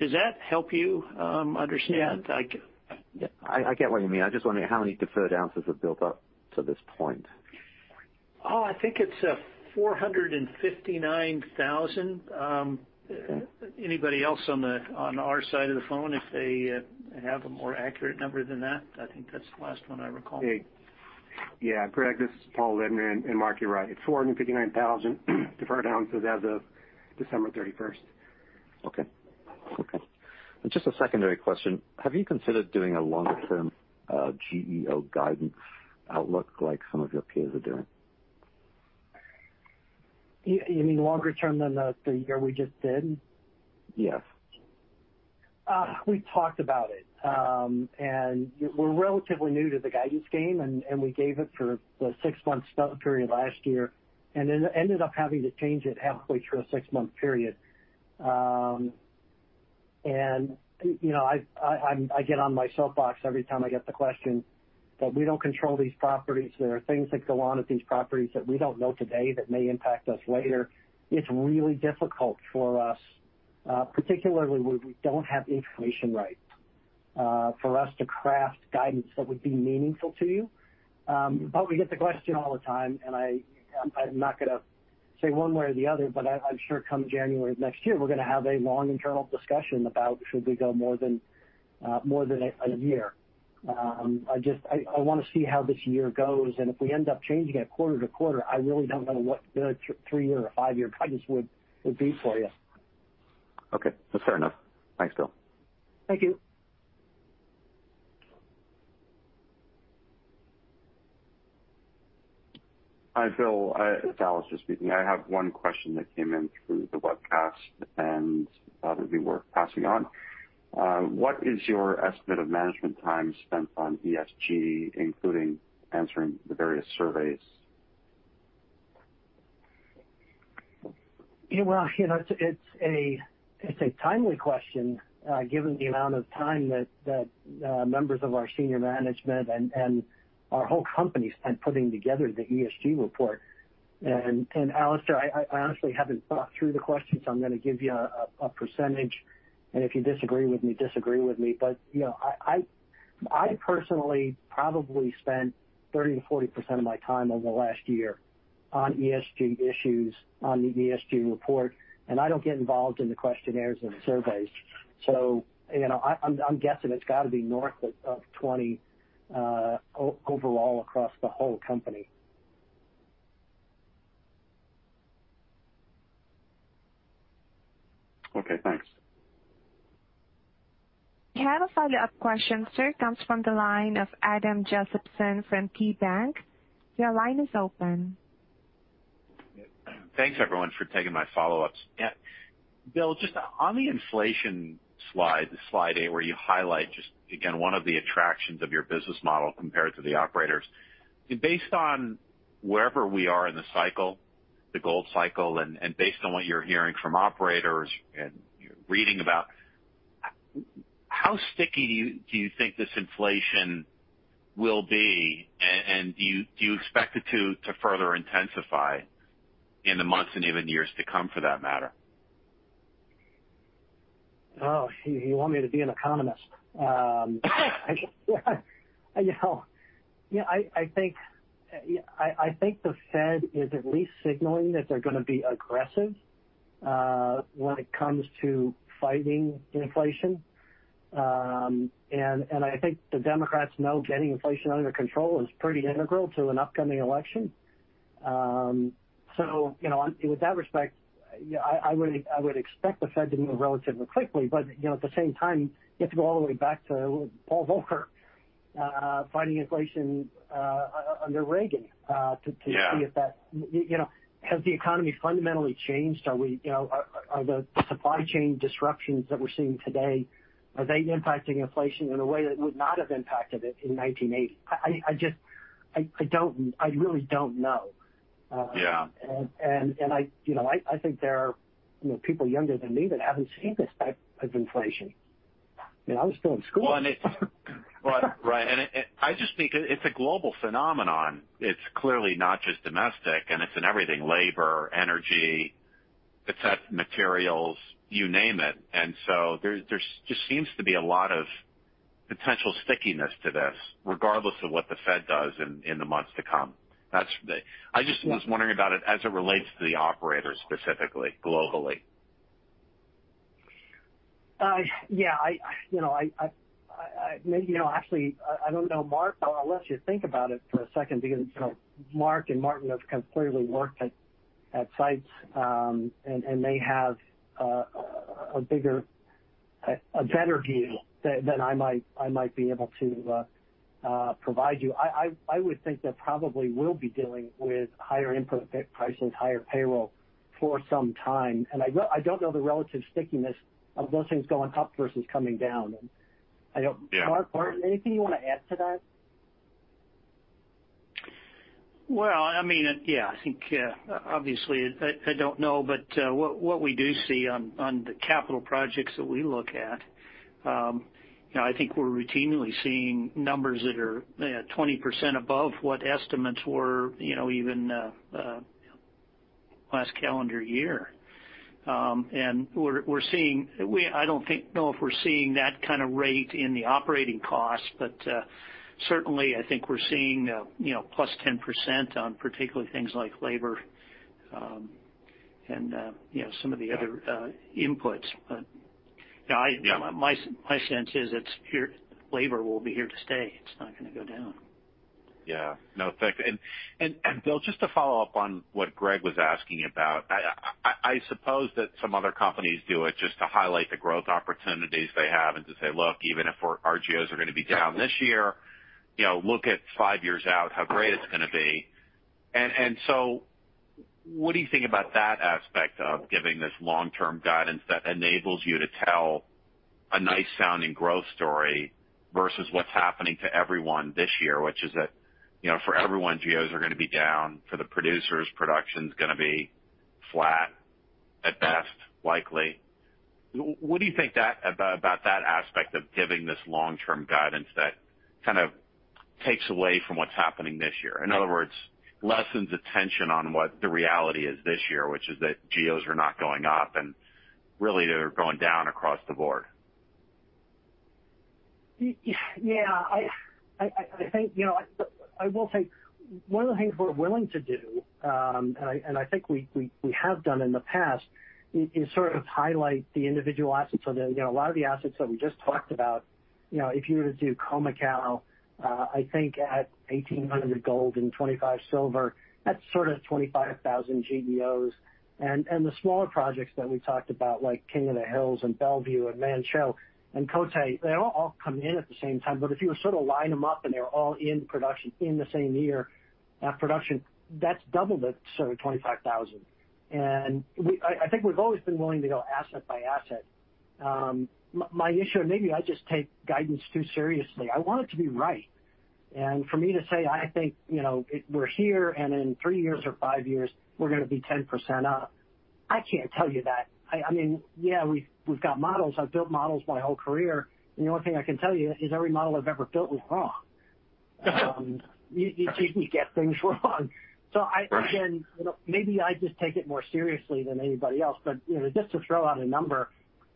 E: Does that help you understand?
N: Yeah. I get what you mean. I just wonder how many deferred oz have built up to this point.
E: Oh, I think it's $459,000. Anybody else on our side of the phone if they have a more accurate number than that? I think that's the last one I recall.
J: Yeah, Greg, this is Paul Libner. Mark, you're right. It's 459,000 deferred oz as of December 31.
N: Okay. Just a secondary question. Have you considered doing a longer term, GEO guidance outlook like some of your peers are doing?
C: You mean longer term than the year we just did?
N: Yes.
C: We talked about it. We're relatively new to the guidance game and we gave it for the six-month fiscal period last year and then ended up having to change it halfway through a six-month period. You know, I get on my soapbox every time I get the question that we don't control these properties. There are things that go on at these properties that we don't know today that may impact us later. It's really difficult for us, particularly when we don't have the information right, for us to craft guidance that would be meaningful to you. We get the question all the time, and I'm not gonna say one way or the other, but I'm sure come January of next year, we're gonna have a long internal discussion about should we go more than a year. I just wanna see how this year goes, and if we end up changing it quarter-to-quarter, I really don't know what the three-year or five-year guidance would be for you.
N: Okay. That's fair enough. Thanks, Bill.
C: Thank you.
B: Hi, Bill. It's Alistair speaking. I have one question that came in through the webcast and thought it'd be worth passing on. What is your estimate of management time spent on ESG, including answering the various surveys?
C: Yeah, well, you know, it's a timely question given the amount of time that members of our senior management and our whole company spent putting together the ESG report. Alistair, I honestly haven't thought through the question, so I'm gonna give you a percentage, and if you disagree with me, disagree with me. You know, I personally probably spent 30%-40% of my time over the last year on ESG issues, on the ESG report, and I don't get involved in the questionnaires and surveys. You know, I'm guessing it's gotta be north of 20% overall across the whole company.
B: Okay, thanks.
A: We have a follow-up question, sir. It comes from the line of Adam Josephson from KeyBanc. Your line is open.
L: Thanks everyone for taking my follow-ups. Yeah. Bill, just on the inflation slide eight, where you highlight just again, one of the attractions of your business model compared to the operators. Based on wherever we are in the cycle, the gold cycle, and based on what you're hearing from operators and you're reading about, how sticky do you think this inflation will be? Do you expect it to further intensify in the months and even years to come for that matter?
C: Oh, you want me to be an economist? You know. Yeah, I think the Fed is at least signaling that they're gonna be aggressive when it comes to fighting inflation. I think the Democrats know getting inflation under control is pretty integral to an upcoming election. You know, with that respect, yeah, I would expect the Fed to move relatively quickly. You know, at the same time, you have to go all the way back to Paul Volcker fighting inflation under Reagan.
L: Yeah
C: to see if that you know, has the economy fundamentally changed? Are we, you know, are the supply chain disruptions that we're seeing today, are they impacting inflation in a way that would not have impacted it in 1980? I just, I really don't know.
L: Yeah.
C: I think there are, you know, people younger than me that haven't seen this type of inflation. You know, I was still in school.
L: I just think it's a global phenomenon. It's clearly not just domestic, and it's in everything, labor, energy, et cetera, materials, you name it. There just seems to be a lot of potential stickiness to this, regardless of what the Fed does in the months to come. I just was wondering about it as it relates to the operators specifically, globally.
C: Yeah, you know, actually, I don't know, Mark. I'll let you think about it for a second because, you know, Mark and Martin have kind of clearly worked at sites and may have a bigger, better view than I might be able to provide you. I would think that probably we'll be dealing with higher input prices, higher payroll for some time, and I don't know the relative stickiness of those things going up versus coming down. I don't
L: Yeah.
C: Mark, Martin, anything you wanna add to that?
E: Well, I mean, yeah. I think obviously I don't know, but what we do see on the capital projects that we look at, you know, I think we're routinely seeing numbers that are 20% above what estimates were, you know, even last calendar year. I don't think we know if we're seeing that kind of rate in the operating costs, but certainly I think we're seeing, you know, +10% on particular things like labor, and, you know, some of the other.
C: Yeah
E: inputs. Yeah, I-
C: Yeah.
E: My sense is it's here. Labor will be here to stay. It's not gonna go down.
L: Yeah. No, thank you. Bill, just to follow up on what Greg was asking about. I suppose that some other companies do it just to highlight the growth opportunities they have and to say, "Look, even if we're, our GOs are gonna be down this year-
C: Yeah.
L: you know, look at five years out, how great it's gonna be." What do you think about that aspect of giving this long-term guidance that enables you to tell a nice sounding growth story versus what's happening to everyone this year, which is that, you know, for everyone, GEOs are gonna be down. For the producers, production's gonna be flat at best, likely. What do you think about that aspect of giving this long-term guidance that kind of takes away from what's happening this year? In other words, lessens attention on what the reality is this year, which is that GEOs are not going up and really they're going down across the board.
C: Yeah. I think, you know, I will say one of the things we're willing to do, and I think we have done in the past, is sort of highlight the individual assets. The, you know, a lot of the assets that we just talked about, you know, if you were to do a model, I think at $1,800 gold and $25 silver, that's sort of 25,000 GEOs. And the smaller projects that we talked about, like King of the Hills and Bellevue and Manh Choh and Côté, they don't all come in at the same time, but if you were sort of line them up and they're all in production in the same year, production, that's double the sort of 25,000. And we think we've always been willing to go asset by asset. My issue, maybe I just take guidance too seriously. I want it to be right. For me to say, "I think, you know, it, we're here, and in three years or five years we're gonna be 10% up," I can't tell you that. I mean, yeah, we've got models. I've built models my whole career, and the only thing I can tell you is every model I've ever built was wrong. You get things wrong. I, again-
L: Right
C: You know, maybe I just take it more seriously than anybody else, but you know, just to throw out a number,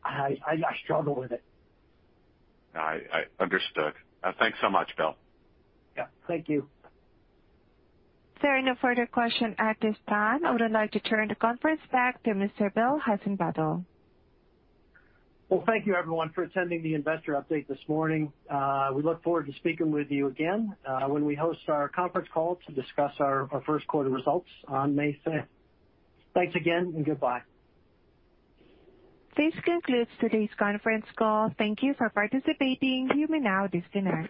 C: I struggle with it.
L: Understood. Thanks so much, Bill.
C: Yeah. Thank you.
A: There are no further questions at this time. I would like to turn the conference back to Mr. Bill Heissenbuttel.
C: Well, thank you everyone for attending the investor update this morning. We look forward to speaking with you again, when we host our conference call to discuss our first quarter results on May fifth. Thanks again and goodbye.
A: This concludes today's conference call. Thank you for participating. You may now disconnect.